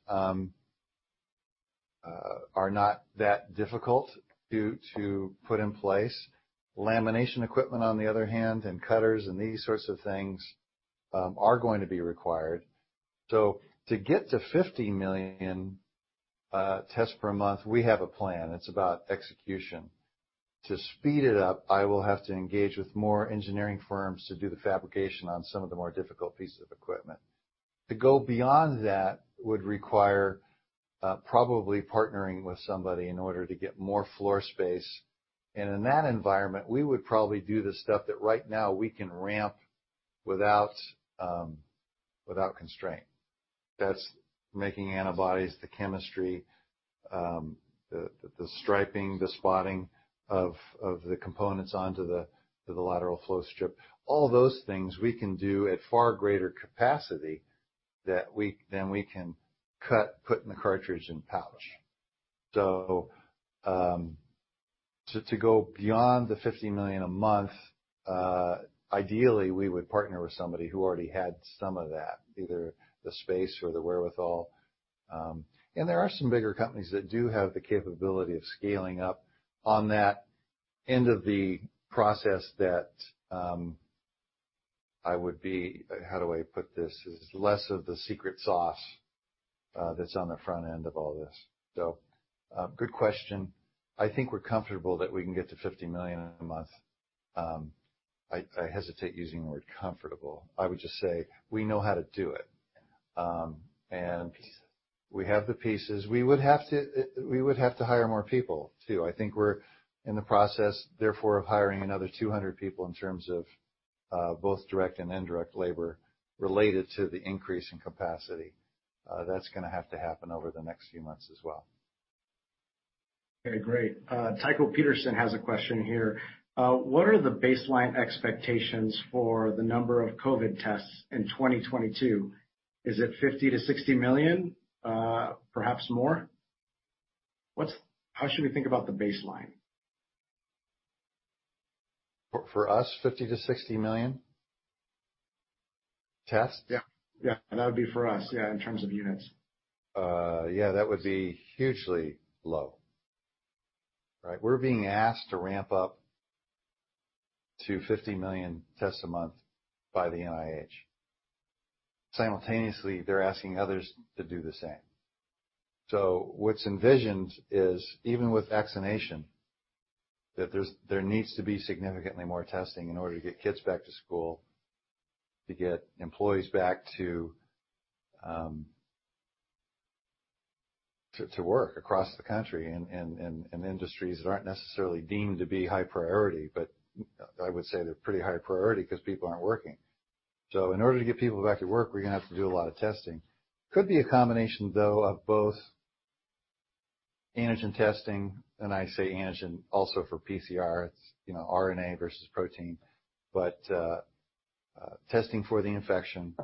S2: are not that difficult to put in place. Lamination equipment, on the other hand, and cutters and these sorts of things are going to be required. To get to 50 million tests per month, we have a plan. It's about execution. To speed it up, I will have to engage with more engineering firms to do the fabrication on some of the more difficult pieces of equipment. To go beyond that would require probably partnering with somebody in order to get more floor space. In that environment, we would probably do the stuff that right now we can ramp without constraint. That's making antibodies, the chemistry, the striping, the spotting of the components onto the lateral flow strip. All those things we can do at far greater capacity than we can cut, put in the cartridge, and pouch. To go beyond the 50 million a month, ideally we would partner with somebody who already had some of that, either the space or the wherewithal. There are some bigger companies that do have the capability of scaling up on that end of the process that how do I put this? Is less of the secret sauce that's on the front end of all this. Good question. I think we're comfortable that we can get to 50 million a month. I hesitate using the word comfortable. I would just say we know how to do it. We have the pieces. We would have to hire more people, too. I think we're in the process, therefore, of hiring another 200 people in terms of both direct and indirect labor related to the increase in capacity. That's going to have to happen over the next few months as well.
S1: Okay, great. Tycho Peterson has a question here. What are the baseline expectations for the number of COVID tests in 2022? Is it 50 million-60 million? Perhaps more. How should we think about the baseline?
S2: For us, 50 million-60 million tests?
S1: Yeah. That would be for us, yeah, in terms of units.
S2: Yeah, that would be hugely low. Right? We're being asked to ramp up to 50 million tests a month by the NIH. Simultaneously, they're asking others to do the same. What's envisioned is, even with vaccination, that there needs to be significantly more testing in order to get kids back to school, to get employees back to work across the country in industries that aren't necessarily deemed to be high priority, but I would say they're pretty high priority because people aren't working. In order to get people back to work, we're going to have to do a lot of testing. Could be a combination, though, of both antigen testing, and I say antigen also for PCR, it's RNA versus protein, but testing for the infection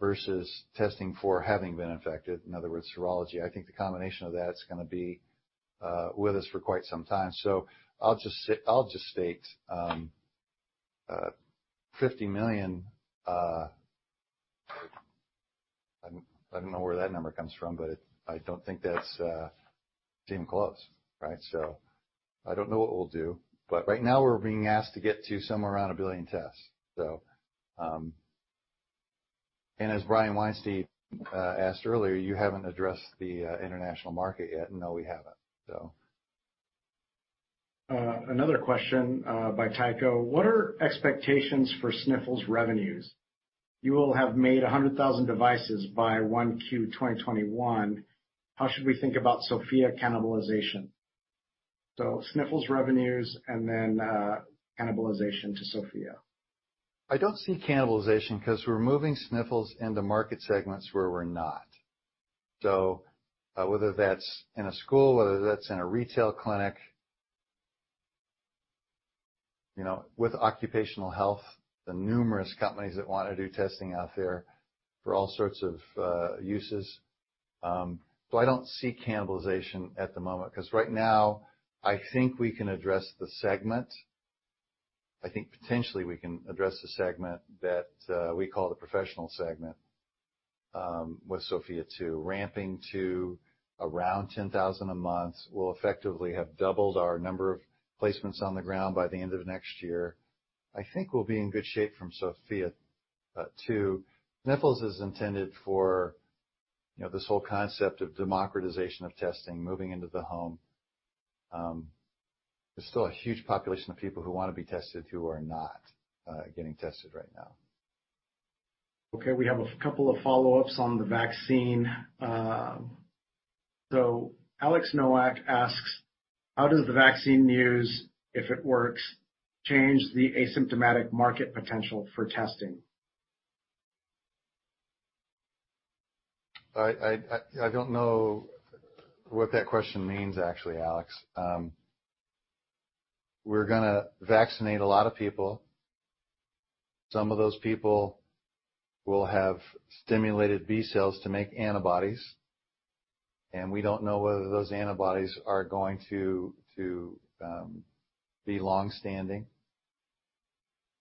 S2: versus testing for having been infected, in other words, serology. I think the combination of that's going to be with us for quite some time. I'll just state 50 million, I don't know where that number comes from, but I don't think that's damn close. Right? I don't know what we'll do, but right now we're being asked to get to somewhere around 1 billion tests. As Brian Weinstein asked earlier, you haven't addressed the international market yet. No, we haven't.
S1: Another question by Tycho. What are expectations for Sniffles revenues? You will have made 100,000 devices by 1Q 2021. How should we think about Sofia cannibalization? Sniffles revenues and then cannibalization to Sofia.
S2: I don't see cannibalization because we're moving Sniffles into market segments where we're not. Whether that's in a school, whether that's in a retail clinic, with occupational health, the numerous companies that want to do testing out there for all sorts of uses. I don't see cannibalization at the moment, because right now, I think we can address the segment. I think potentially we can address the segment that we call the professional segment with Sofia 2. Ramping to around 10,000 a month, we'll effectively have doubled our number of placements on the ground by the end of next year. I think we'll be in good shape from Sofia 2. Sniffles is intended for this whole concept of democratization of testing, moving into the home. There's still a huge population of people who want to be tested who are not getting tested right now.
S1: Okay, we have a couple of follow-ups on the vaccine. Alex Nowak asks, how does the vaccine news, if it works, change the asymptomatic market potential for testing?
S2: I don't know what that question means, actually, Alex. We're going to vaccinate a lot of people. Some of those people will have stimulated B cells to make antibodies, and we don't know whether those antibodies are going to be long-standing.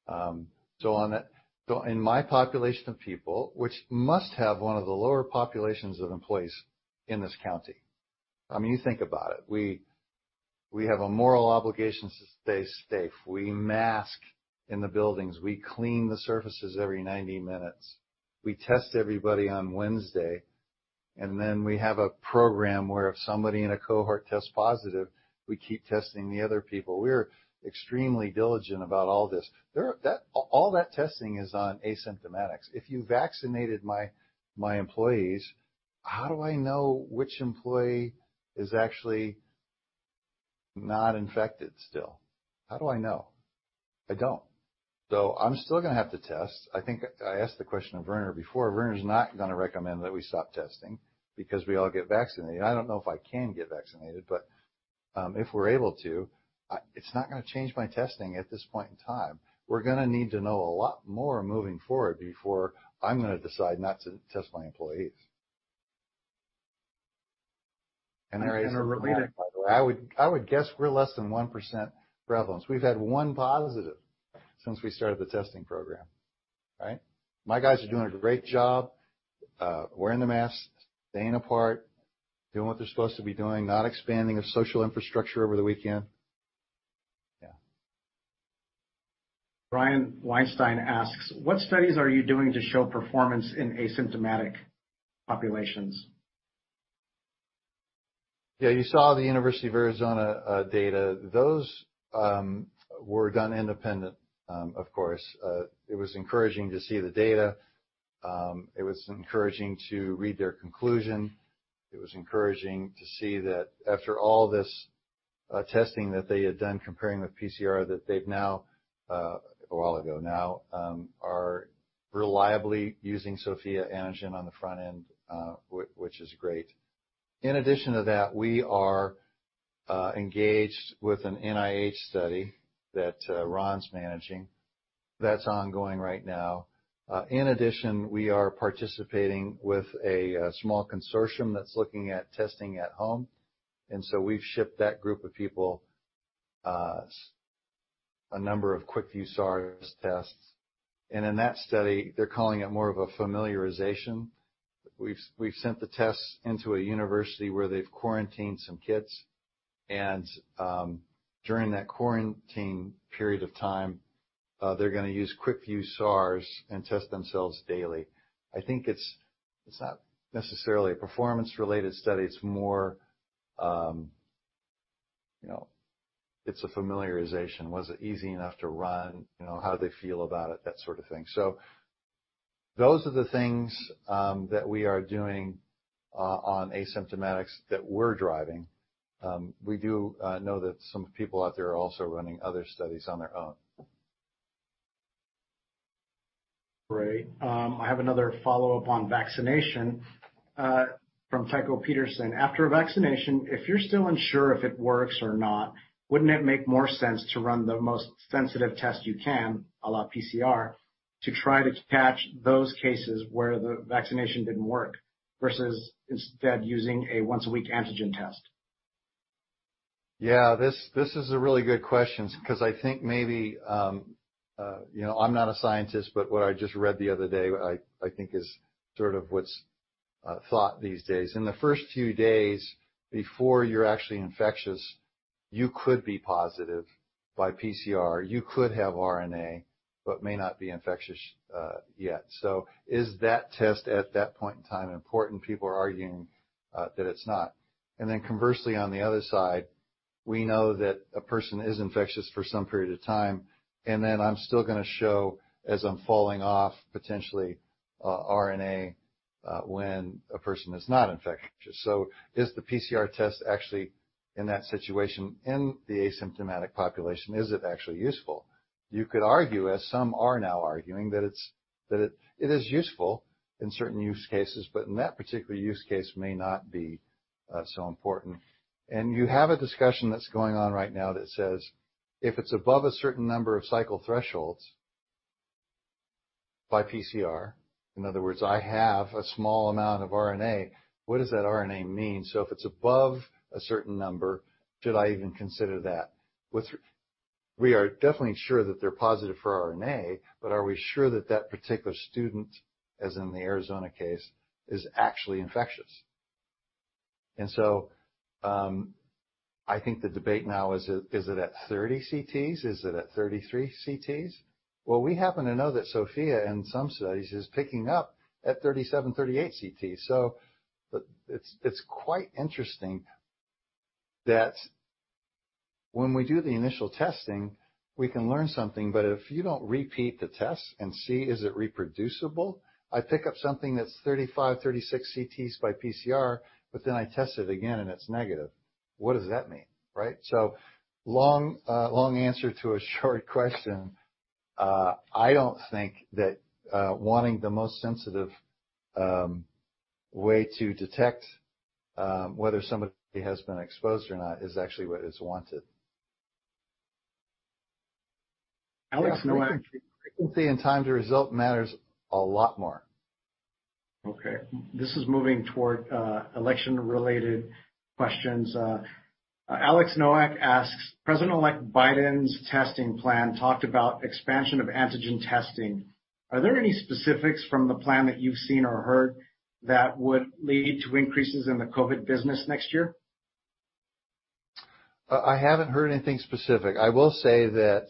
S2: In my population of people, which must have one of the lower populations of employees in this county. You think about it, we have a moral obligation to stay safe. We mask in the buildings, we clean the surfaces every 90 minutes. We test everybody on Wednesday. We have a program where if somebody in a cohort tests positive, we keep testing the other people. We're extremely diligent about all this. All that testing is on asymptomatics. If you vaccinated my employees, how do I know which employee is actually not infected still? How do I know? I don't. I'm still going to have to test. I think I asked the question of Werner before, Werner's not going to recommend that we stop testing because we all get vaccinated. I don't know if I can get vaccinated, but if we're able to, it's not going to change my testing at this point in time. We're going to need to know a lot more moving forward before I'm going to decide not to test my employees. <crosstalk> I would guess we're less than 1% prevalence. We've had one positive since we started the testing program. Right? My guys are doing a great job, wearing the masks, staying apart, doing what they're supposed to be doing, not expanding of social infrastructure over the weekend.
S1: Brian Weinstein asks, "What studies are you doing to show performance in asymptomatic populations?
S2: Yeah, you saw the University of Arizona data. Those were done independent, of course. It was encouraging to see the data. It was encouraging to read their conclusion. It was encouraging to see that after all this testing that they had done comparing the PCR that they've now, a while ago now, are reliably using Sofia antigen on the front end, which is great. In addition to that, we are engaged with an NIH study that Ron's managing. That's ongoing right now. In addition, we are participating with a small consortium that's looking at testing at home, and so we've shipped that group of people a number of QuickVue SARS tests. In that study, they're calling it more of a familiarization. We've sent the tests into a university where they've quarantined some kids, and during that quarantine period of time, they're going to use QuickVue SARS and test themselves daily. I think it's not necessarily a performance-related study. It's a familiarization. Was it easy enough to run? How do they feel about it? That sort of thing. So those are the things that we are doing on asymptomatics that we're driving. We do know that some people out there are also running other studies on their own.
S1: Great. I have another follow-up on vaccination from Tycho Peterson. "After a vaccination, if you're still unsure if it works or not, wouldn't it make more sense to run the most sensitive test you can, a la PCR, to try to catch those cases where the vaccination didn't work, versus instead using a once-a-week antigen test?
S2: Yeah. This is a really good question because I think maybe, I'm not a scientist, but what I just read the other day, I think is sort of what's thought these days. In the first few days before you're actually infectious, you could be positive by PCR. You could have RNA, but may not be infectious yet. Is that test at that point in time important? People are arguing that it's not. Conversely, on the other side, we know that a person is infectious for some period of time, then I'm still going to show, as I'm falling off, potentially RNA, when a person is not infectious. Is the PCR test actually in that situation in the asymptomatic population, is it actually useful? You could argue, as some are now arguing, that it is useful in certain use cases, but in that particular use case may not be so important. You have a discussion that's going on right now that says, if it's above a certain number of cycle thresholds by PCR, in other words, I have a small amount of RNA, what does that RNA mean? If it's above a certain number, should I even consider that? We are definitely sure that they're positive for RNA, but are we sure that that particular student, as in the Arizona case, is actually infectious? I think the debate now, is it at 30 CTs? Is it at 33 CTs? Well, we happen to know that Sofia in some studies is picking up at 37, 38 CTs. It's quite interesting that when we do the initial testing, we can learn something, but if you don't repeat the test and see is it reproducible, I pick up something that's 35, 36 CTs by PCR, but then I test it again and it's negative. What does that mean? Right? Long answer to a short question. I don't think that wanting the most sensitive way to detect whether somebody has been exposed or not is actually what is wanted.
S1: Alex Nowak--
S2: Frequency and time to result matters a lot more.
S1: Okay. This is moving toward election-related questions. Alex Nowak asks, "President-elect Biden's testing plan talked about expansion of antigen testing. Are there any specifics from the plan that you've seen or heard that would lead to increases in the COVID business next year?
S2: I haven't heard anything specific. I will say that,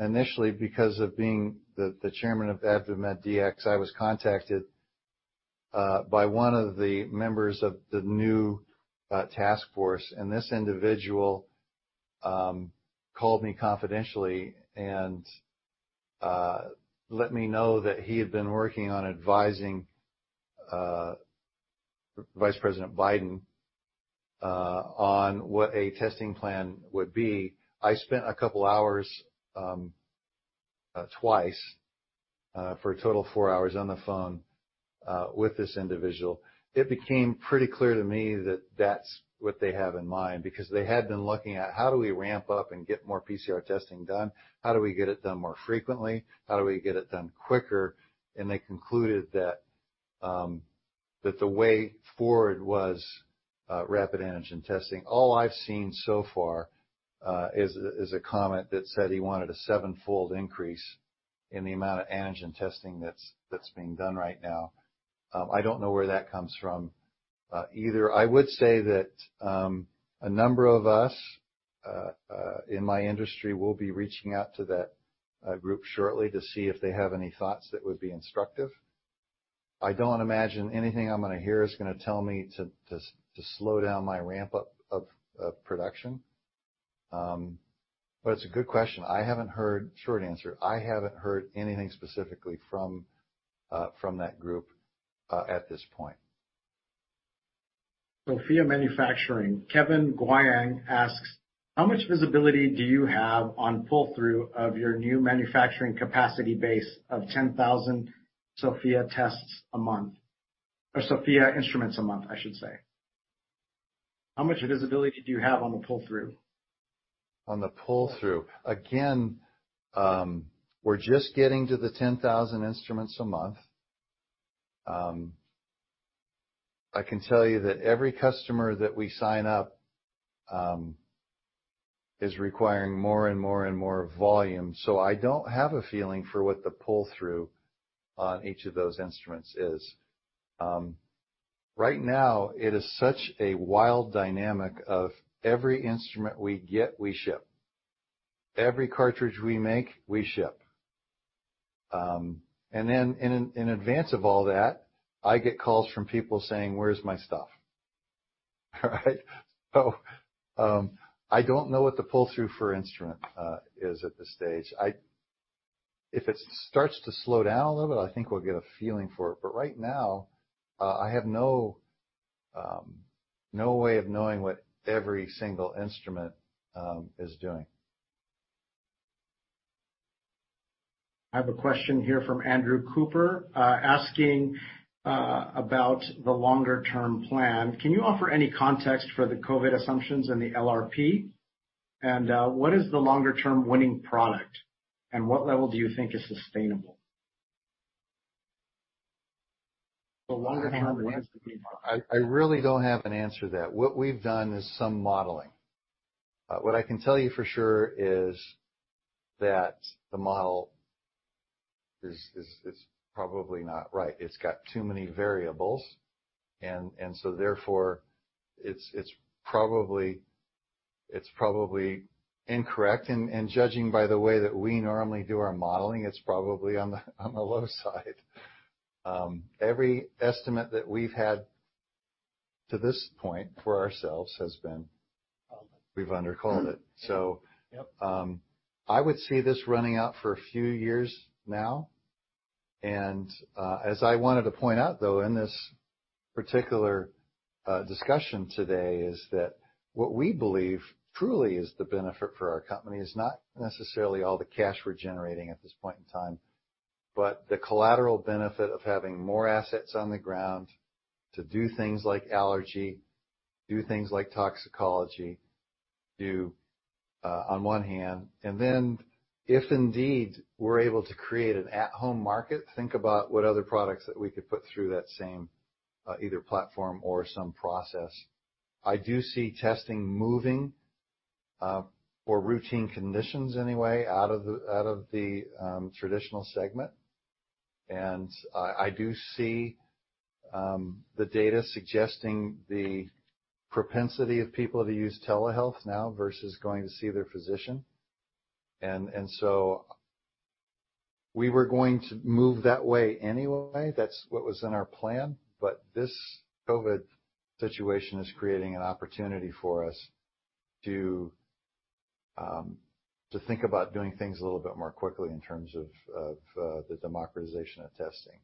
S2: initially, because of being the chairman of AdvaMedDx, I was contacted by one of the members of the new task force. This individual called me confidentially and let me know that he had been working on advising Vice President Biden on what a testing plan would be. I spent a couple hours, twice, for a total of four hours on the phone with this individual. It became pretty clear to me that that's what they have in mind, because they had been looking at how do we ramp up and get more PCR testing done? How do we get it done more frequently? How do we get it done quicker? They concluded that the way forward was rapid antigen testing. All I've seen so far is a comment that said he wanted a sevenfold increase in the amount of antigen testing that's being done right now. I don't know where that comes from either. I would say that a number of us in my industry will be reaching out to that group shortly to see if they have any thoughts that would be instructive. I don't imagine anything I'm going to hear is going to tell me to slow down my ramp-up of production. It's a good question. Short answer, I haven't heard anything specifically from that group at this point.
S1: Sofia Manufacturing, Kevin Guiang asks, "How much visibility do you have on pull-through of your new manufacturing capacity base of 10,000 Sofia tests a month, or Sofia instruments a month, I should say?" How much visibility do you have on the pull-through?
S2: On the pull-through. Again, we're just getting to the 10,000 instruments a month. I can tell you that every customer that we sign up is requiring more and more volume. I don't have a feeling for what the pull-through on each of those instruments is. Right now, it is such a wild dynamic of every instrument we get, we ship. Every cartridge we make, we ship. In advance of all that, I get calls from people saying, "Where's my stuff?" Right? I don't know what the pull-through for instrument is at this stage. If it starts to slow down a little bit, I think we'll get a feeling for it. Right now, I have no way of knowing what every single instrument is doing.
S1: I have a question here from Andrew Cooper, asking about the longer term plan. Can you offer any context for the COVID assumptions in the LRP? What is the longer term winning product, and what level do you think is sustainable?
S2: I really don't have an answer to that. What we've done is some modeling. What I can tell you for sure is that the model is probably not right. It's got too many variables, and so therefore it's probably incorrect, and judging by the way that we normally do our modeling, it's probably on the low side. Every estimate that we've had to this point for ourselves has been we've under-called it.
S1: Yep.
S2: I would see this running out for a few years now. As I wanted to point out, though, in this particular discussion today is that what we believe truly is the benefit for our company is not necessarily all the cash we're generating at this point in time, but the collateral benefit of having more assets on the ground to do things like allergy, do things like toxicology, do on one hand, and then if indeed we're able to create an at-home market, think about what other products that we could put through that same either platform or some process. I do see testing moving, for routine conditions anyway, out of the traditional segment, and I do see the data suggesting the propensity of people to use telehealth now versus going to see their physician. We were going to move that way anyway. That's what was in our plan. This COVID situation is creating an opportunity for us to think about doing things a little bit more quickly in terms of the democratization of testing.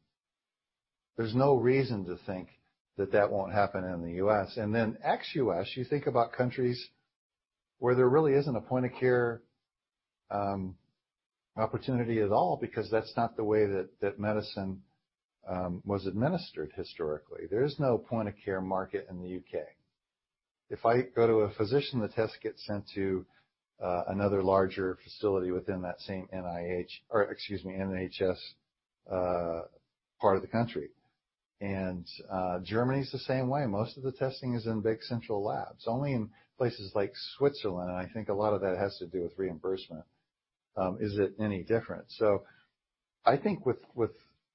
S2: There's no reason to think that that won't happen in the U.S. Ex-U.S., you think about countries where there really isn't a point of care opportunity at all because that's not the way that medicine was administered historically. There is no point-of-care market in the U.K. If I go to a physician, the test gets sent to another larger facility within that same NIH, or excuse me, NHS part of the country. Germany's the same way. Most of the testing is in big central labs, only in places like Switzerland, and I think a lot of that has to do with reimbursement, is it any different? I think with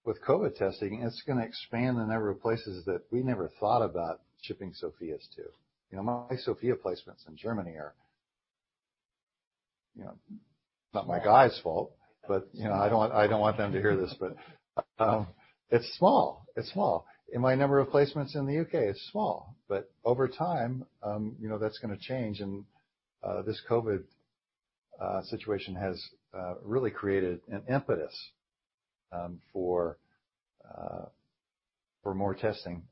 S2: COVID testing, it's going to expand the number of places that we never thought about shipping Sofias to. My Sofia placements in Germany are, not my guys' fault, but I don't want them to hear this, but it's small. My number of placements in the U.K. is small, but over time, that's going to change. This COVID situation has really created an impetus for more testing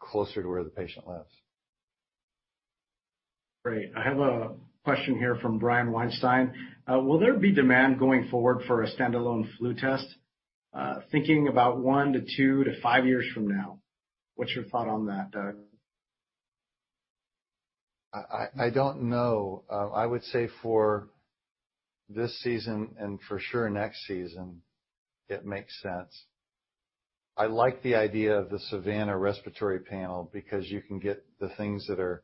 S2: closer to where the patient lives.
S1: Great. I have a question here from Brian Weinstein. Will there be demand going forward for a standalone flu test, thinking about one to two to five years from now? What's your thought on that, Doug?
S2: I don't know. I would say for this season and for sure next season, it makes sense. I like the idea of the SAVANNA respiratory panel because you can get the things that are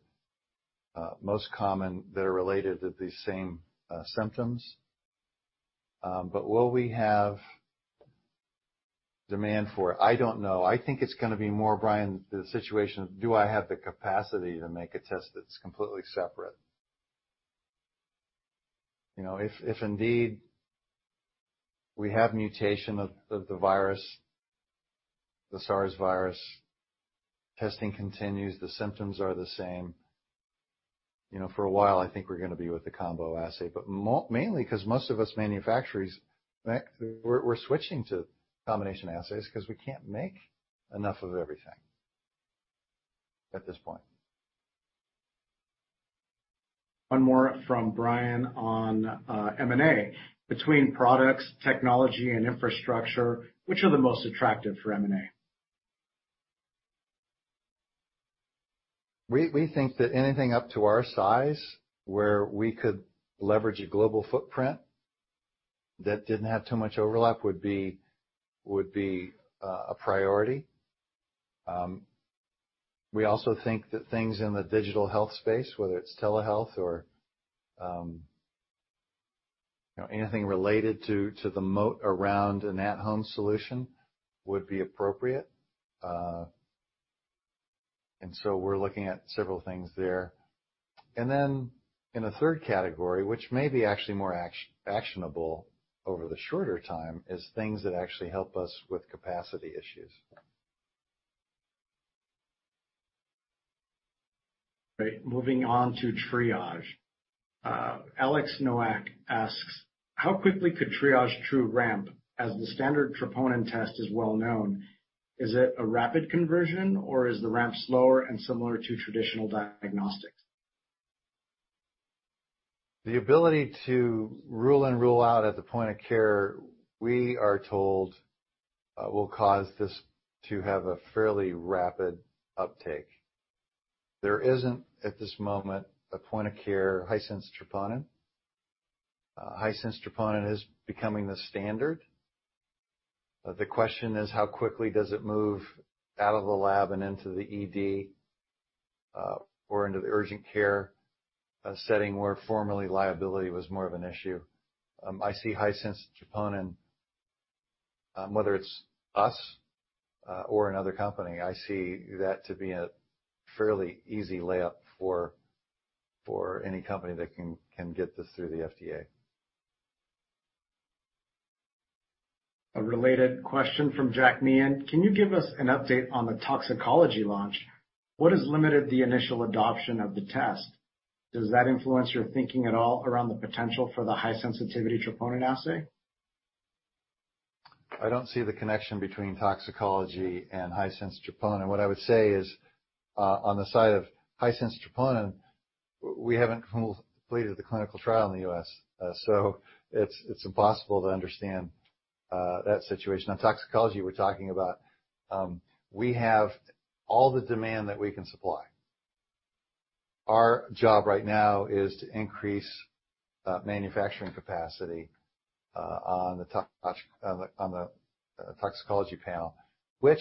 S2: most common that are related to these same symptoms. Will we have demand for it? I don't know. I think it's going to be more, Brian, the situation of, do I have the capacity to make a test that's completely separate? If indeed we have mutation of the virus, the SARS virus, testing continues, the symptoms are the same. For a while, I think we're going to be with the combo assay. Mainly because most of us manufacturers, we're switching to combination assays because we can't make enough of everything at this point.
S1: One more from Brian on M&A. Between products, technology, and infrastructure, which are the most attractive for M&A?
S2: We think that anything up to our size where we could leverage a global footprint that didn't have too much overlap would be a priority. We also think that things in the digital health space, whether it's telehealth or anything related to the moat around an at-home solution would be appropriate. We're looking at several things there. Then in a third category, which may be actually more actionable over the shorter time, is things that actually help us with capacity issues.
S1: Right. Moving on to Triage. Alex Nowak asks, how quickly could TriageTrue ramp as the standard troponin test is well known? Is it a rapid conversion, or is the ramp slower and similar to traditional diagnostics?
S2: The ability to rule in, rule out at the point of care, we are told, will cause this to have a fairly rapid uptake. There isn't, at this moment, a point-of-care high-sensitivity troponin. High-sensitivity troponin is becoming the standard. The question is, how quickly does it move out of the lab and into the ED or into the urgent care setting where formerly liability was more of an issue? I see high-sensitivity troponin, whether it's us or another company, I see that to be a fairly easy layup for any company that can get this through the FDA.
S1: A related question from Jack Meehan. Can you give us an update on the toxicology launch? What has limited the initial adoption of the test? Does that influence your thinking at all around the potential for the high-sensitivity troponin assay?
S2: I don't see the connection between toxicology and high-sensitivity troponin. What I would say is, on the side of high-sensitivity troponin, we haven't completed the clinical trial in the U.S., so it's impossible to understand that situation. On toxicology, we're talking about, we have all the demand that we can supply. Our job right now is to increase manufacturing capacity on the toxicology panel, which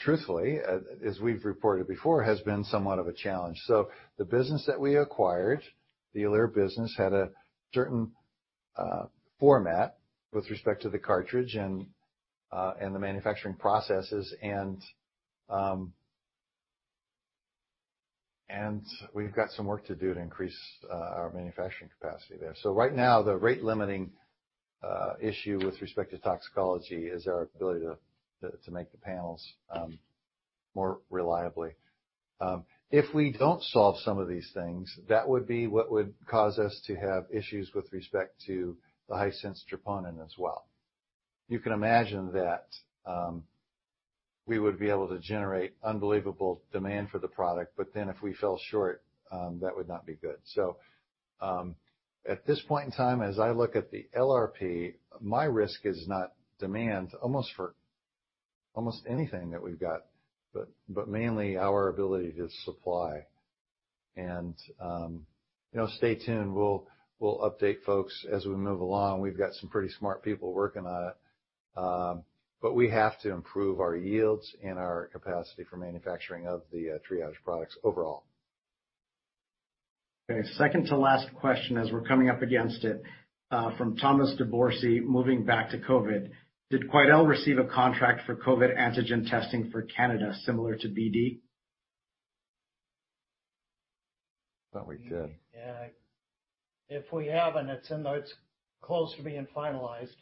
S2: truthfully, as we've reported before, has been somewhat of a challenge. The business that we acquired, the Alere business, had a certain format with respect to the cartridge and the manufacturing processes, and we've got some work to do to increase our manufacturing capacity there. Right now, the rate-limiting issue with respect to toxicology is our ability to make the panels more reliably. If we don't solve some of these things, that would be what would cause us to have issues with respect to the high-sensitivity troponin as well. You can imagine that we would be able to generate unbelievable demand for the product, but then if we fell short, that would not be good. At this point in time, as I look at the LRP, my risk is not demand for almost anything that we've got, but mainly our ability to supply. Stay tuned, we'll update folks as we move along. We've got some pretty smart people working on it. We have to improve our yields and our capacity for manufacturing of the Triage products overall.
S1: Okay, second to last question as we're coming up against it, from Thomas DeBord, moving back to COVID. Did Quidel receive a contract for COVID antigen testing for Canada similar to BD?
S2: I thought we did.
S9: Yeah. If we haven't, it's close to being finalized.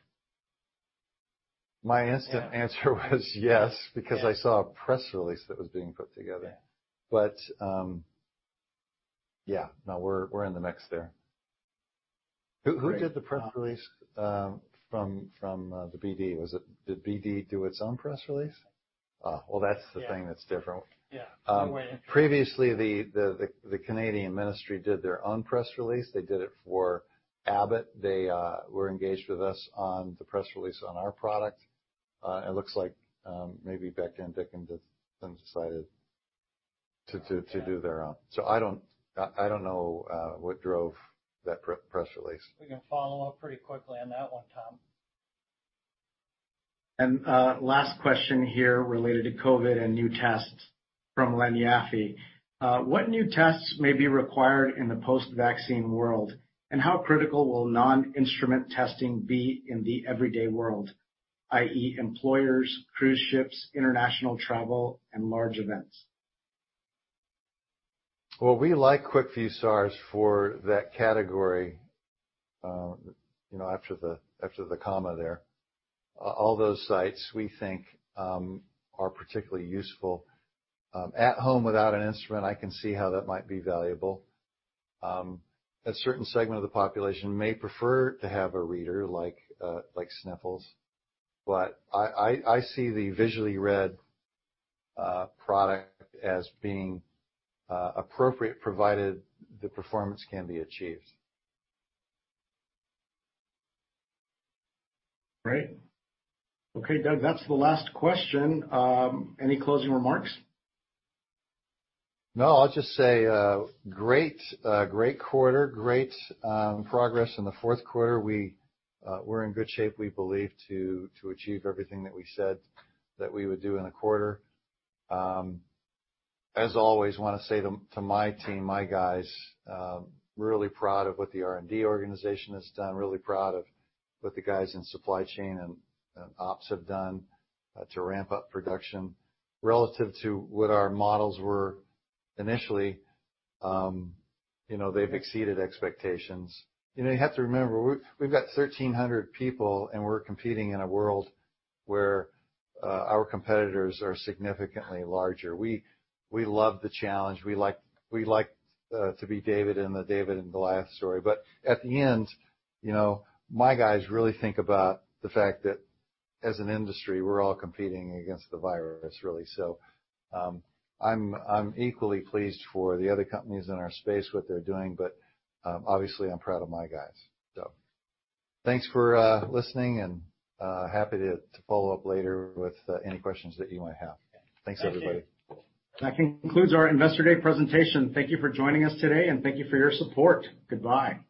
S2: My instant answer was yes, because I saw a press release that was being put together.
S9: Yeah.
S2: Yeah. No, we're in the mix there. Who did the press release from the BD? Did BD do its own press release? That's the thing that's different.
S9: Yeah. No way.
S2: Previously, the Canadian Ministry did their own press release. They did it for Abbott. They were engaged with us on the press release on our product. It looks like maybe Becton, Dickinson decided to do their own. I don't know what drove that press release.
S9: We can follow up pretty quickly on that one, Tom.
S1: Last question here related to COVID and new tests from Len Yaffe. What new tests may be required in the post-vaccine world? How critical will non-instrument testing be in the everyday world, i.e., employers, cruise ships, international travel, and large events?
S2: Well, we like QuickVue SARS for that category after the comma there. All those sites, we think, are particularly useful. At home without an instrument, I can see how that might be valuable. A certain segment of the population may prefer to have a reader like Sniffles, but I see the visually read product as being appropriate, provided the performance can be achieved.
S1: Great. Okay, Doug, that's the last question. Any closing remarks?
S2: I'll just say great quarter, great progress in the fourth quarter. We're in good shape, we believe, to achieve everything that we said that we would do in the quarter. As always, want to say to my team, my guys, really proud of what the R&D organization has done, really proud of what the guys in supply chain and ops have done to ramp up production relative to what our models were initially. They've exceeded expectations. You have to remember, we've got 1,300 people, and we're competing in a world where our competitors are significantly larger. We love the challenge. We like to be David in the David and Goliath story. At the end, my guys really think about the fact that as an industry, we're all competing against the virus, really. I'm equally pleased for the other companies in our space, what they're doing, but obviously, I'm proud of my guys. Thanks for listening and happy to follow up later with any questions that you might have. Thanks, everybody.
S1: That concludes our Investor Day presentation. Thank you for joining us today, and thank you for your support. Goodbye.